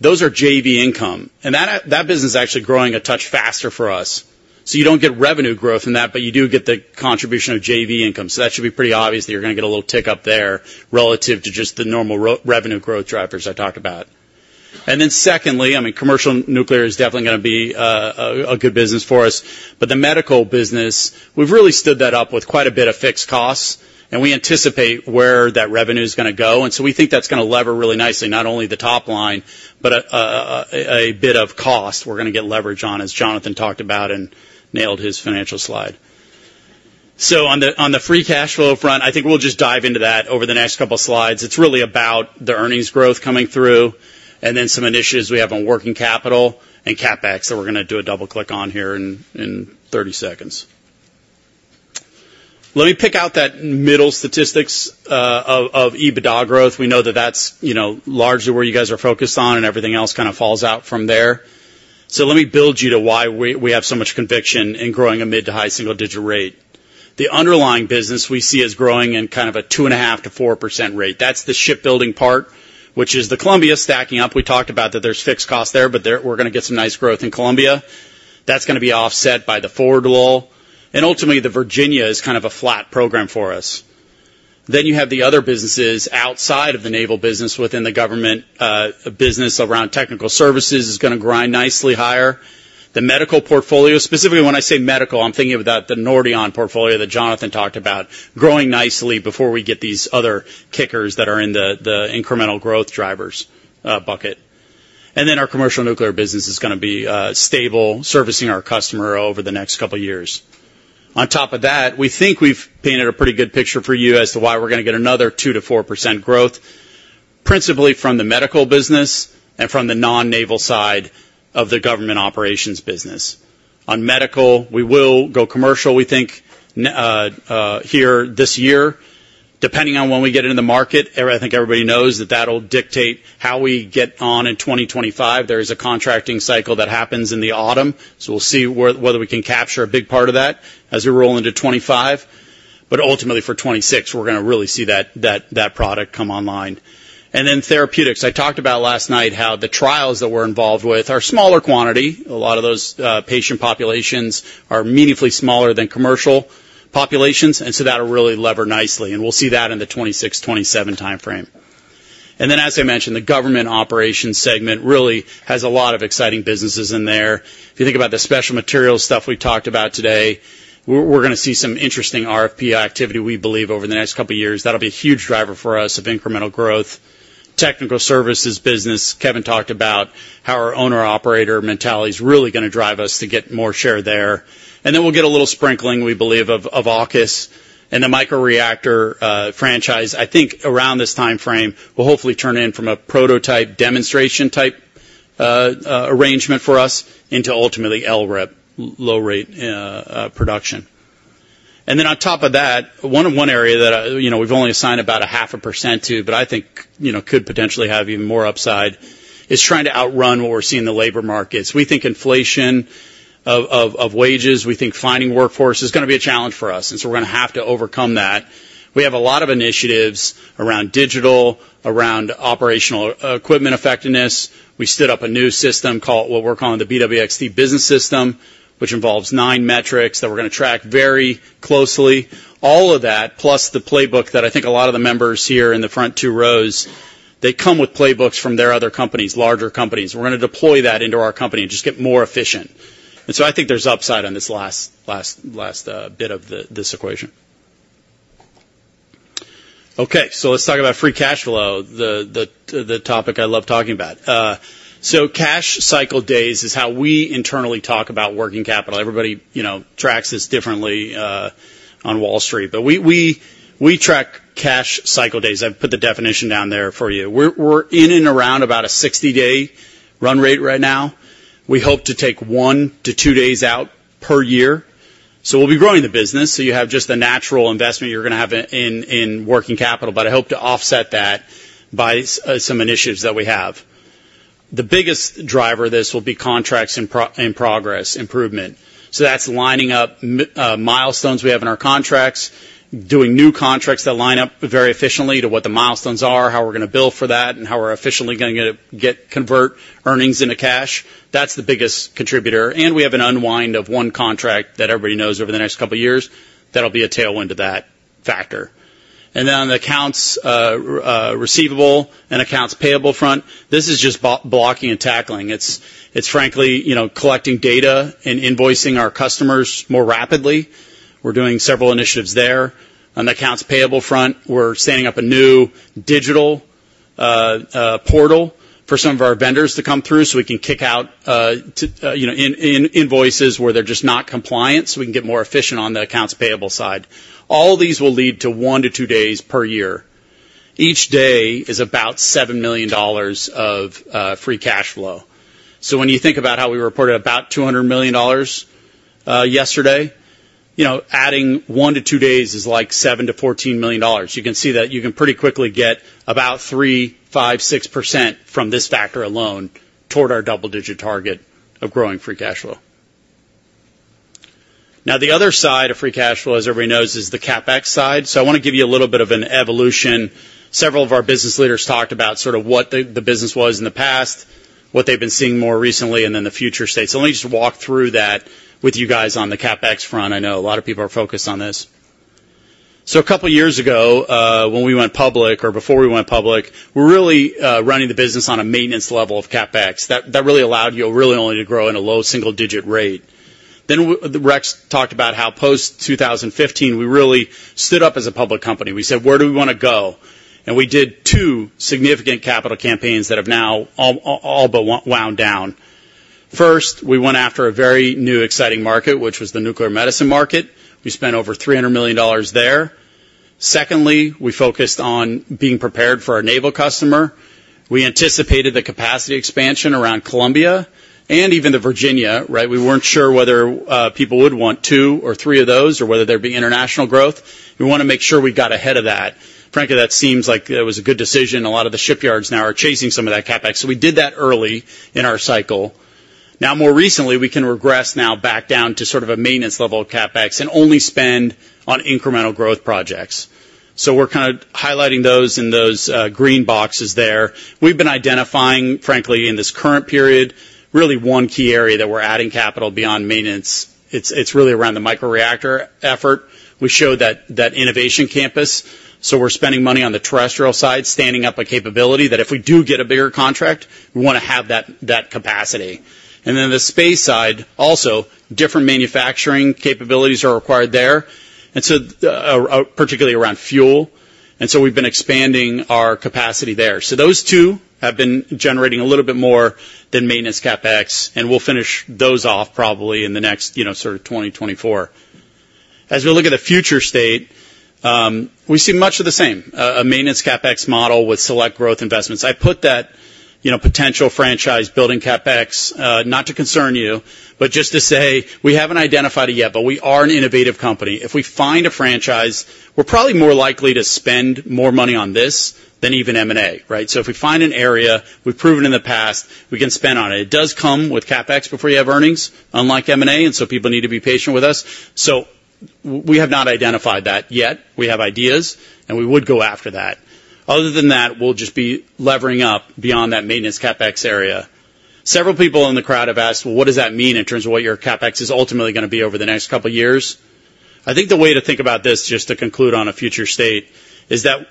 those are JV income. And that business is actually growing a touch faster for us. So you don't get revenue growth in that, but you do get the contribution of JV income. So that should be pretty obvious that you're going to get a little tick up there relative to just the normal revenue growth drivers I talked about. And then secondly, I mean, Commercial Nuclear is definitely going to be a good business for us. But the medical business, we've really stood that up with quite a bit of fixed costs, and we anticipate where that revenue is going to go. And so we think that's going to lever really nicely, not only the top line, but a bit of cost we're going to get leverage on, as Jonathan talked about and nailed his financial slide. So on the free cash flow front, I think we'll just dive into that over the next couple of slides. It's really about the earnings growth coming through and then some initiatives we have on working capital and CapEx that we're going to do a double-click on here in 30 seconds. Let me pick out that middle statistic of EBITDA growth. We know that that's largely where you guys are focused on, and everything else kind of falls out from there. So let me build up to why we have so much conviction in growing at a mid- to high-single-digit rate. The underlying business we see is growing in kind of a 2.5%-4.0% rate. That's the shipbuilding part, which is the Columbia stacking up. We talked about that there's fixed costs there, but we're going to get some nice growth in Columbia. That's going to be offset by the Ford-class. And ultimately, the Virginia-class is kind of a flat program for us. Then you have the other businesses outside of the naval business within the government. A business around Technical Services is going to grind nicely higher. The medical portfolio, specifically when I say medical, I'm thinking about the Nordion portfolio that Jonathan talked about, growing nicely before we get these other kickers that are in the incremental growth drivers bucket. And then our Commercial Nuclear business is going to be stable, servicing our customer over the next couple of years. On top of that, we think we've painted a pretty good picture for you as to why we're going to get another 2%-4% growth, principally from the medical business and from the non-naval side of the Government Operations business. On medical, we will go commercial, we think, here this year. Depending on when we get it in the market, I think everybody knows that that'll dictate how we get on in 2025. There is a contracting cycle that happens in the autumn, so we'll see whether we can capture a big part of that as we roll into 2025. But ultimately, for 2026, we're going to really see that product come online. And then therapeutics. I talked about last night how the trials that we're involved with are smaller quantity. A lot of those patient populations are meaningfully smaller than commercial populations, and so that'll really lever nicely. And we'll see that in the 2026, 2027 time frame. And then, as I mentioned, the Government Operations segment really has a lot of exciting businesses in there. If you think about the Special Materials stuff we talked about today, we're going to see some interesting RFP activity, we believe, over the next couple of years. That'll be a huge driver for us of incremental growth. Technical services business, Kevin talked about how our owner-operator mentality is really going to drive us to get more share there. And then we'll get a little sprinkling, we believe, of AUKUS and the microreactor franchise. I think around this time frame, we'll hopefully turn in from a prototype demonstration-type arrangement for us into ultimately LRIP, low-rate production. And then on top of that, one area that we've only assigned about 0.5% to, but I think could potentially have even more upside, is trying to outrun what we're seeing in the labor markets. We think inflation of wages, we think finding workforce is going to be a challenge for us, and so we're going to have to overcome that. We have a lot of initiatives around digital, around operational equipment effectiveness. We stood up a new system, call it what we're calling the BWXT Business System, which involves nine metrics that we're going to track very closely. All of that, plus the playbook that I think a lot of the members here in the front two rows, they come with playbooks from their other companies, larger companies. We're going to deploy that into our company and just get more efficient. And so I think there's upside on this last bit of this equation. Okay, so let's talk about free cash flow, the topic I love talking about. So cash cycle days is how we internally talk about working capital. Everybody tracks this differently on Wall Street, but we track cash cycle days. I've put the definition down there for you. We're in and around about a 60-day run rate right now. We hope to take one to two days out per year. So we'll be growing the business. So you have just the natural investment you're going to have in working capital, but I hope to offset that by some initiatives that we have. The biggest driver of this will be contracts in progress, improvement. So that's lining up milestones we have in our contracts, doing new contracts that line up very efficiently to what the milestones are, how we're going to bill for that, and how we're efficiently going to convert earnings into cash. That's the biggest contributor. And we have an unwind of one contract that everybody knows over the next couple of years. That'll be a tailwind to that factor. And then on the accounts receivable and accounts payable front, this is just blocking and tackling. It's, frankly, collecting data and invoicing our customers more rapidly. We're doing several initiatives there. On the accounts payable front, we're standing up a new digital portal for some of our vendors to come through so we can kick out invoices where they're just not compliant so we can get more efficient on the accounts payable side. All these will lead to one to two days per year. Each day is about $7 million of free cash flow. So when you think about how we reported about $200 million yesterday, adding one to two days is like $7-$14 million. You can see that you can pretty quickly get about 3%-6% from this factor alone toward our double-digit target of growing free cash flow. Now, the other side of free cash flow, as everybody knows, is the CapEx side. So I want to give you a little bit of an evolution. Several of our business leaders talked about sort of what the business was in the past, what they've been seeing more recently, and then the future states. So let me just walk through that with you guys on the CapEx front. I know a lot of people are focused on this. So a couple of years ago, when we went public or before we went public, we're really running the business on a maintenance level of CapEx. That really allowed you really only to grow at a low single-digit rate. Then Rex talked about how post-2015, we really stood up as a public company. We said, "Where do we want to go?" And we did two significant capital campaigns that have now all but wound down. First, we went after a very new, exciting market, which was the nuclear medicine market. We spent over $300 million there. Secondly, we focused on being prepared for our naval customer. We anticipated the capacity expansion around Columbia and even the Virginia, right? We weren't sure whether people would want two or three of those or whether there'd be international growth. We want to make sure we got ahead of that. Frankly, that seems like it was a good decision. A lot of the shipyards now are chasing some of that CapEx. So we did that early in our cycle. Now, more recently, we can regress now back down to sort of a maintenance level of CapEx and only spend on incremental growth projects. So we're kind of highlighting those in those green boxes there. We've been identifying, frankly, in this current period, really one key area that we're adding capital beyond maintenance. It's really around the microreactor effort. We showed that innovation campus. So we're spending money on the terrestrial side, standing up a capability that if we do get a bigger contract, we want to have that capacity. And then the space side, also, different manufacturing capabilities are required there, and so particularly around fuel. And so we've been expanding our capacity there. So those two have been generating a little bit more than maintenance CapEx, and we'll finish those off probably in the next sort of 2024. As we look at the future state, we see much of the same, a maintenance CapEx model with select growth investments. I put that potential franchise building CapEx not to concern you, but just to say we haven't identified it yet, but we are an innovative company. If we find a franchise, we're probably more likely to spend more money on this than even M&A, right? So if we find an area we've proven in the past, we can spend on it. It does come with CapEx before you have earnings, unlike M&A, and so people need to be patient with us. So we have not identified that yet. We have ideas, and we would go after that. Other than that, we'll just be levering up beyond that maintenance CapEx area. Several people in the crowd have asked, "Well, what does that mean in terms of what your CapEx is ultimately going to be over the next couple of years?" I think the way to think about this, just to conclude on a future state, is that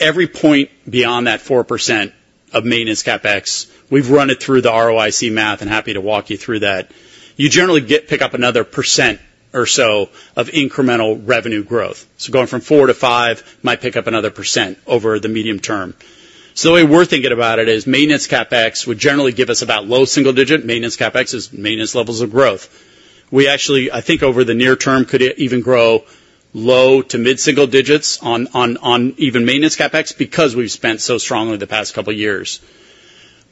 every point beyond that 4% of maintenance CapEx, we've run it through the ROIC math and happy to walk you through that. You generally pick up another percent or so of incremental revenue growth. So going from 4%-5%, might pick up another percent over the medium term. So the way we're thinking about it is maintenance CapEx would generally give us about low single-digit. Maintenance CapEx is maintenance levels of growth. We actually, I think, over the near term could even grow low to mid-single digits on even maintenance CapEx because we've spent so strongly the past couple of years.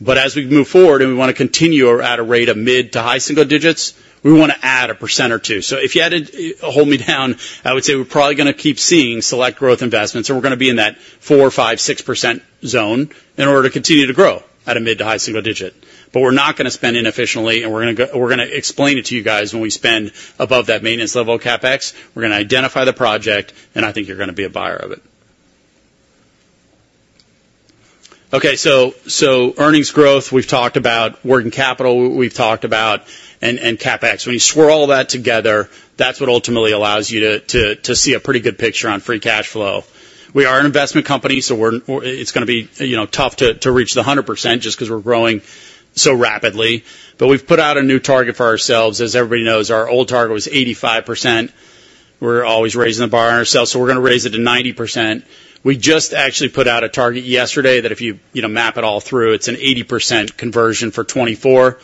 But as we move forward and we want to continue at a rate of mid- to high-single-digits, we want to add 1% or 2%. So if you had to hold me down, I would say we're probably going to keep seeing select growth investments, and we're going to be in that 4%-6% zone in order to continue to grow at a mid- to high-single-digit. But we're not going to spend inefficiently, and we're going to explain it to you guys when we spend above that maintenance level CapEx. We're going to identify the project, and I think you're going to be a buyer of it. Okay, so earnings growth, we've talked about working capital, we've talked about CapEx. When you swirl all that together, that's what ultimately allows you to see a pretty good picture on free cash flow. We are an investment company, so it's going to be tough to reach the 100% just because we're growing so rapidly. But we've put out a new target for ourselves. As everybody knows, our old target was 85%. We're always raising the bar on ourselves, so we're going to raise it to 90%. We just actually put out a target yesterday that if you map it all through, it's an 80% conversion for 2024.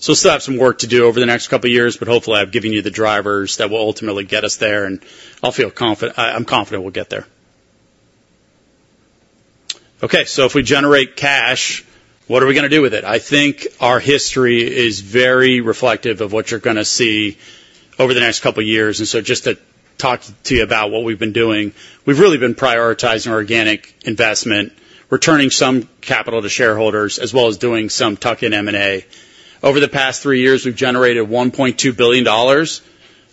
So we'll still have some work to do over the next couple of years, but hopefully, I've given you the drivers that will ultimately get us there, and I'm confident we'll get there. Okay, so if we generate cash, what are we going to do with it? I think our history is very reflective of what you're going to see over the next couple of years. Just to talk to you about what we've been doing, we've really been prioritizing organic investment, returning some capital to shareholders, as well as doing some tuck-in M&A. Over the past three years, we've generated $1.2 billion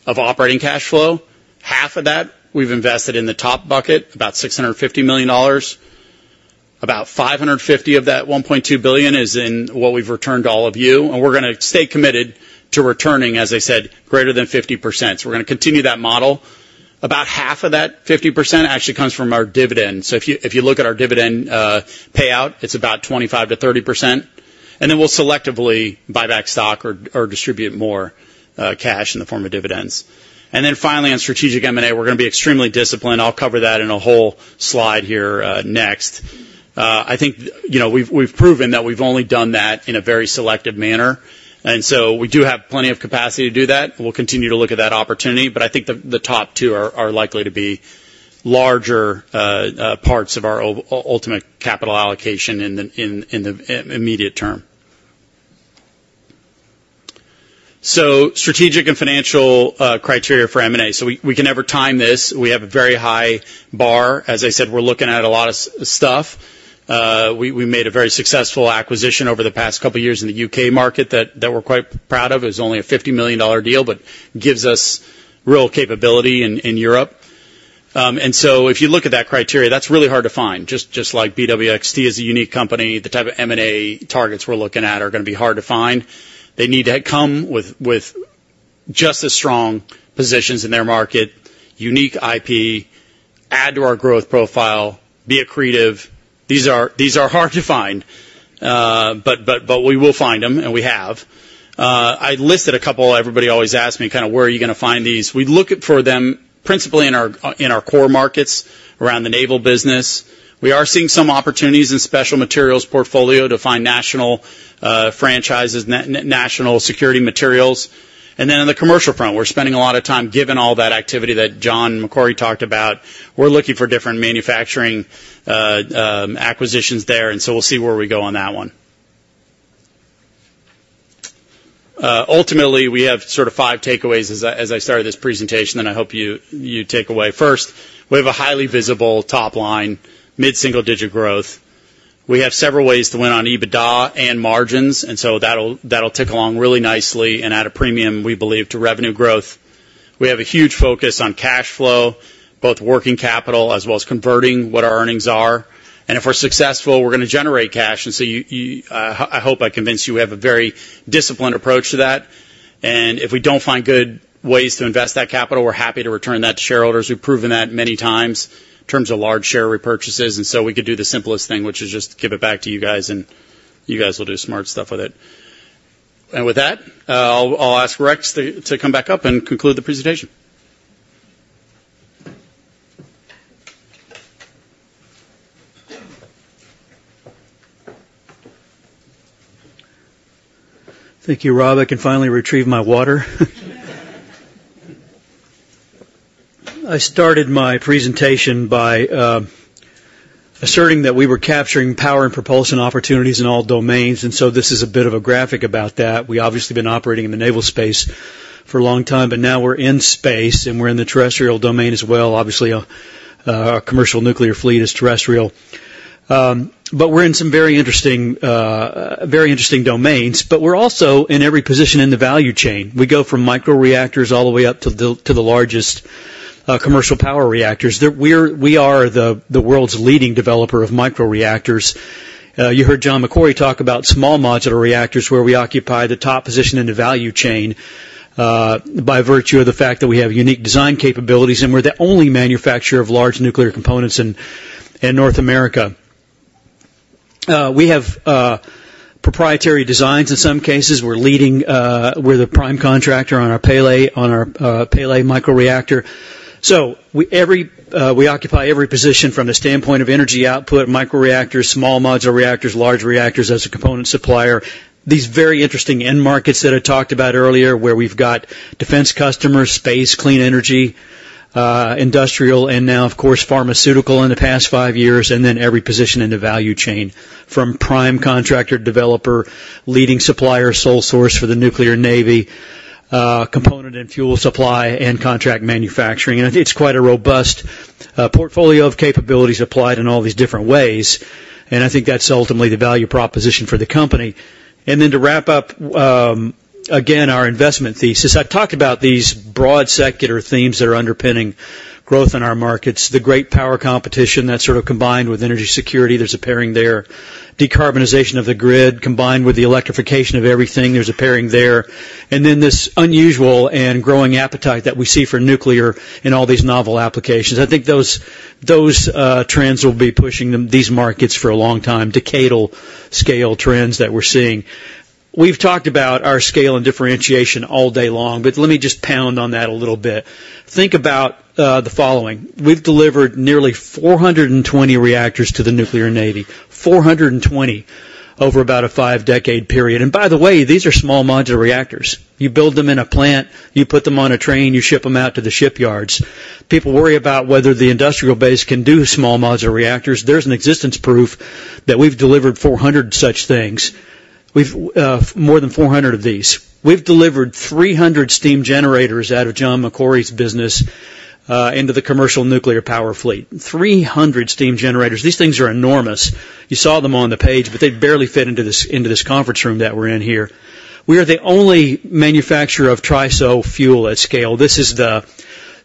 of operating cash flow. Half of that we've invested in the top bucket, about $650 million. About $550 of that $1.2 billion is in what we've returned to all of you, and we're going to stay committed to returning, as I said, greater than 50%. So we're going to continue that model. About half of that 50% actually comes from our dividend. So if you look at our dividend payout, it's about 25%-30%. Then we'll selectively buy back stock or distribute more cash in the form of dividends. Then finally, on strategic M&A, we're going to be extremely disciplined. I'll cover that in a whole slide here next. I think we've proven that we've only done that in a very selective manner, and so we do have plenty of capacity to do that. We'll continue to look at that opportunity, but I think the top two are likely to be larger parts of our ultimate capital allocation in the immediate term. So strategic and financial criteria for M&A. So we can never time this. We have a very high bar. As I said, we're looking at a lot of stuff. We made a very successful acquisition over the past couple of years in the U.K. market that we're quite proud of. It was only a $50 million deal, but gives us real capability in Europe. And so if you look at that criteria, that's really hard to find. Just like BWXT is a unique company, the type of M&A targets we're looking at are going to be hard to find. They need to come with just as strong positions in their market, unique IP, add to our growth profile, be creative. These are hard to find, but we will find them, and we have. I listed a couple. Everybody always asks me kind of where are you going to find these. We look for them principally in our core markets around the naval business. We are seeing some opportunities in Special Materials portfolio to find national franchises, national security materials. And then on the commercial front, we're spending a lot of time, given all that activity that John MacQuarrie talked about, we're looking for different manufacturing acquisitions there, and so we'll see where we go on that one. Ultimately, we have sort of five takeaways as I started this presentation that I hope you take away. First, we have a highly visible top line, mid-single digit growth. We have several ways to win on EBITDA and margins, and so that'll tick along really nicely and add a premium, we believe, to revenue growth. We have a huge focus on cash flow, both working capital as well as converting what our earnings are. And if we're successful, we're going to generate cash. And so I hope I convinced you we have a very disciplined approach to that. And if we don't find good ways to invest that capital, we're happy to return that to shareholders. We've proven that many times in terms of large share repurchases. And so we could do the simplest thing, which is just give it back to you guys, and you guys will do smart stuff with it. And with that, I'll ask Rex to come back up and conclude the presentation. Thank you, Robb. I can finally retrieve my water. I started my presentation by asserting that we were capturing power and propulsion opportunities in all domains, and so this is a bit of a graphic about that. We've obviously been operating in the naval space for a long time, but now we're in space, and we're in the terrestrial domain as well. Obviously, a Commercial Nuclear fleet is terrestrial. But we're in some very interesting domains, but we're also in every position in the value chain. We go from microreactors all the way up to the largest commercial power reactors. We are the world's leading developer of microreactors. You heard John MacQuarrie talk about small modular reactors where we occupy the top position in the value chain by virtue of the fact that we have unique design capabilities, and we're the only manufacturer of large nuclear components in North America. We have proprietary designs in some cases. We're the prime contractor on our Pele microreactor. So we occupy every position from the standpoint of energy output: microreactors, small modular reactors, large reactors as a component supplier, these very interesting end markets that I talked about earlier where we've got defense customers, space, clean energy, industrial, and now, of course, pharmaceutical in the past five years, and then every position in the value chain from prime contractor, developer, leading supplier, sole source for the Nuclear Navy, component and fuel supply, and contract manufacturing. And it's quite a robust portfolio of capabilities applied in all these different ways, and I think that's ultimately the value proposition for the company. Then to wrap up, again, our investment thesis, I've talked about these broad secular themes that are underpinning growth in our markets: the great power competition that's sort of combined with energy security. There's a pairing there: decarbonization of the grid combined with the electrification of everything. There's a pairing there. And then this unusual and growing appetite that we see for nuclear in all these novel applications. I think those trends will be pushing these markets for a long time: decadal scale trends that we're seeing. We've talked about our scale and differentiation all day long, but let me just pound on that a little bit. Think about the following. We've delivered nearly 420 reactors to the Nuclear Navy, 420, over about a five decade period. And by the way, these are small modular reactors. You build them in a plant, you put them on a train, you ship them out to the shipyards. People worry about whether the industrial base can do small modular reactors. There's an existence proof that we've delivered 400 such things. We've more than 400 of these. We've delivered 300 steam generators out of John MacQuarrie's business into the Commercial Nuclear power fleet, 300 steam generators. These things are enormous. You saw them on the page, but they barely fit into this conference room that we're in here. We are the only manufacturer of TRISO fuel at scale. This is the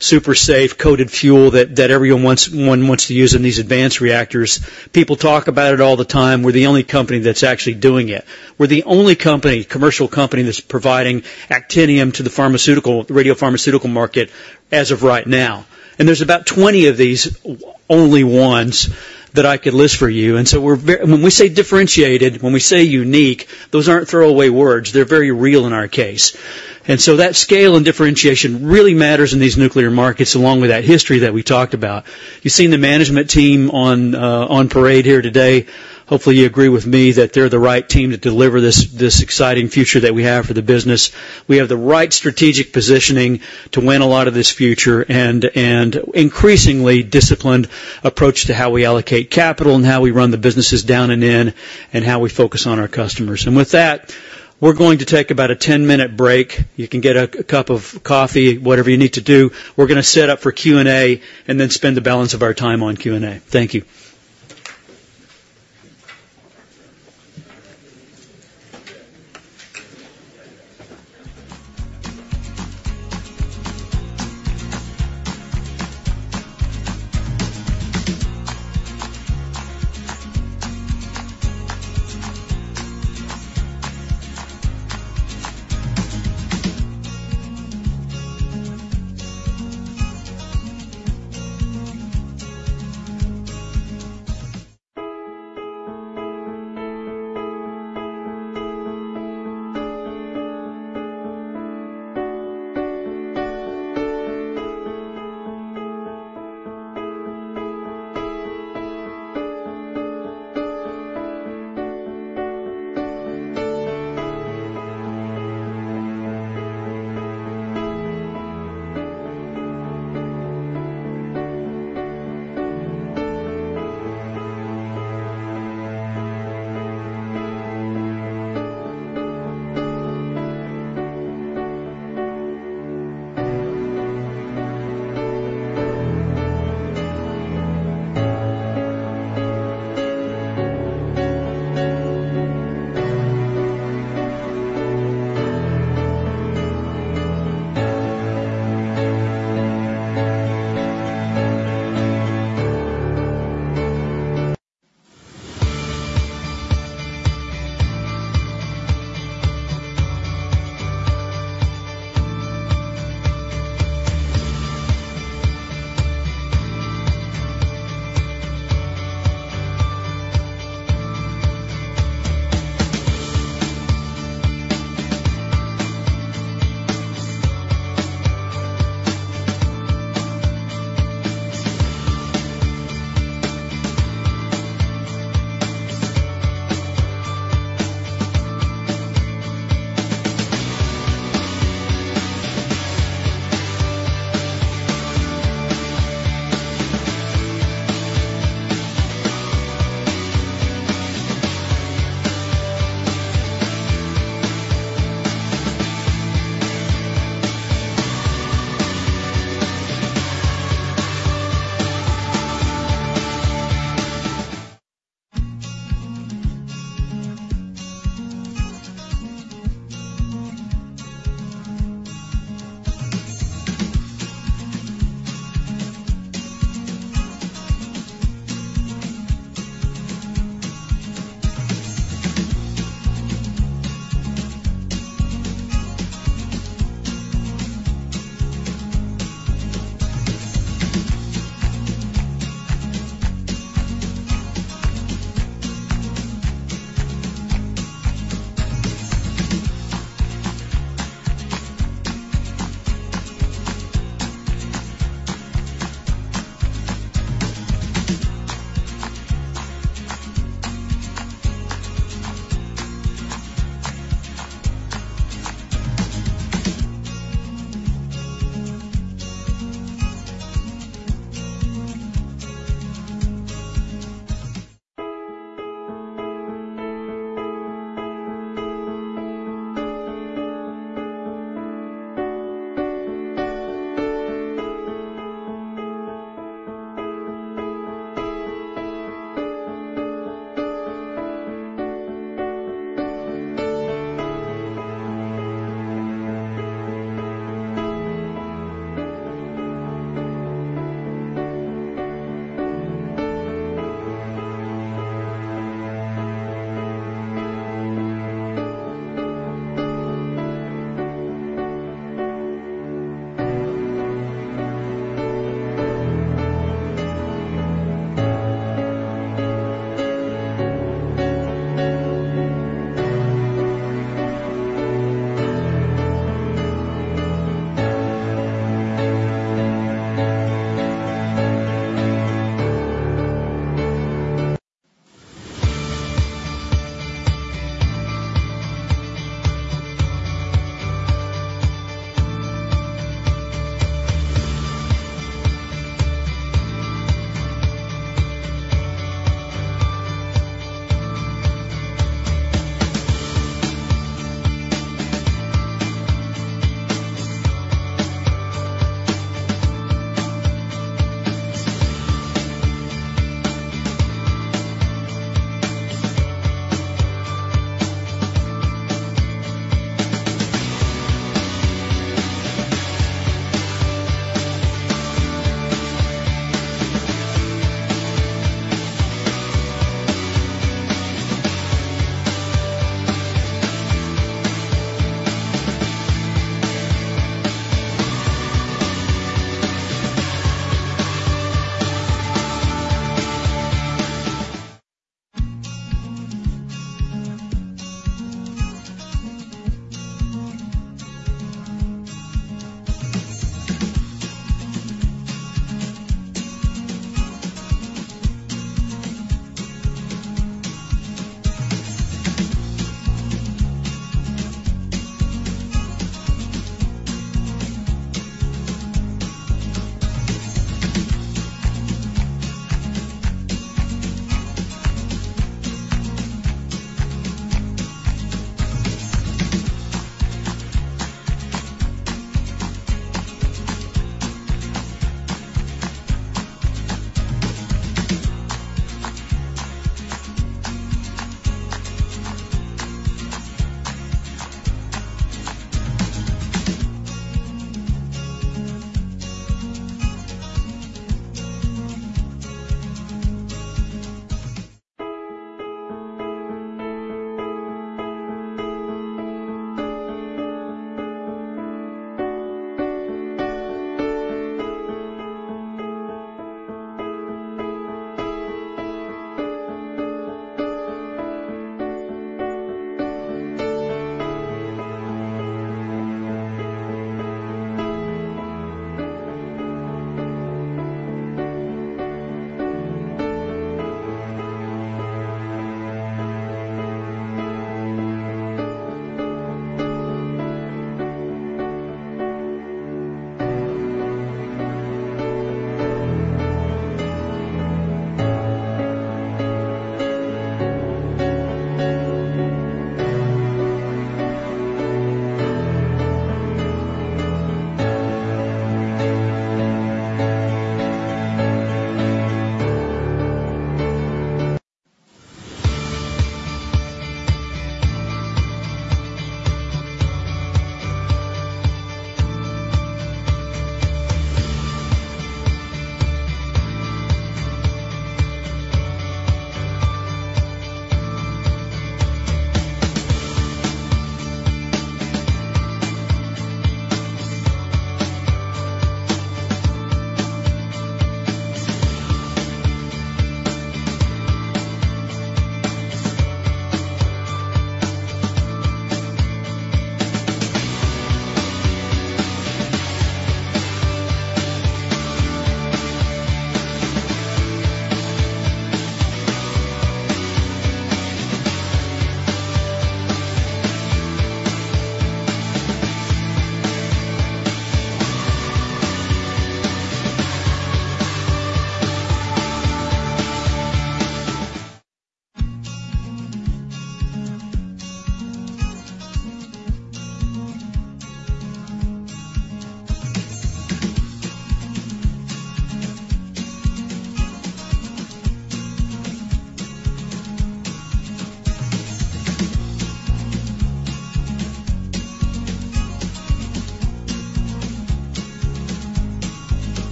super safe coated fuel that everyone wants to use in these advanced reactors. People talk about it all the time. We're the only company that's actually doing it. We're the only commercial company that's providing Actinium to the radiopharmaceutical market as of right now. There's about 20 of these only ones that I could list for you. And so when we say differentiated, when we say unique, those aren't throwaway words. They're very real in our case. And so that scale and differentiation really matters in these nuclear markets along with that history that we talked about. You've seen the management team on parade here today. Hopefully, you agree with me that they're the right team to deliver this exciting future that we have for the business. We have the right strategic positioning to win a lot of this future and an increasingly disciplined approach to how we allocate capital and how we run the businesses down and in and how we focus on our customers. And with that, we're going to take about a 10-minute break. You can get a cup of coffee, whatever you need to do. We're going to set up for Q&A and then spend the balance of our time on Q&A. Thank you.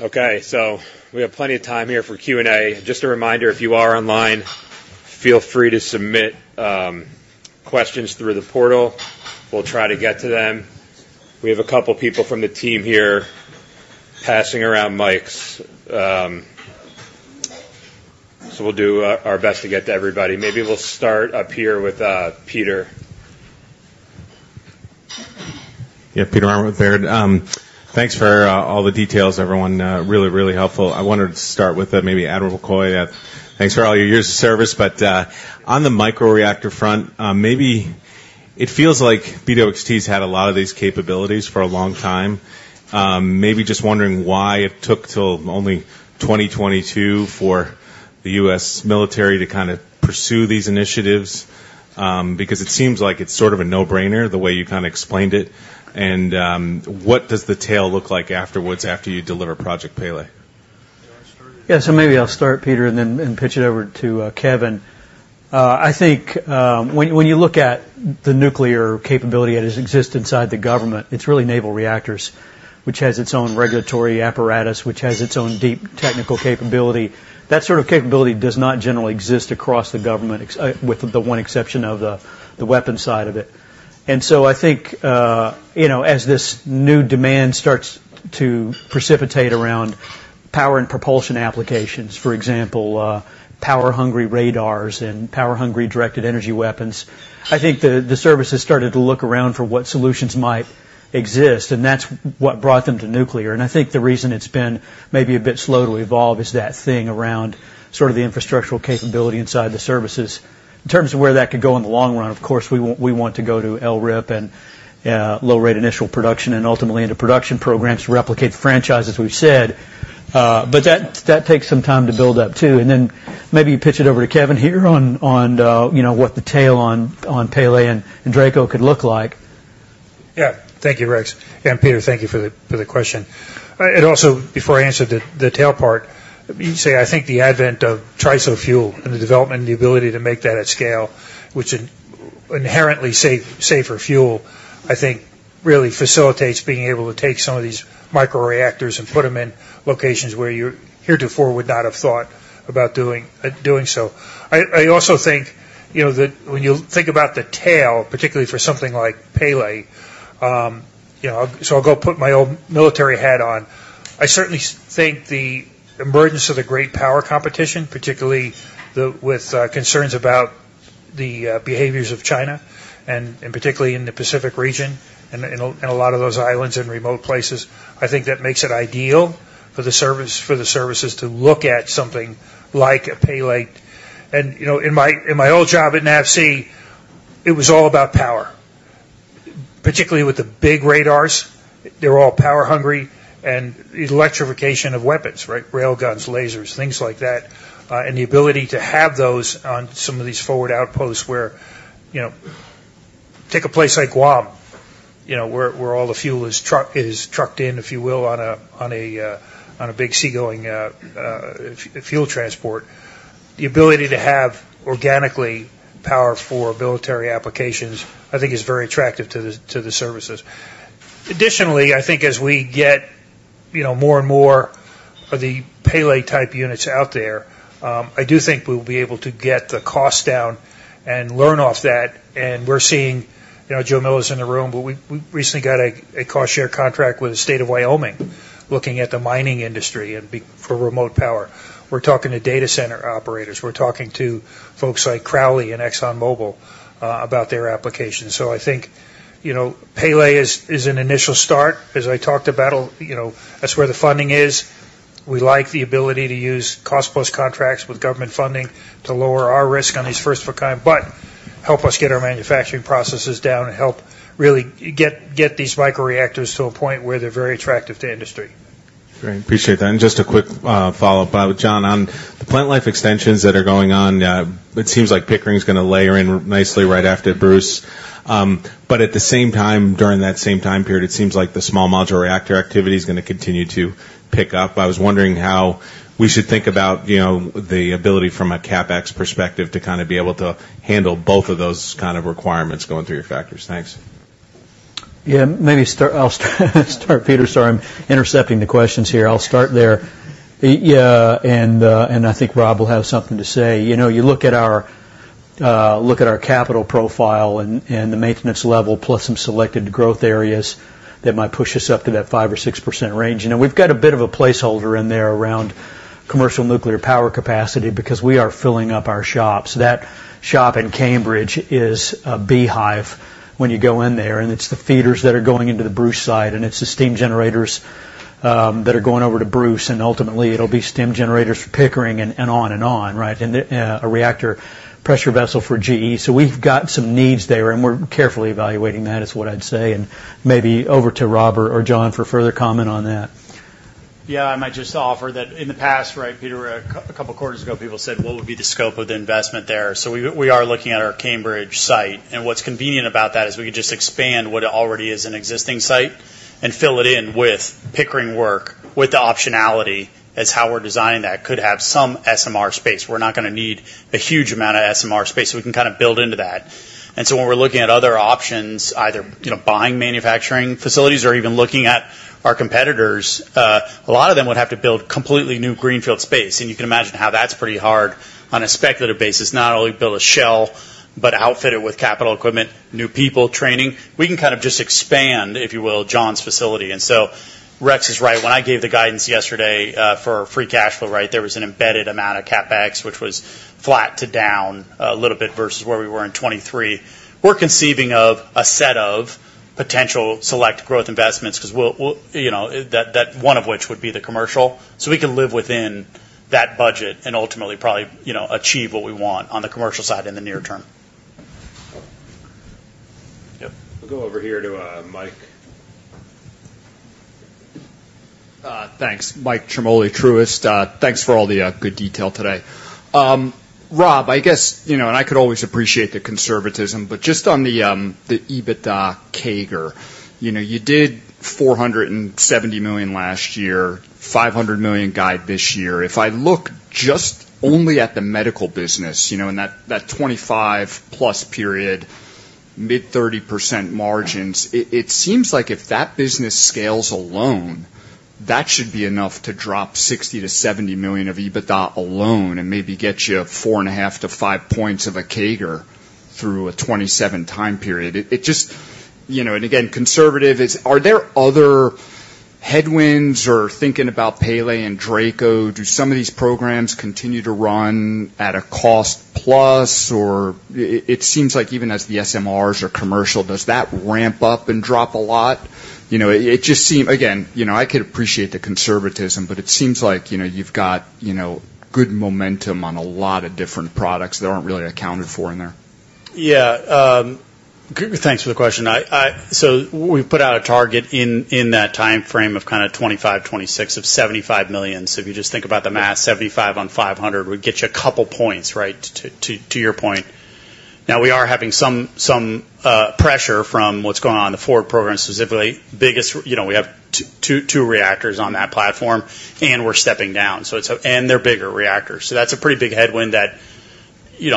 Okay. So we have plenty of time here for Q&A. Just a reminder, if you are online, feel free to submit questions through the portal. We'll try to get to them. We have a couple of people from the team here passing around mics, so we'll do our best to get to everybody. Maybe we'll start up here with Peter. Yeah. Peter Arment with Baird. Thanks for all the details, everyone. Really, really helpful. I wanted to start with maybe Admiral McCoy. Thanks for all your years of service. But on the microreactor front, maybe it feels like BWXT's had a lot of these capabilities for a long time. Maybe just wondering why it took till only 2022 for the U.S. military to kind of pursue these initiatives because it seems like it's sort of a no-brainer the way you kind of explained it. And what does the tail look like afterwards after you deliver Project Pele? Yeah. So maybe I'll start, Peter, and then pitch it over to Kevin. I think when you look at the nuclear capability that has existed inside the government, it's really Naval Reactors, which has its own regulatory apparatus, which has its own deep technical capability. That sort of capability does not generally exist across the government, with the one exception of the weapons side of it. So I think as this new demand starts to precipitate around power and propulsion applications, for example, power-hungry radars and power-hungry directed energy weapons, I think the services started to look around for what solutions might exist. And that's what brought them to nuclear. And I think the reason it's been maybe a bit slow to evolve is that thing around sort of the infrastructural capability inside the services. In terms of where that could go in the long run, of course, we want to go to LRIP and low-rate initial production and ultimately into production programs to replicate the franchises we've said. But that takes some time to build up too. And then maybe you pitch it over to Kevin here on what the tail on Pele and DRACO could look like. Yeah. Thank you, Rex. And Peter, thank you for the question. And also, before I answer the tail part, you say, "I think the advent of TRISO fuel and the development and the ability to make that at scale, which is inherently safer fuel, I think really facilitates being able to take some of these microreactors and put them in locations where you heretofore would not have thought about doing so." I also think that when you think about the tail, particularly for something like Pele, so I'll go put my old military hat on. I certainly think the emergence of the great power competition, particularly with concerns about the behaviors of China and particularly in the Pacific region and a lot of those islands and remote places, I think that makes it ideal for the services to look at something like a Pele. And in my old job at NAVSEA, it was all about power. Particularly with the big radars, they're all power-hungry. The electrification of weapons, right? Rail guns, lasers, things like that. The ability to have those on some of these forward outposts where, take a place like Guam where all the fuel is trucked in, if you will, on a big seagoing fuel transport. The ability to have organic power for military applications, I think, is very attractive to the services. Additionally, I think as we get more and more of the Pele-type units out there, I do think we'll be able to get the cost down and learn off that. We're seeing Joe Miller is in the room, but we recently got a cost-share contract with the state of Wyoming looking at the mining industry for remote power. We're talking to data center operators. We're talking to folks like Crowley and ExxonMobil about their applications. So I think Pele is an initial start. As I talked about, that's where the funding is. We like the ability to use cost-plus contracts with government funding to lower our risk on these first-of-kind but help us get our manufacturing processes down and help really get these microreactors to a point where they're very attractive to industry. Great. Appreciate that. And just a quick follow-up, John, on the plant life extensions that are going on, it seems like Pickering's going to layer in nicely right after Bruce. But at the same time, during that same time period, it seems like the small modular reactor activity is going to continue to pick up. I was wondering how we should think about the ability from a CapEx perspective to kind of be able to handle both of those kind of requirements going through your factories. Thanks. Yeah. Maybe I'll start, Peter. Sorry, I'm intercepting the questions here. I'll start there. Yeah. I think Robb will have something to say. You look at our capital profile and the maintenance level plus some selected growth areas that might push us up to that 5%-6% range. We've got a bit of a placeholder in there around Commercial Nuclear power capacity because we are filling up our shops. That shop in Cambridge is a beehive when you go in there. It's the feeders that are going into the Bruce side. It's the steam generators that are going over to Bruce. Ultimately, it'll be steam generators for Pickering and on and on, right? A reactor pressure vessel for GE. So we've got some needs there. We're carefully evaluating that, is what I'd say. Maybe over to Robbert or John for further comment on that. Yeah. I might just offer that in the past, right, Peter, a couple of quarters ago, people said, "What would be the scope of the investment there?" So we are looking at our Cambridge site. What's convenient about that is we could just expand what already is an existing site and fill it in with Pickering work with the optionality as how we're designing that could have some SMR space. We're not going to need a huge amount of SMR space. So we can kind of build into that. When we're looking at other options, either buying manufacturing facilities or even looking at our competitors, a lot of them would have to build completely new greenfield space. You can imagine how that's pretty hard on a speculative basis. Not only build a shell, but outfit it with capital equipment, new people, training. We can kind of just expand, if you will, John's facility. So Rex is right. When I gave the guidance yesterday for free cash flow, right, there was an embedded amount of CapEx, which was flat to down a little bit versus where we were in 2023. We're conceiving of a set of potential select growth investments because one of which would be the commercial. So we could live within that budget and ultimately probably achieve what we want on the commercial side in the near term. We'll go over here to Mike. Thanks. Mike Ciarmoli, Truist. Thanks for all the good detail today. Robb, I guess and I could always appreciate the conservatism, but just on the EBITDA CAGR, you did $470 million last year, $500 million guide this year. If I look just only at the medical business in that 25+ period, mid-30% margins, it seems like if that business scales alone, that should be enough to drop $60 million-$70 million of EBITDA alone and maybe get you 4.5-5 points of a CAGR through a two to seven time period. And again, conservative, are there other headwinds or thinking about Pele and DRACO? Do some of these programs continue to run at a cost-plus? Or it seems like even as the SMRs are commercial, does that ramp up and drop a lot? It just seems again, I could appreciate the conservatism, but it seems like you've got good momentum on a lot of different products that aren't really accounted for in there. Yeah. Thanks for the question. So we've put out a target in that time frame of kind of 2025, 2026 of $75 million. So if you just think about the math, 75 on 500 would get you a couple points, right, to your point. Now, we are having some pressure from what's going on in the Ford program specifically. We have two reactors on that platform, and we're stepping down. And they're bigger reactors. So that's a pretty big headwind that we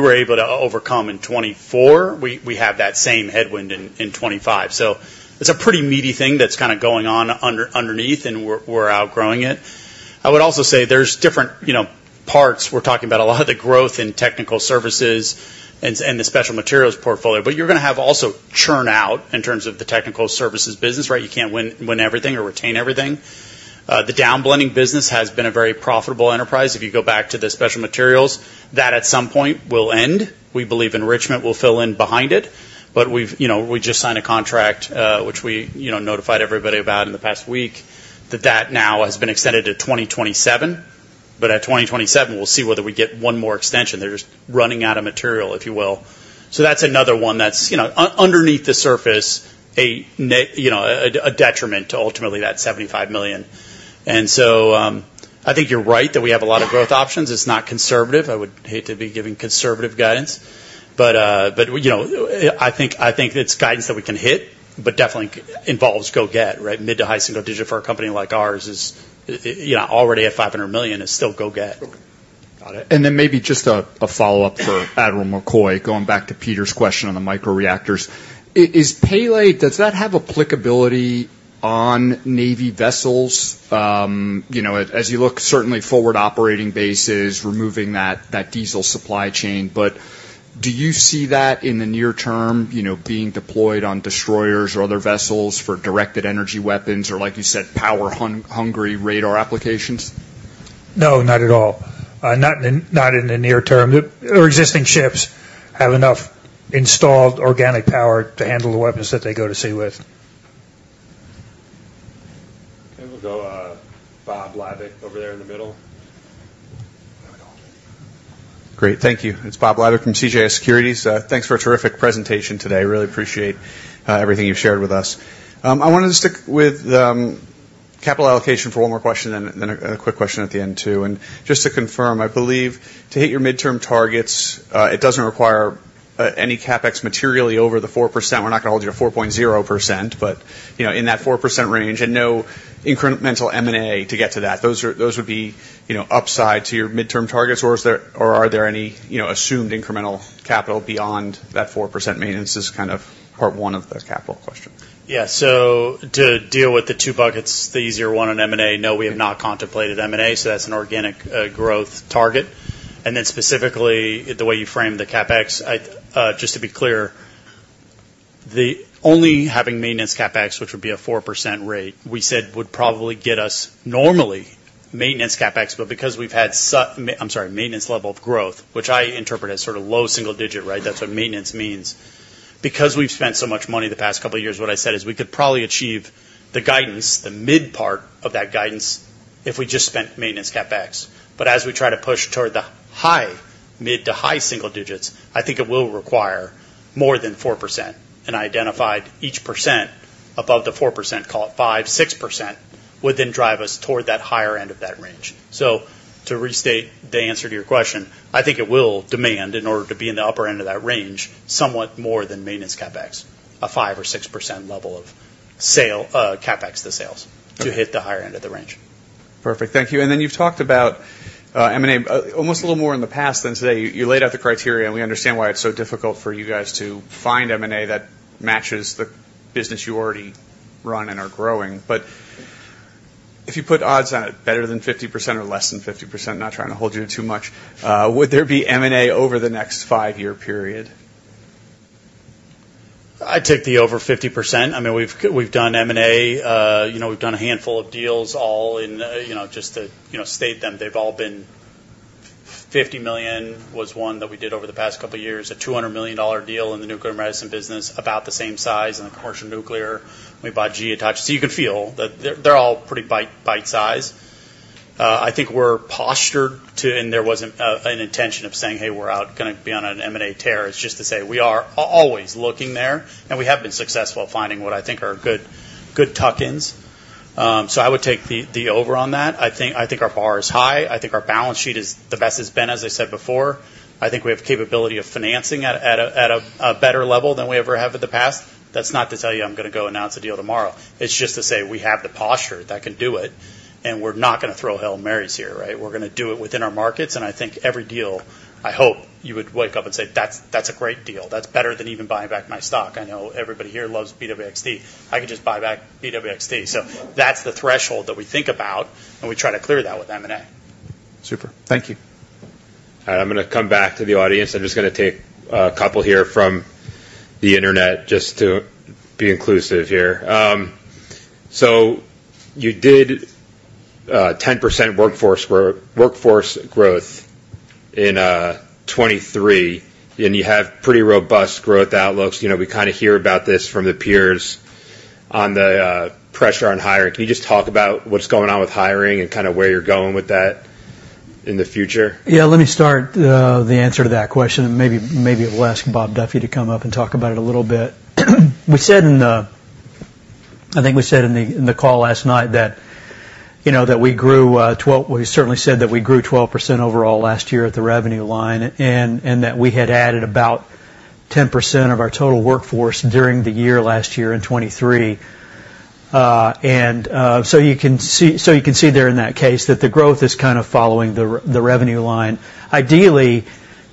were able to overcome in 2024. We have that same headwind in 2025. So it's a pretty meaty thing that's kind of going on underneath, and we're outgrowing it. I would also say there's different parts. We're talking about a lot of the growth in Technical Services and the Special Materials portfolio. But you're going to have also churn out in terms of the Technical Services business, right? You can't win everything or retain everything. The downblending business has been a very profitable enterprise. If you go back to the Special Materials, that at some point will end. We believe enrichment will fill in behind it. But we just signed a contract, which we notified everybody about in the past week, that that now has been extended to 2027. But at 2027, we'll see whether we get one more extension. They're just running out of material, if you will. So that's another one that's underneath the surface, a detriment to ultimately that $75 million. And so I think you're right that we have a lot of growth options. It's not conservative. I would hate to be giving conservative guidance. But I think it's guidance that we can hit, but definitely involves go get, right? Mid- to high-single-digit for a company like ours is already at $500 million. It's still go get. Okay. Got it. And then maybe just a follow-up for Admiral McCoy, going back to Peter's question on the microreactors. Does that have applicability on Navy vessels as you look, certainly forward operating bases, removing that diesel supply chain? But do you see that in the near term being deployed on destroyers or other vessels for directed energy weapons or, like you said, power-hungry radar applications? No, not at all. Not in the near term. Our existing ships have enough installed organic power to handle the weapons that they go to sea with. Okay. We'll go Bob Labick over there in the middle. There we go. Great. Thank you. It's Bob Labick from CJS Securities. Thanks for a terrific presentation today. Really appreciate everything you've shared with us. I wanted to stick with capital allocation for one more question and then a quick question at the end too. Just to confirm, I believe to hit your midterm targets, it doesn't require any CapEx materially over the 4%. We're not going to hold you to 4.0%, but in that 4% range and no incremental M&A to get to that, those would be upside to your midterm targets. Or are there any assumed incremental capital beyond that 4% maintenance? This is kind of part one of the capital question. Yeah. So to deal with the two buckets, the easier one on M&A, no, we have not contemplated M&A. So that's an organic growth target. And then specifically, the way you framed the CapEx, just to be clear, only having maintenance CapEx, which would be a 4% rate, we said would probably get us normally maintenance CapEx. But because we've had I'm sorry, maintenance level of growth, which I interpret as sort of low single digit, right? That's what maintenance means. Because we've spent so much money the past couple of years, what I said is we could probably achieve the guidance, the mid part of that guidance, if we just spent maintenance CapEx. But as we try to push toward the high mid to high single digits, I think it will require more than 4%. And I identified each percent above the 4%, call it 5%, 6%, would then drive us toward that higher end of that range. So to restate the answer to your question, I think it will demand in order to be in the upper end of that range somewhat more than maintenance CapEx, a 5% or 6% level of CapEx to sales to hit the higher end of the range. Perfect. Thank you. And then you've talked about M&A almost a little more in the past than today. You laid out the criteria, and we understand why it's so difficult for you guys to find M&A that matches the business you already run and are growing. But if you put odds on it better than 50% or less than 50%, not trying to hold you to too much, would there be M&A over the next five-year period? I'd take the over 50%. I mean, we've done M&A. We've done a handful of deals all in just to state them. They've all been $50 million was one that we did over the past couple of years, a $200 million deal in the nuclear medicine business, about the same size in the Commercial Nuclear. We bought GE Hitachi. So you can feel that they're all pretty bite-sized. I think we're postured to and there wasn't an intention of saying, "Hey, we're going to be on an M&A tear." It's just to say we are always looking there. And we have been successful at finding what I think are good tuck-ins. So I would take the over on that. I think our bar is high. I think our balance sheet is the best it's been, as I said before. I think we have capability of financing at a better level than we ever have in the past. That's not to tell you I'm going to go announce a deal tomorrow. It's just to say we have the posture that can do it. And we're not going to throw Hail Marys here, right? We're going to do it within our markets. And I think every deal, I hope you would wake up and say, "That's a great deal. That's better than even buying back my stock." I know everybody here loves BWXT. I could just buy back BWXT. So that's the threshold that we think about, and we try to clear that with M&A. Super. Thank you. All right. I'm going to come back to the audience. I'm just going to take a couple here from the internet just to be inclusive here. So you did 10% workforce growth in 2023, and you have pretty robust growth outlooks. We kind of hear about this from the peers on the pressure on hiring. Can you just talk about what's going on with hiring and kind of where you're going with that in the future? Yeah. Let me start the answer to that question. And maybe we'll ask Bob Duffy to come up and talk about it a little bit. I think we said in the call last night that we grew we certainly said that we grew 12% overall last year at the revenue line and that we had added about 10% of our total workforce during the year last year in 2023. And so you can see there in that case that the growth is kind of following the revenue line. Ideally,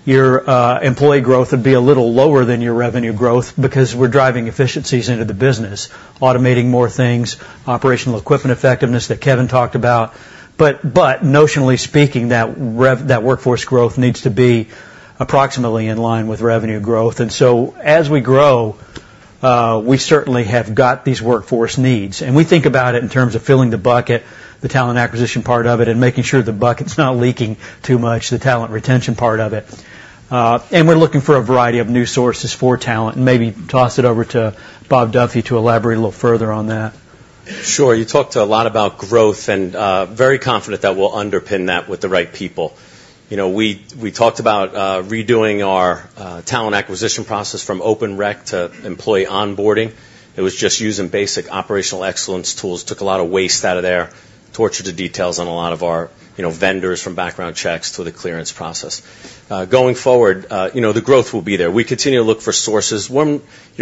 your employee growth would be a little lower than your revenue growth because we're driving efficiencies into the business, automating more things, operational equipment effectiveness that Kevin talked about. But notionally speaking, that workforce growth needs to be approximately in line with revenue growth. And so as we grow, we certainly have got these workforce needs. We think about it in terms of filling the bucket, the talent acquisition part of it, and making sure the bucket's not leaking too much, the talent retention part of it. We're looking for a variety of new sources for talent. Maybe toss it over to Bob Duffy to elaborate a little further on that. Sure. You talked a lot about growth and very confident that we'll underpin that with the right people. We talked about redoing our talent acquisition process from open req to employee onboarding. It was just using basic operational excellence tools. Took a lot of waste out of there, tortured the details on a lot of our vendors from background checks to the clearance process. Going forward, the growth will be there. We continue to look for sources. You're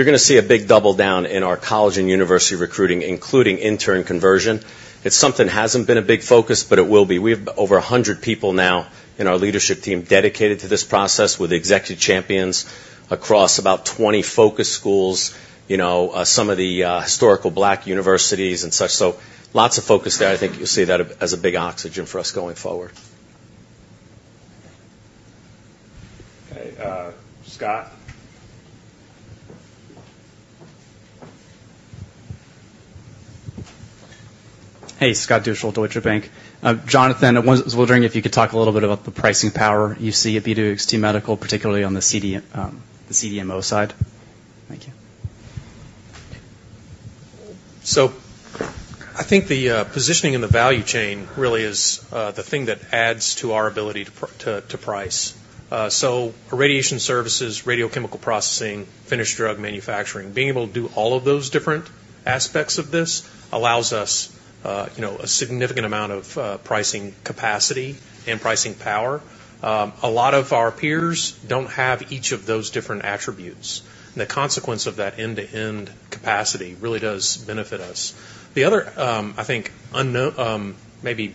going to see a big double down in our college and university recruiting, including intern conversion. It's something that hasn't been a big focus, but it will be. We have over 100 people now in our leadership team dedicated to this process with executive champions across about 20 focus schools, some of the Historically Black universities and such. So lots of focus there. I think you'll see that as a big oxygen for us going forward. Okay. Scott? Hey, Scott Deuschle, Deutsche Bank. Jonathan, I was wondering if you could talk a little bit about the pricing power you see at BWXT Medical, particularly on the CDMO side. Thank you. So I think the positioning in the value chain really is the thing that adds to our ability to price. So, radiation services, radiochemical processing, finished drug manufacturing, being able to do all of those different aspects of this allows us a significant amount of pricing capacity and pricing power. A lot of our peers don't have each of those different attributes. And the consequence of that end-to-end capacity really does benefit us. The other, I think, maybe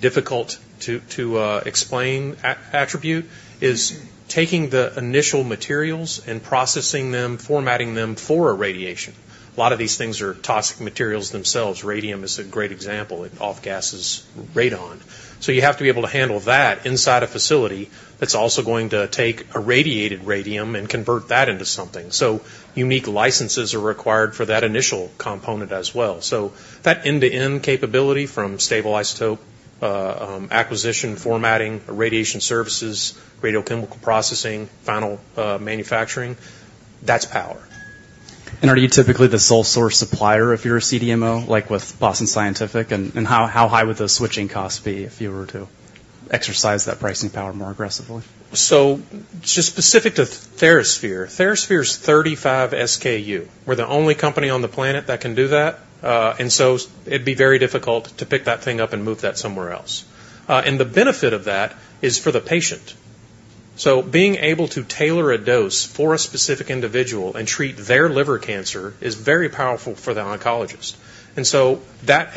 difficult-to-explain attribute is taking the initial materials and processing them, formatting them for irradiation. A lot of these things are toxic materials themselves. Radium is a great example. It off-gasses radon. So you have to be able to handle that inside a facility that's also going to take irradiated radium and convert that into something. So unique licenses are required for that initial component as well. So that end-to-end capability from stable isotope acquisition, formatting, radiation services, radiochemical processing, final manufacturing, that's power. Are you typically the sole source supplier if you're a CDMO, like with Boston Scientific? And how high would those switching costs be if you were to exercise that pricing power more aggressively? So just specific to TheraSphere, TheraSphere's 35 SKU. We're the only company on the planet that can do that. And so it'd be very difficult to pick that thing up and move that somewhere else. And the benefit of that is for the patient. So being able to tailor a dose for a specific individual and treat their liver cancer is very powerful for the oncologist. And so that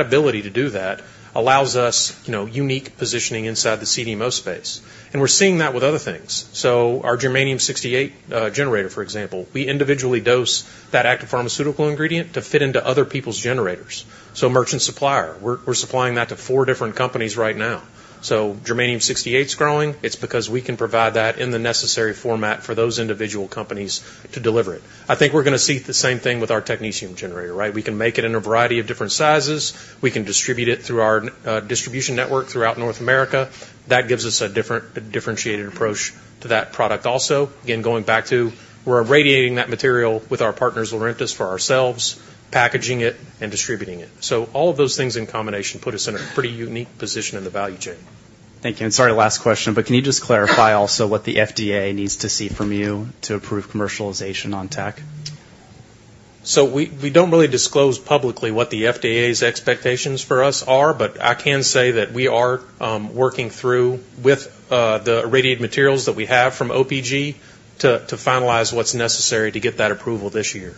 ability to do that allows us unique positioning inside the CDMO space. And we're seeing that with other things. So our germanium-68 generator, for example, we individually dose that active pharmaceutical ingredient to fit into other people's generators. So merchant supplier, we're supplying that to four different companies right now. So germanium-68's growing. It's because we can provide that in the necessary format for those individual companies to deliver it. I think we're going to see the same thing with our technetium generator, right? We can make it in a variety of different sizes. We can distribute it through our distribution network throughout North America. That gives us a differentiated approach to that product also. Again, going back to we're radiating that material with our partners, Laurentis, for ourselves, packaging it, and distributing it. So all of those things in combination put us in a pretty unique position in the value chain. Thank you. And sorry, last question, but can you just clarify also what the FDA needs to see from you to approve commercialization on tech? So we don't really disclose publicly what the FDA's expectations for us are, but I can say that we are working through with the irradiated materials that we have from OPG to finalize what's necessary to get that approval this year.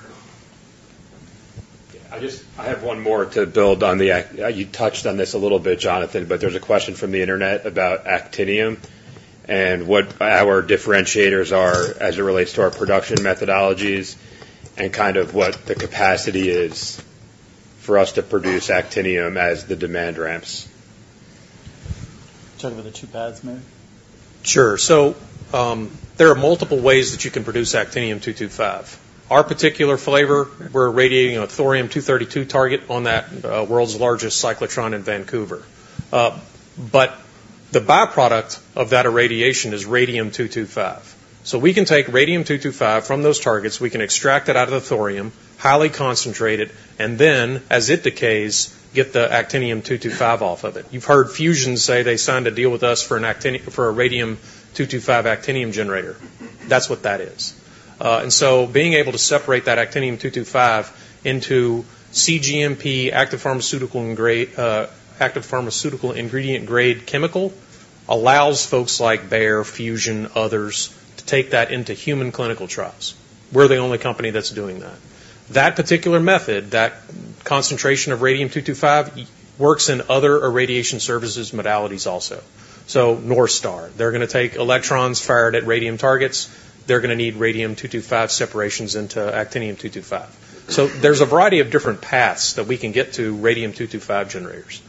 Yeah. I have one more to build on that you touched on this a little bit, Jonathan, but there's a question from the internet about Actinium and what our differentiators are as it relates to our production methodologies and kind of what the capacity is for us to produce Actinium as the demand ramps. Talk about the two paths, maybe? Sure. So there are multiple ways that you can produce actinium-225. Our particular flavor, we're radiating a thorium-232 target on that world's largest cyclotron in Vancouver. But the byproduct of that irradiation is radium-225. So we can take radium-225 from those targets. We can extract it out of the thorium, highly concentrate it, and then, as it decays, get the actinium-225 off of it. You've heard Fusion say they signed a deal with us for a radium-225 Actinium generator. That's what that is. And so being able to separate that actinium-225 into cGMP active pharmaceutical ingredient-grade chemical allows folks like Bayer, Fusion, others to take that into human clinical trials. We're the only company that's doing that. That particular method, that concentration of radium-225, works in other irradiation services modalities also. So NorthStar, they're going to take electrons fired at radium targets. They're going to need radium-225 separations into actinium-225. So there's a variety of different paths that we can get to radium-225 generators.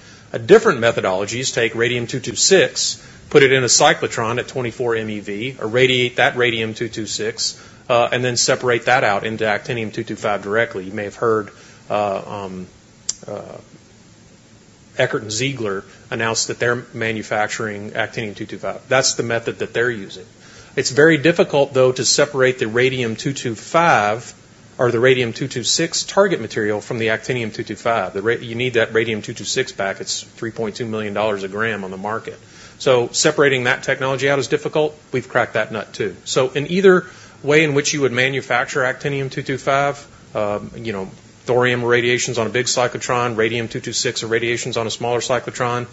Different methodologies take radium-226, put it in a cyclotron at 24 MeV, irradiate that radium-226, and then separate that out into actinium-225 directly. You may have heard Eckert & Ziegler announce that they're manufacturing actinium-225. That's the method that they're using. It's very difficult, though, to separate the radium-225 or the radium-226 target material from the actinium-225. You need that radium-226 back. It's $3.2 million a gram on the market. So separating that technology out is difficult. We've cracked that nut too. So in either way in which you would manufacture actinium-225, thorium irradiations on a big cyclotron, radium-226 irradiations on a smaller cyclotron,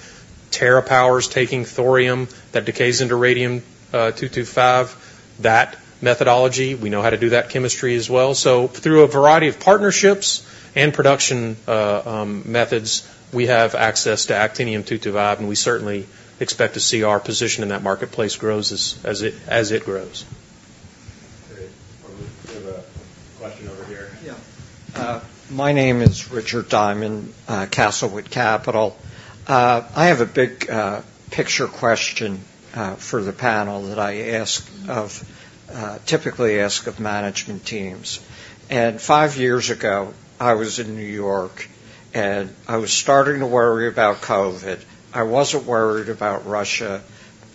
TerraPower's taking thorium that decays into radium-225, that methodology, we know how to do that chemistry as well. So through a variety of partnerships and production methods, we have access to actinium-225. And we certainly expect to see our position in that marketplace grows as it grows. Great. We have a question over here. Yeah. My name is Richard Diamond, Castlewood Capital. I have a big picture question for the panel that I typically ask of management teams. And five years ago, I was in New York, and I was starting to worry about COVID. I wasn't worried about Russia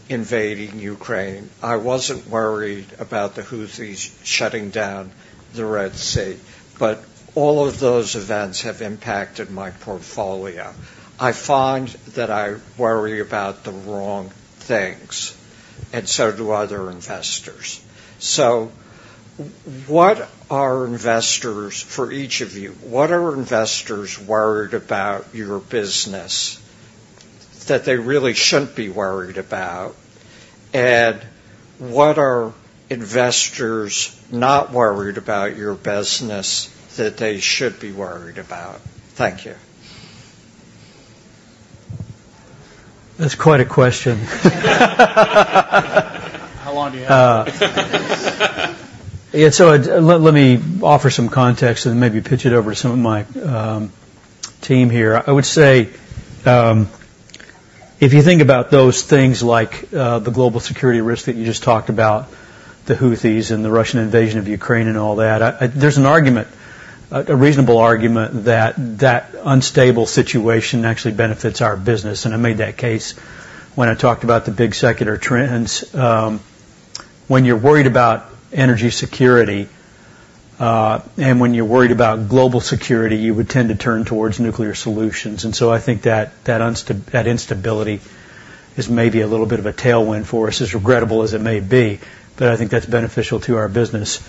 invading Ukraine. I wasn't worried about the Houthis shutting down the Red Sea. But all of those events have impacted my portfolio. I find that I worry about the wrong things, and so do other investors. So for each of you, what are investors worried about your business that they really shouldn't be worried about? And what are investors not worried about your business that they should be worried about? Thank you. That's quite a question. How long do you have? Yeah. So let me offer some context and maybe pitch it over to some of my team here. I would say if you think about those things like the global security risk that you just talked about, the Houthis and the Russian invasion of Ukraine and all that, there's a reasonable argument that that unstable situation actually benefits our business. And I made that case when I talked about the big secular trends. When you're worried about energy security and when you're worried about global security, you would tend to turn towards nuclear solutions. And so I think that instability is maybe a little bit of a tailwind for us, as regrettable as it may be. But I think that's beneficial to our business.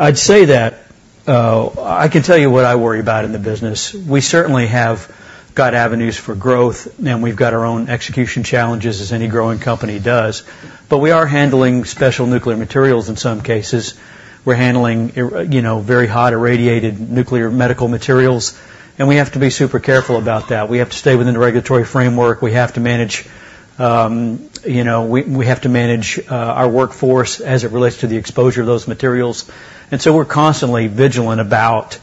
I'd say that I can tell you what I worry about in the business. We certainly have got avenues for growth, and we've got our own execution challenges as any growing company does. But we are handling special nuclear materials. In some cases, we're handling very hot irradiated nuclear medical materials. We have to be super careful about that. We have to stay within the regulatory framework. We have to manage our workforce as it relates to the exposure of those materials. So we're constantly vigilant about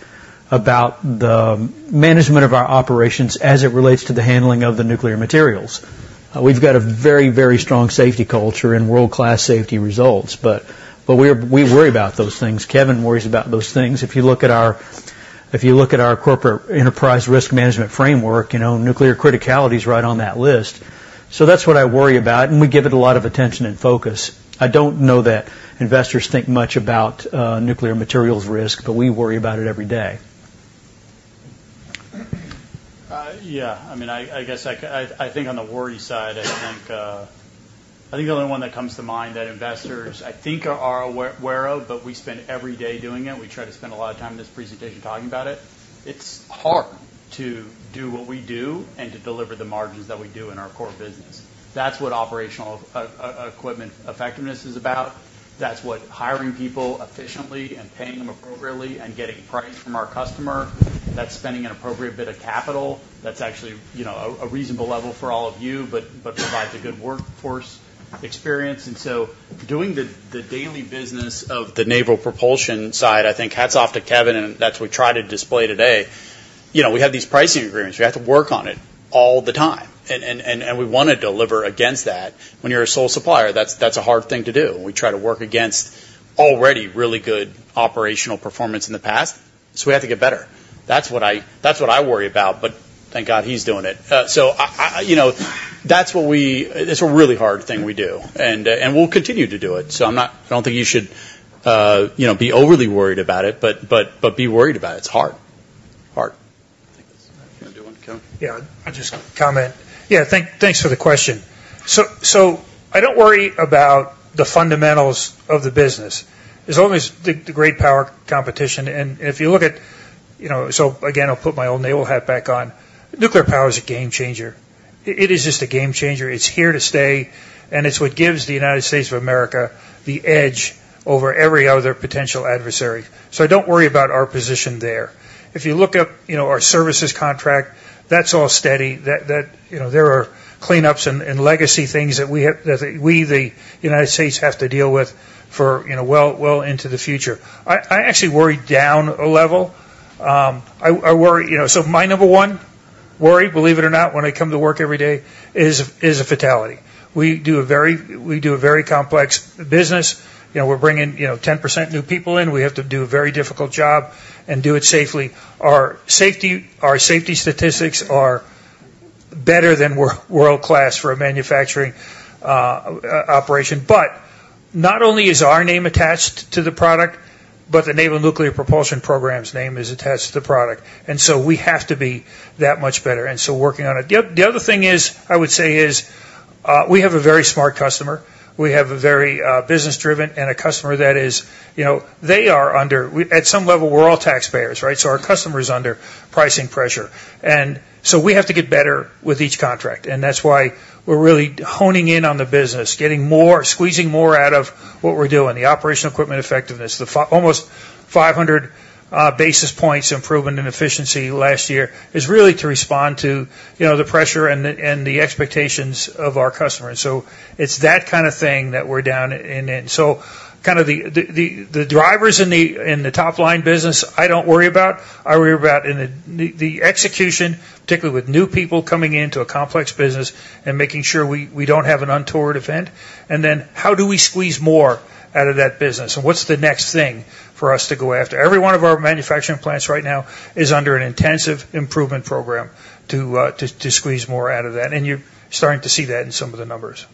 the management of our operations as it relates to the handling of the nuclear materials. We've got a very, very strong safety culture and world-class safety results. But we worry about those things. Kevin worries about those things. If you look at our corporate enterprise risk management framework, nuclear criticality's right on that list. So that's what I worry about. And we give it a lot of attention and focus. I don't know that investors think much about nuclear materials risk, but we worry about it every day. I mean, I guess I think on the worry side, I think the only one that comes to mind that investors I think are aware of, but we spend every day doing it. We try to spend a lot of time in this presentation talking about it. It's hard to do what we do and to deliver the margins that we do in our core business. That's what operational equipment effectiveness is about. That's what hiring people efficiently and paying them appropriately and getting price from our customer. That's spending an appropriate bit of capital. That's actually a reasonable level for all of you but provides a good workforce experience. And so doing the daily business of the naval propulsion side, I think hats off to Kevin, and that's what we try to display today. We have these pricing agreements. We have to work on it all the time. We want to deliver against that. When you're a sole supplier, that's a hard thing to do. We try to work against already really good operational performance in the past. So we have to get better. That's what I worry about. But thank God he's doing it. So that's what we it's a really hard thing we do. And we'll continue to do it. So I don't think you should be overly worried about it but be worried about it. It's hard, hard. I think that's all. You want to do one, Kevin? Yeah. I'll just comment. Yeah. Thanks for the question. So I don't worry about the fundamentals of the business. There's always the great power competition. And if you look at, so again, I'll put my old naval hat back on. Nuclear power is a game changer. It is just a game changer. It's here to stay. And it's what gives the United States of America the edge over every other potential adversary. So I don't worry about our position there. If you look at our services contract, that's all steady. There are cleanups and legacy things that we, the United States, have to deal with for well into the future. I actually worry down a level. I worry, so my number one worry, believe it or not, when I come to work every day is a fatality. We do a very complex business. We're bringing 10% new people in. We have to do a very difficult job and do it safely. Our safety statistics are better than world-class for a manufacturing operation. But not only is our name attached to the product, but the Naval Nuclear Propulsion Program's name is attached to the product. And so we have to be that much better and so working on it. The other thing I would say is we have a very smart customer. We have a very business-driven and a customer that is they are under at some level, we're all taxpayers, right? So our customer's under pricing pressure. And so we have to get better with each contract. And that's why we're really honing in on the business, squeezing more out of what we're doing, the operational equipment effectiveness. Almost 500 basis points improvement in efficiency last year is really to respond to the pressure and the expectations of our customer. And so it's that kind of thing that we're down in. And so kind of the drivers in the top-line business, I don't worry about. I worry about the execution, particularly with new people coming into a complex business and making sure we don't have an untoward event. And then how do we squeeze more out of that business? And what's the next thing for us to go after? Every one of our manufacturing plants right now is under an intensive improvement program to squeeze more out of that. And you're starting to see that in some of the numbers.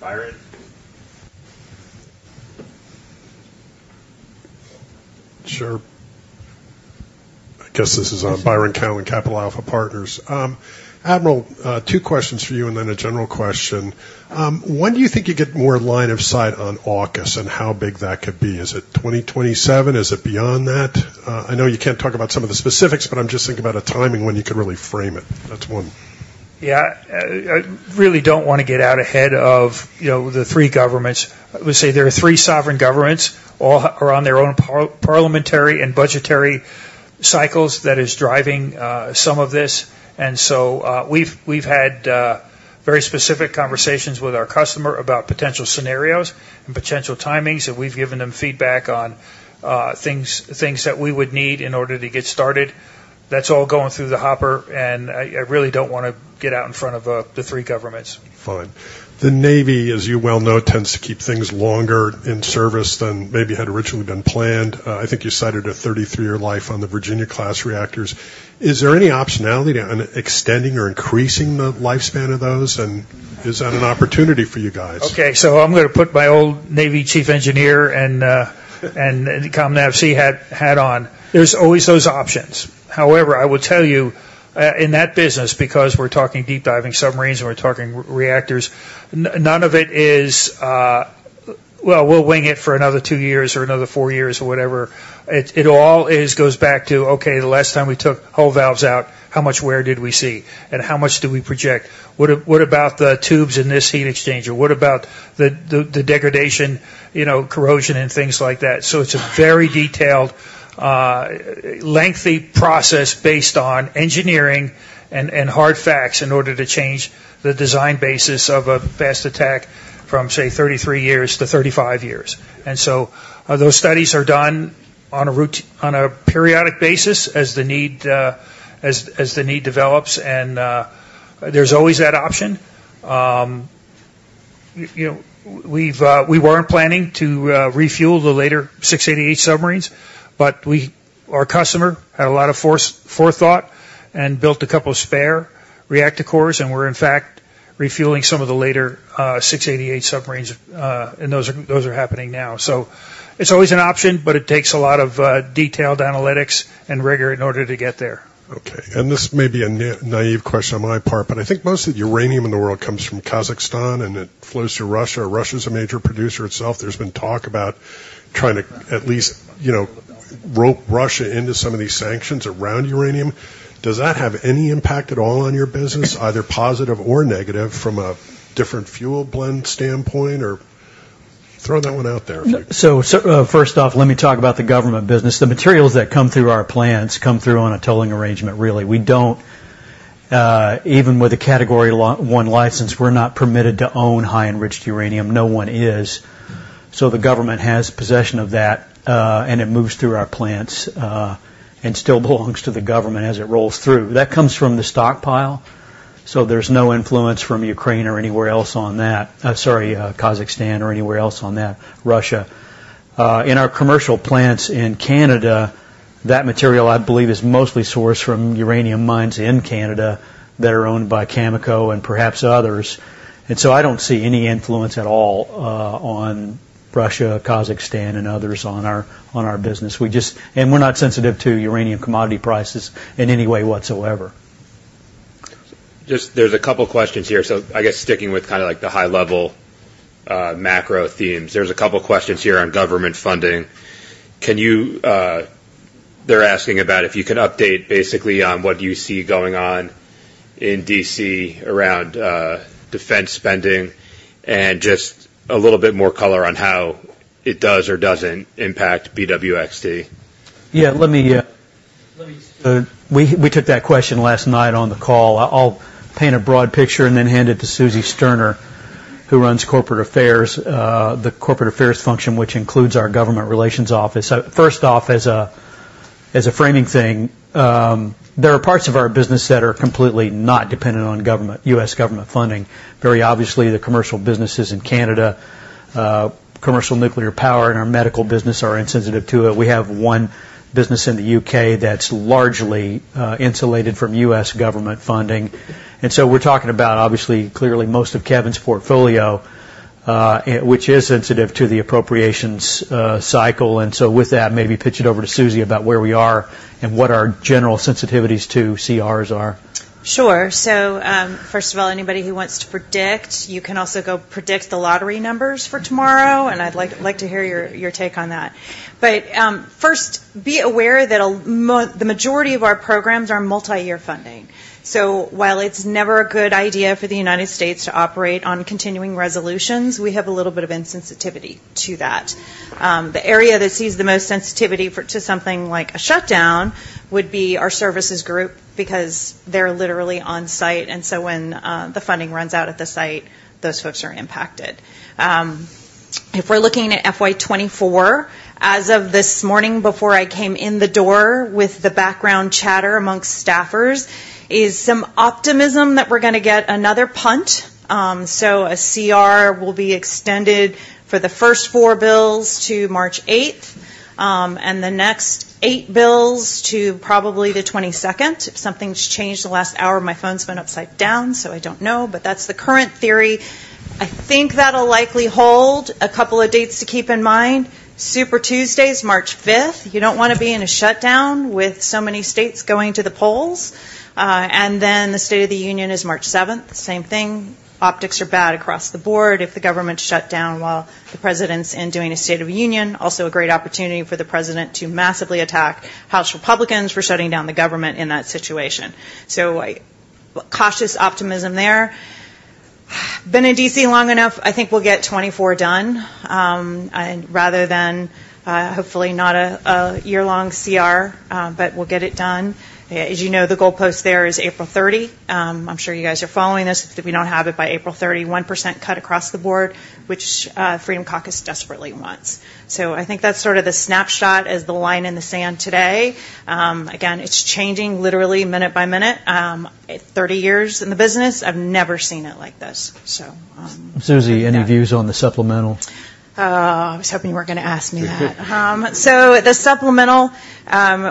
Byron? Sure. I guess this is Byron Callan, Capital Alpha Partners. Admiral, two questions for you and then a general question. When do you think you get more line of sight on AUKUS and how big that could be? Is it 2027? Is it beyond that? I know you can't talk about some of the specifics, but I'm just thinking about a timing when you could really frame it. That's one. Yeah. I really don't want to get out ahead of the three governments. I would say there are three sovereign governments. All are on their own parliamentary and budgetary cycles that is driving some of this. And so we've had very specific conversations with our customer about potential scenarios and potential timings. And we've given them feedback on things that we would need in order to get started. That's all going through the hopper. And I really don't want to get out in front of the three governments. Fine. The Navy, as you well know, tends to keep things longer in service than maybe had originally been planned. I think you cited a 33-year life on the Virginia-class reactors. Is there any optionality on extending or increasing the lifespan of those? And is that an opportunity for you guys? Okay. So I'm going to put my old Navy Chief Engineer and Force Commander hat on. There's always those options. However, I will tell you, in that business, because we're talking deep-diving submarines and we're talking reactors, none of it is, "Well, we'll wing it for another two years or another four years or whatever." It all goes back to, "Okay. The last time we took hull valves out, how much wear did we see? And how much do we project? What about the tubes in this heat exchanger? What about the degradation, corrosion, and things like that?" So it's a very detailed, lengthy process based on engineering and hard facts in order to change the design basis of a fast attack from, say, 33 years to 35 years. And so those studies are done on a periodic basis as the need develops. And there's always that option. We weren't planning to refuel the later 688 submarines. But our customer had a lot of forethought and built a couple of spare reactor cores. And we're, in fact, refueling some of the later 688 submarines. And those are happening now. So it's always an option, but it takes a lot of detailed analytics and rigor in order to get there. Okay. And this may be a naive question on my part, but I think most of the uranium in the world comes from Kazakhstan, and it flows through Russia. Russia's a major producer itself. There's been talk about trying to at least rope Russia into some of these sanctions around uranium. Does that have any impact at all on your business, either positive or negative from a different fuel blend standpoint? Or throw that one out there, if you could. So first off, let me talk about the government business. The materials that come through our plants come through on a towing arrangement, really. Even with a Category I license, we're not permitted to own high-enriched uranium. No one is. So the government has possession of that, and it moves through our plants and still belongs to the government as it rolls through. That comes from the stockpile. So there's no influence from Ukraine or anywhere else on that—sorry, Kazakhstan or anywhere else on that, Russia. In our commercial plants in Canada, that material, I believe, is mostly sourced from uranium mines in Canada that are owned by Cameco and perhaps others. So I don't see any influence at all on Russia, Kazakhstan, and others on our business. We're not sensitive to uranium commodity prices in any way whatsoever. There's a couple of questions here. I guess sticking with kind of the high-level macro themes, there's a couple of questions here on government funding. They're asking about if you can update, basically, on what you see going on in D.C. around defense spending and just a little bit more color on how it does or doesn't impact BWXT. Yeah. Let me we took that question last night on the call. I'll paint a broad picture and then hand it to Suzy Sterner, who runs the corporate affairs function, which includes our government relations office. First off, as a framing thing, there are parts of our business that are completely not dependent on U.S. government funding. Very obviously, the commercial businesses in Canada, Commercial Nuclear power, and our medical business are insensitive to it. We have one business in the U.K. that's largely insulated from U.S. government funding. And so we're talking about, obviously, clearly, most of Kevin's portfolio, which is sensitive to the appropriations cycle. And so with that, maybe pitch it over to Suzanne about where we are and what our general sensitivities to CRs are. Sure. So first of all, anybody who wants to predict, you can also go predict the lottery numbers for tomorrow. And I'd like to hear your take on that. But first, be aware that the majority of our programs are multi-year funding. So while it's never a good idea for the United States to operate on continuing resolutions, we have a little bit of insensitivity to that. The area that sees the most sensitivity to something like a shutdown would be our services group because they're literally on site. And so when the funding runs out at the site, those folks are impacted. If we're looking at FY 2024, as of this morning before I came in the door with the background chatter amongst staffers, is some optimism that we're going to get another punt. So a CR will be extended for the first 4 bills to March 8th and the next 8 bills to probably the 22nd. If something's changed the last hour, my phone's been upside down, so I don't know. But that's the current theory. I think that'll likely hold. A couple of dates to keep in mind: Super Tuesday, March 5th. You don't want to be in a shutdown with so many states going to the polls. And then the State of the Union is March 7th. Same thing. Optics are bad across the board if the government shut down while the president's in doing a State of the Union. Also, a great opportunity for the president to massively attack House Republicans for shutting down the government in that situation. So cautious optimism there. Been in D.C. long enough. I think we'll get 2024 done rather than hopefully, not a year-long CR, but we'll get it done. As you know, the goalpost there is April 30. I'm sure you guys are following this. If we don't have it by April 30, 1% cut across the board, which Freedom Caucus desperately wants. So I think that's sort of the snapshot as the line in the sand today. Again, it's changing literally minute by minute. 30 years in the business, I've never seen it like this, so. Suzanne, any views on the supplemental? I was hoping you weren't going to ask me that. So the supplemental,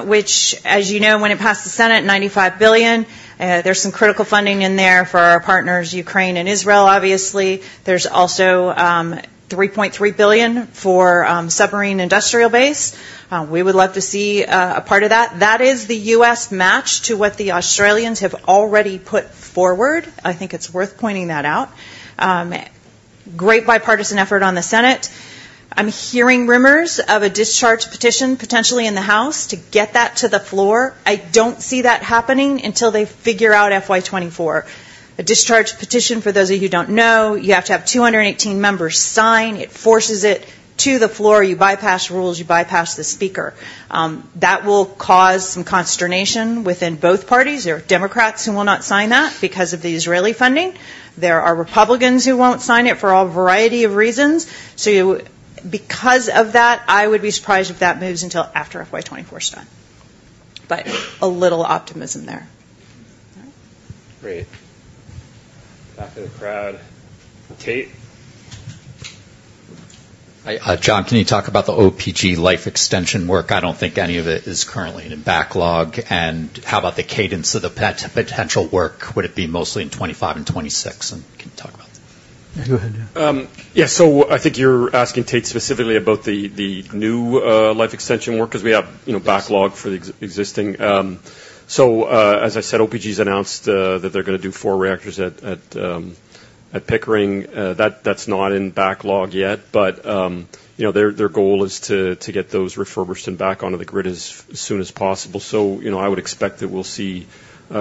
which, as you know, when it passed the Senate, $95 billion. There's some critical funding in there for our partners, Ukraine and Israel, obviously. There's also $3.3 billion for submarine industrial base. We would love to see a part of that. That is the U.S. match to what the Australians have already put forward. I think it's worth pointing that out. Great bipartisan effort on the Senate. I'm hearing rumors of a discharge petition potentially in the House to get that to the floor. I don't see that happening until they figure out FY 2024. A discharge petition, for those of you who don't know, you have to have 218 members sign. It forces it to the floor. You bypass rules. You bypass the Speaker. That will cause some consternation within both parties. There are Democrats who will not sign that because of the Israeli funding. There are Republicans who won't sign it for all variety of reasons. So because of that, I would be surprised if that moves until after FY24's done. But a little optimism there. All right? Great. Back in the crowd, Tate. John, can you talk about the OPG life extension work? I don't think any of it is currently in backlog. And how about the cadence of the potential work? Would it be mostly in 2025 and 2026? And can you talk about that? Go ahead, John. Yeah. So I think you're asking Tate specifically about the new life extension work because we have backlog for the existing. So as I said, OPG's announced that they're going to do four reactors at Pickering. That's not in backlog yet. But their goal is to get those refurbished and back onto the grid as soon as possible. So I would expect that we'll see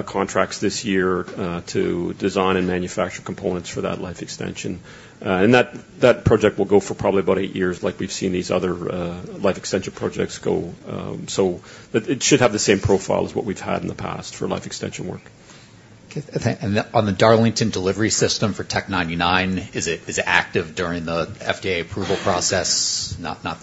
contracts this year to design and manufacture components for that life extension. And that project will go for probably about eight years like we've seen these other life extension projects go. So it should have the same profile as what we've had in the past for life extension work. Okay. And on the Darlington delivery system for Tc-99, is it active during the FDA approval process?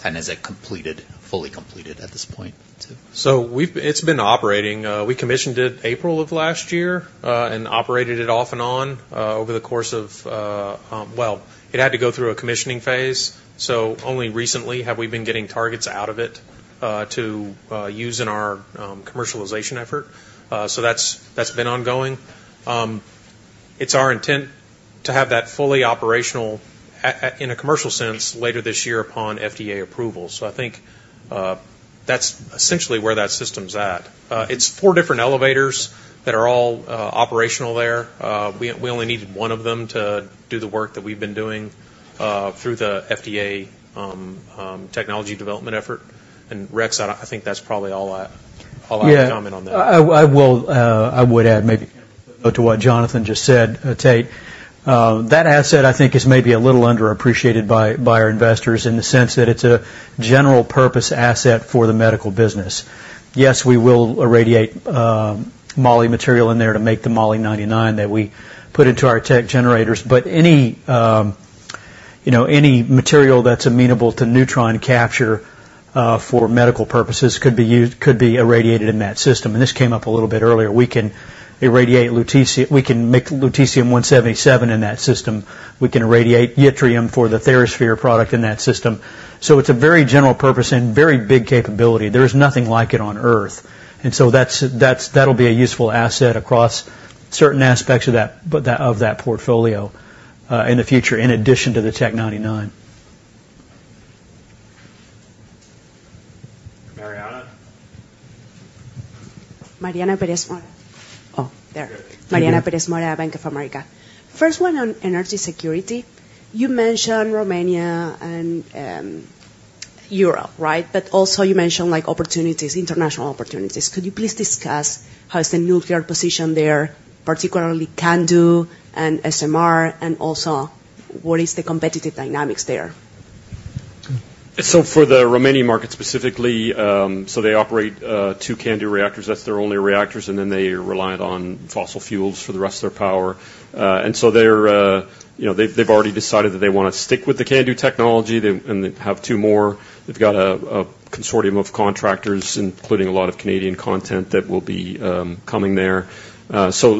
And is it fully completed at this point too? So it's been operating. We commissioned it April of last year and operated it off and on over the course of well, it had to go through a commissioning phase. So only recently have we been getting targets out of it to use in our commercialization effort. So that's been ongoing. It's our intent to have that fully operational in a commercial sense later this year upon FDA approval. So I think that's essentially where that system's at. It's four different elevators that are all operational there. We only needed one of them to do the work that we've been doing through the FDA technology development effort. And Rex, I think that's probably all I have to comment on that Yeah. I would add maybe a note to what Jonathan just said, Tate. That asset, I think, is maybe a little underappreciated by our investors in the sense that it's a general-purpose asset for the medical business. Yes, we will irradiate moly material in there to make the Mo-99 that we put into our Tc generators. But any material that's amenable to neutron capture for medical purposes could be irradiated in that system. And this came up a little bit earlier. We can irradiate we can make lutetium-177 in that system. We can irradiate yttrium for the TheraSphere product in that system. So it's a very general-purpose and very big capability. There's nothing like it on Earth. And so that'll be a useful asset across certain aspects of that portfolio in the future in addition to the Tc-99. Mariana? Mariana Perez Mora. Oh, there. Mariana Perez Mora, Bank of America. First one on energy security. You mentioned Romania and Europe, right? But also, you mentioned international opportunities. Could you please discuss how is the nuclear position there particularly CANDU and SMR? And also, what is the competitive dynamics there? So for the Romania market specifically, so they operate two CANDU reactors. That's their only reactors. And then they are reliant on fossil fuels for the rest of their power. So they've already decided that they want to stick with the CANDU technology. And they have two more. They've got a consortium of contractors, including a lot of Canadian content, that will be coming there. So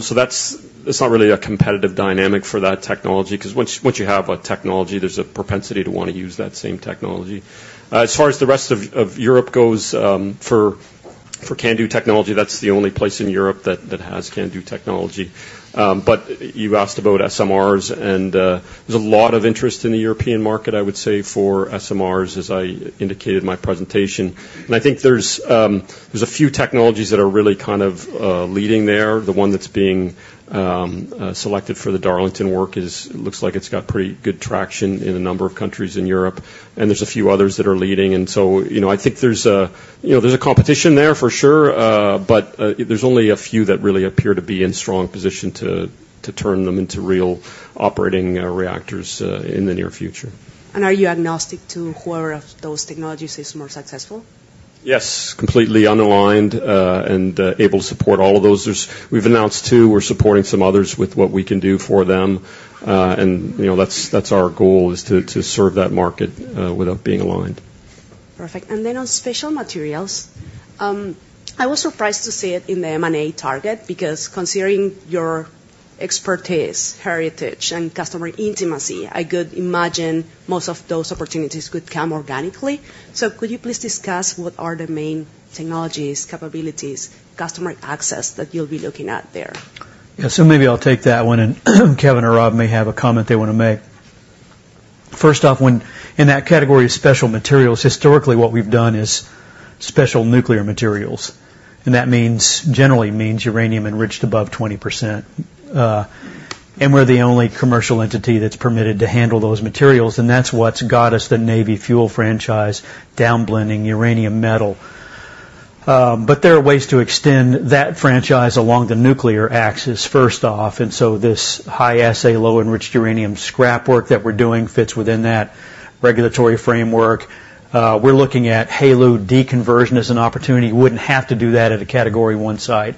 it's not really a competitive dynamic for that technology because once you have a technology, there's a propensity to want to use that same technology. As far as the rest of Europe goes for CANDU technology, that's the only place in Europe that has CANDU technology. But you asked about SMRs. And there's a lot of interest in the European market, I would say, for SMRs, as I indicated in my presentation. And I think there's a few technologies that are really kind of leading there. The one that's being selected for the Darlington work looks like it's got pretty good traction in a number of countries in Europe. There's a few others that are leading. So I think there's a competition there, for sure. But there's only a few that really appear to be in strong position to turn them into real operating reactors in the near future. Are you agnostic to whoever of those technologies is more successful? Yes, completely unaligned and able to support all of those. We've announced two. We're supporting some others with what we can do for them. That's our goal, is to serve that market without being aligned. Perfect. Then on Special Materials, I was surprised to see it in the M&A target because considering your expertise, heritage, and customer intimacy, I could imagine most of those opportunities could come organically. So could you please discuss what are the main technologies, capabilities, customer access that you'll be looking at there? Yeah. So maybe I'll take that one. And Kevin or Robb may have a comment they want to make. First off, in that category of Special Materials, historically, what we've done is special nuclear materials. And that generally means uranium enriched above 20%. And we're the only commercial entity that's permitted to handle those materials. And that's what's got us the Navy fuel franchise downblending uranium metal. But there are ways to extend that franchise along the nuclear axis, first off. And so this high-assay low-enriched uranium scrap work that we're doing fits within that regulatory framework. We're looking at HALEU deconversion as an opportunity. We wouldn't have to do that at a Category I site.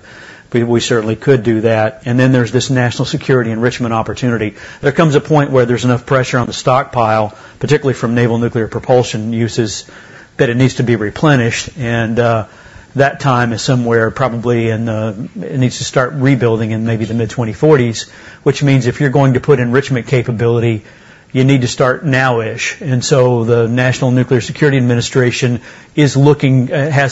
We certainly could do that. And then there's this national security enrichment opportunity. There comes a point where there's enough pressure on the stockpile, particularly from naval nuclear propulsion uses, that it needs to be replenished. That time is somewhere probably in the, it needs to start rebuilding in maybe the mid-2040s, which means if you're going to put enrichment capability, you need to start now-ish. So the National Nuclear Security Administration has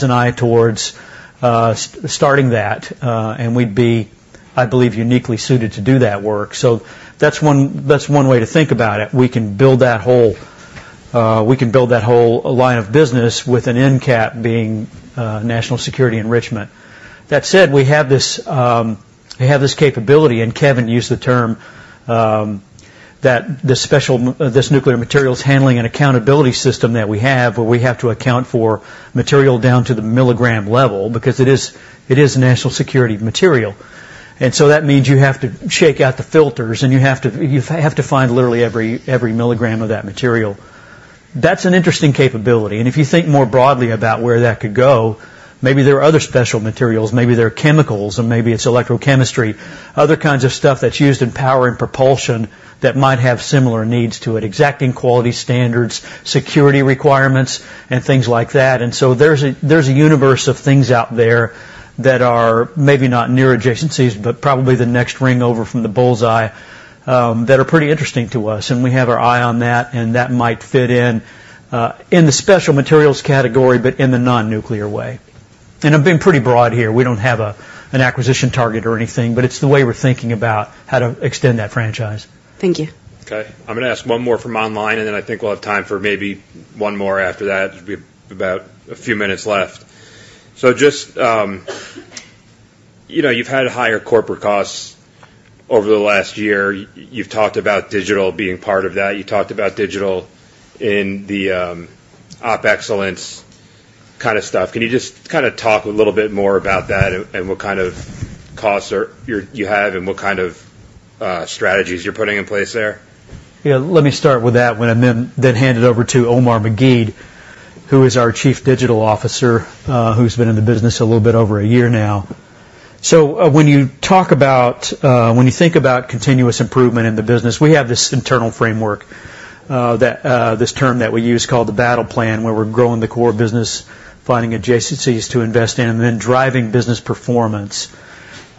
an eye towards starting that. And we'd be, I believe, uniquely suited to do that work. So that's one way to think about it. We can build that whole line of business with an end cap being national security enrichment. That said, we have this capability. And Kevin used the term that this nuclear materials handling and accountability system that we have where we have to account for material down to the milligram level because it is national security material. And so that means you have to shake out the filters. And you have to find literally every milligram of that material. That's an interesting capability. If you think more broadly about where that could go, maybe there are other Special Materials. Maybe there are chemicals. And maybe it's electrochemistry, other kinds of stuff that's used in power and propulsion that might have similar needs to it, exacting quality standards, security requirements, and things like that. And so there's a universe of things out there that are maybe not near adjacencies but probably the next ring over from the bullseye that are pretty interesting to us. And we have our eye on that. And that might fit in the Special Materials category but in the non-nuclear way. And I'm being pretty broad here. We don't have an acquisition target or anything. But it's the way we're thinking about how to extend that franchise. Thank you. Okay. I'm going to ask one more from online. And then I think we'll have time for maybe one more after that. We have about a few minutes left. So just you've had higher corporate costs over the last year. You've talked about digital being part of that. You talked about digital in the op excellence kind of stuff. Can you just kind of talk a little bit more about that and what kind of costs you have and what kind of strategies you're putting in place there? Yeah. Let me start with that when I then hand it over to Omar Meguid, who is our Chief Digital Officer who's been in the business a little bit over a year now. So when you talk about when you think about continuous improvement in the business, we have this internal framework, this term that we use called the battle plan where we're growing the core business, finding adjacencies to invest in, and then driving business performance.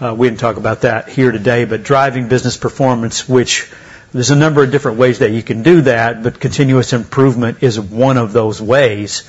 We didn't talk about that here today. But driving business performance, which there's a number of different ways that you can do that. But continuous improvement is one of those ways.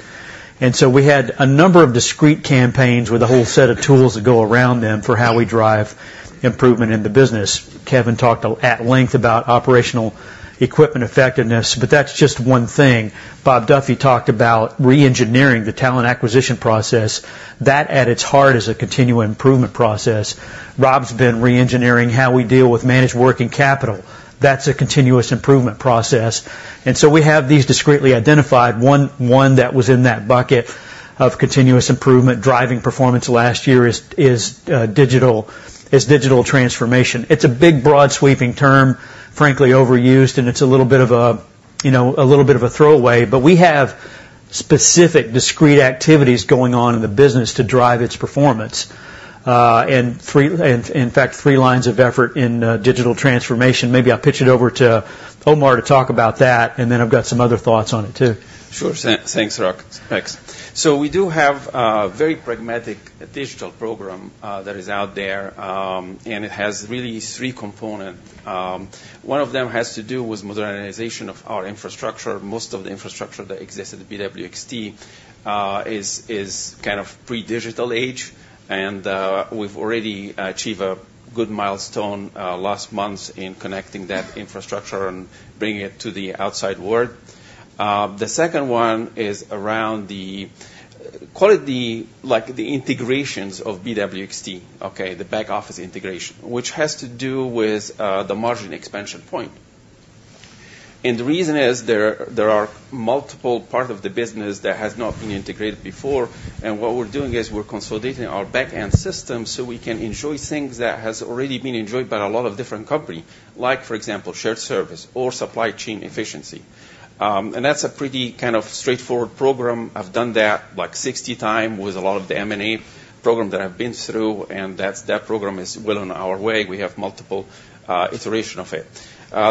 And so we had a number of discrete campaigns with a whole set of tools that go around them for how we drive improvement in the business. Kevin talked at length about operational equipment effectiveness. But that's just one thing. Bob Duffy talked about re-engineering the talent acquisition process. That, at its heart, is a continual improvement process. Robb's been re-engineering how we deal with managed working capital. That's a continuous improvement process. So we have these discretely identified. One that was in that bucket of continuous improvement driving performance last year is digital transformation. It's a big, broad-sweeping term, frankly overused. It's a little bit of a throwaway. But we have specific discrete activities going on in the business to drive its performance and, in fact, three lines of effort in digital transformation. Maybe I'll pitch it over to Omar to talk about that. Then I've got some other thoughts on it too. Sure. Thanks, Rex. Thanks. So we do have a very pragmatic digital program that is out there. It has really three components. One of them has to do with modernization of our infrastructure. Most of the infrastructure that exists at BWXT is kind of pre-digital age. We've already achieved a good milestone last months in connecting that infrastructure and bringing it to the outside world. The second one is around the integrations of BWXT, okay, the back office integration, which has to do with the margin expansion point. The reason is there are multiple parts of the business that have not been integrated before. What we're doing is we're consolidating our back-end system so we can enjoy things that have already been enjoyed by a lot of different companies, like, for example, shared service or supply chain efficiency. That's a pretty kind of straightforward program. I've done that like 60x with a lot of the M&A program that I've been through. That program is well on our way. We have multiple iterations of it.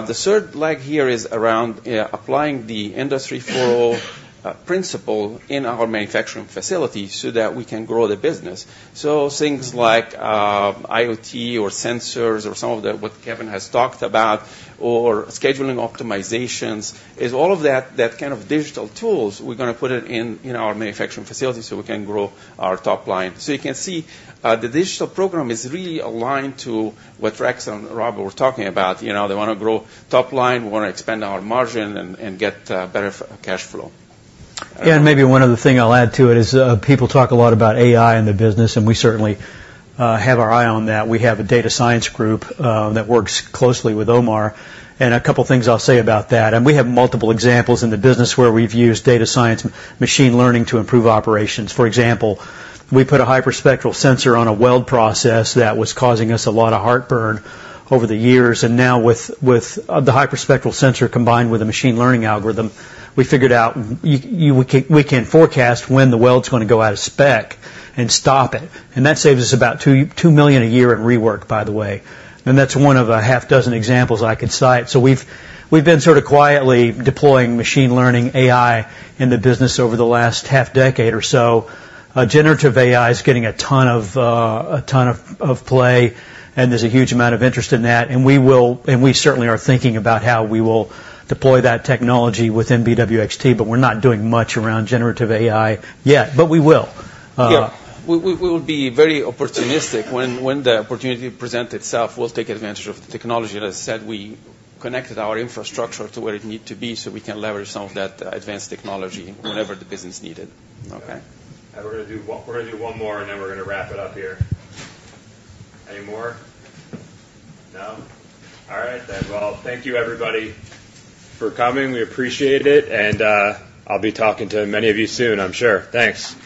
The third leg here is around applying the Industry 4.0 principle in our manufacturing facility so that we can grow the business. So things like IoT or sensors or some of what Kevin has talked about or scheduling optimizations, all of that kind of digital tools, we're going to put it in our manufacturing facility so we can grow our top line. So you can see the digital program is really aligned to what Rex and Robb were talking about. They want to grow top line. We want to expand our margin and get better cash flow. Yeah. And maybe one other thing I'll add to it is people talk a lot about AI in the business. And we certainly have our eye on that. We have a data science group that works closely with Omar. And a couple of things I'll say about that. We have multiple examples in the business where we've used data science machine learning to improve operations. For example, we put a hyperspectral sensor on a weld process that was causing us a lot of heartburn over the years. And now, with the hyperspectral sensor combined with a machine learning algorithm, we figured out we can forecast when the weld's going to go out of spec and stop it. And that saves us about $2 million a year in rework, by the way. And that's one of a half dozen examples I could cite. So we've been sort of quietly deploying machine learning, AI, in the business over the last half-decade or so. Generative AI is getting a ton of play. And there's a huge amount of interest in that. And we certainly are thinking about how we will deploy that technology within BWXT. But we're not doing much around generative AI yet. But we will. Yeah. We will be very opportunistic. When the opportunity presents itself, we'll take advantage of the technology. And as I said, we connected our infrastructure to where it needs to be so we can leverage some of that advanced technology whenever the business needed, okay? And we're going to do one more. And then we're going to wrap it up here. Any more? No? All right then. Well, thank you, everybody, for coming. We appreciate it. And I'll be talking to many of you soon, I'm sure. Thanks.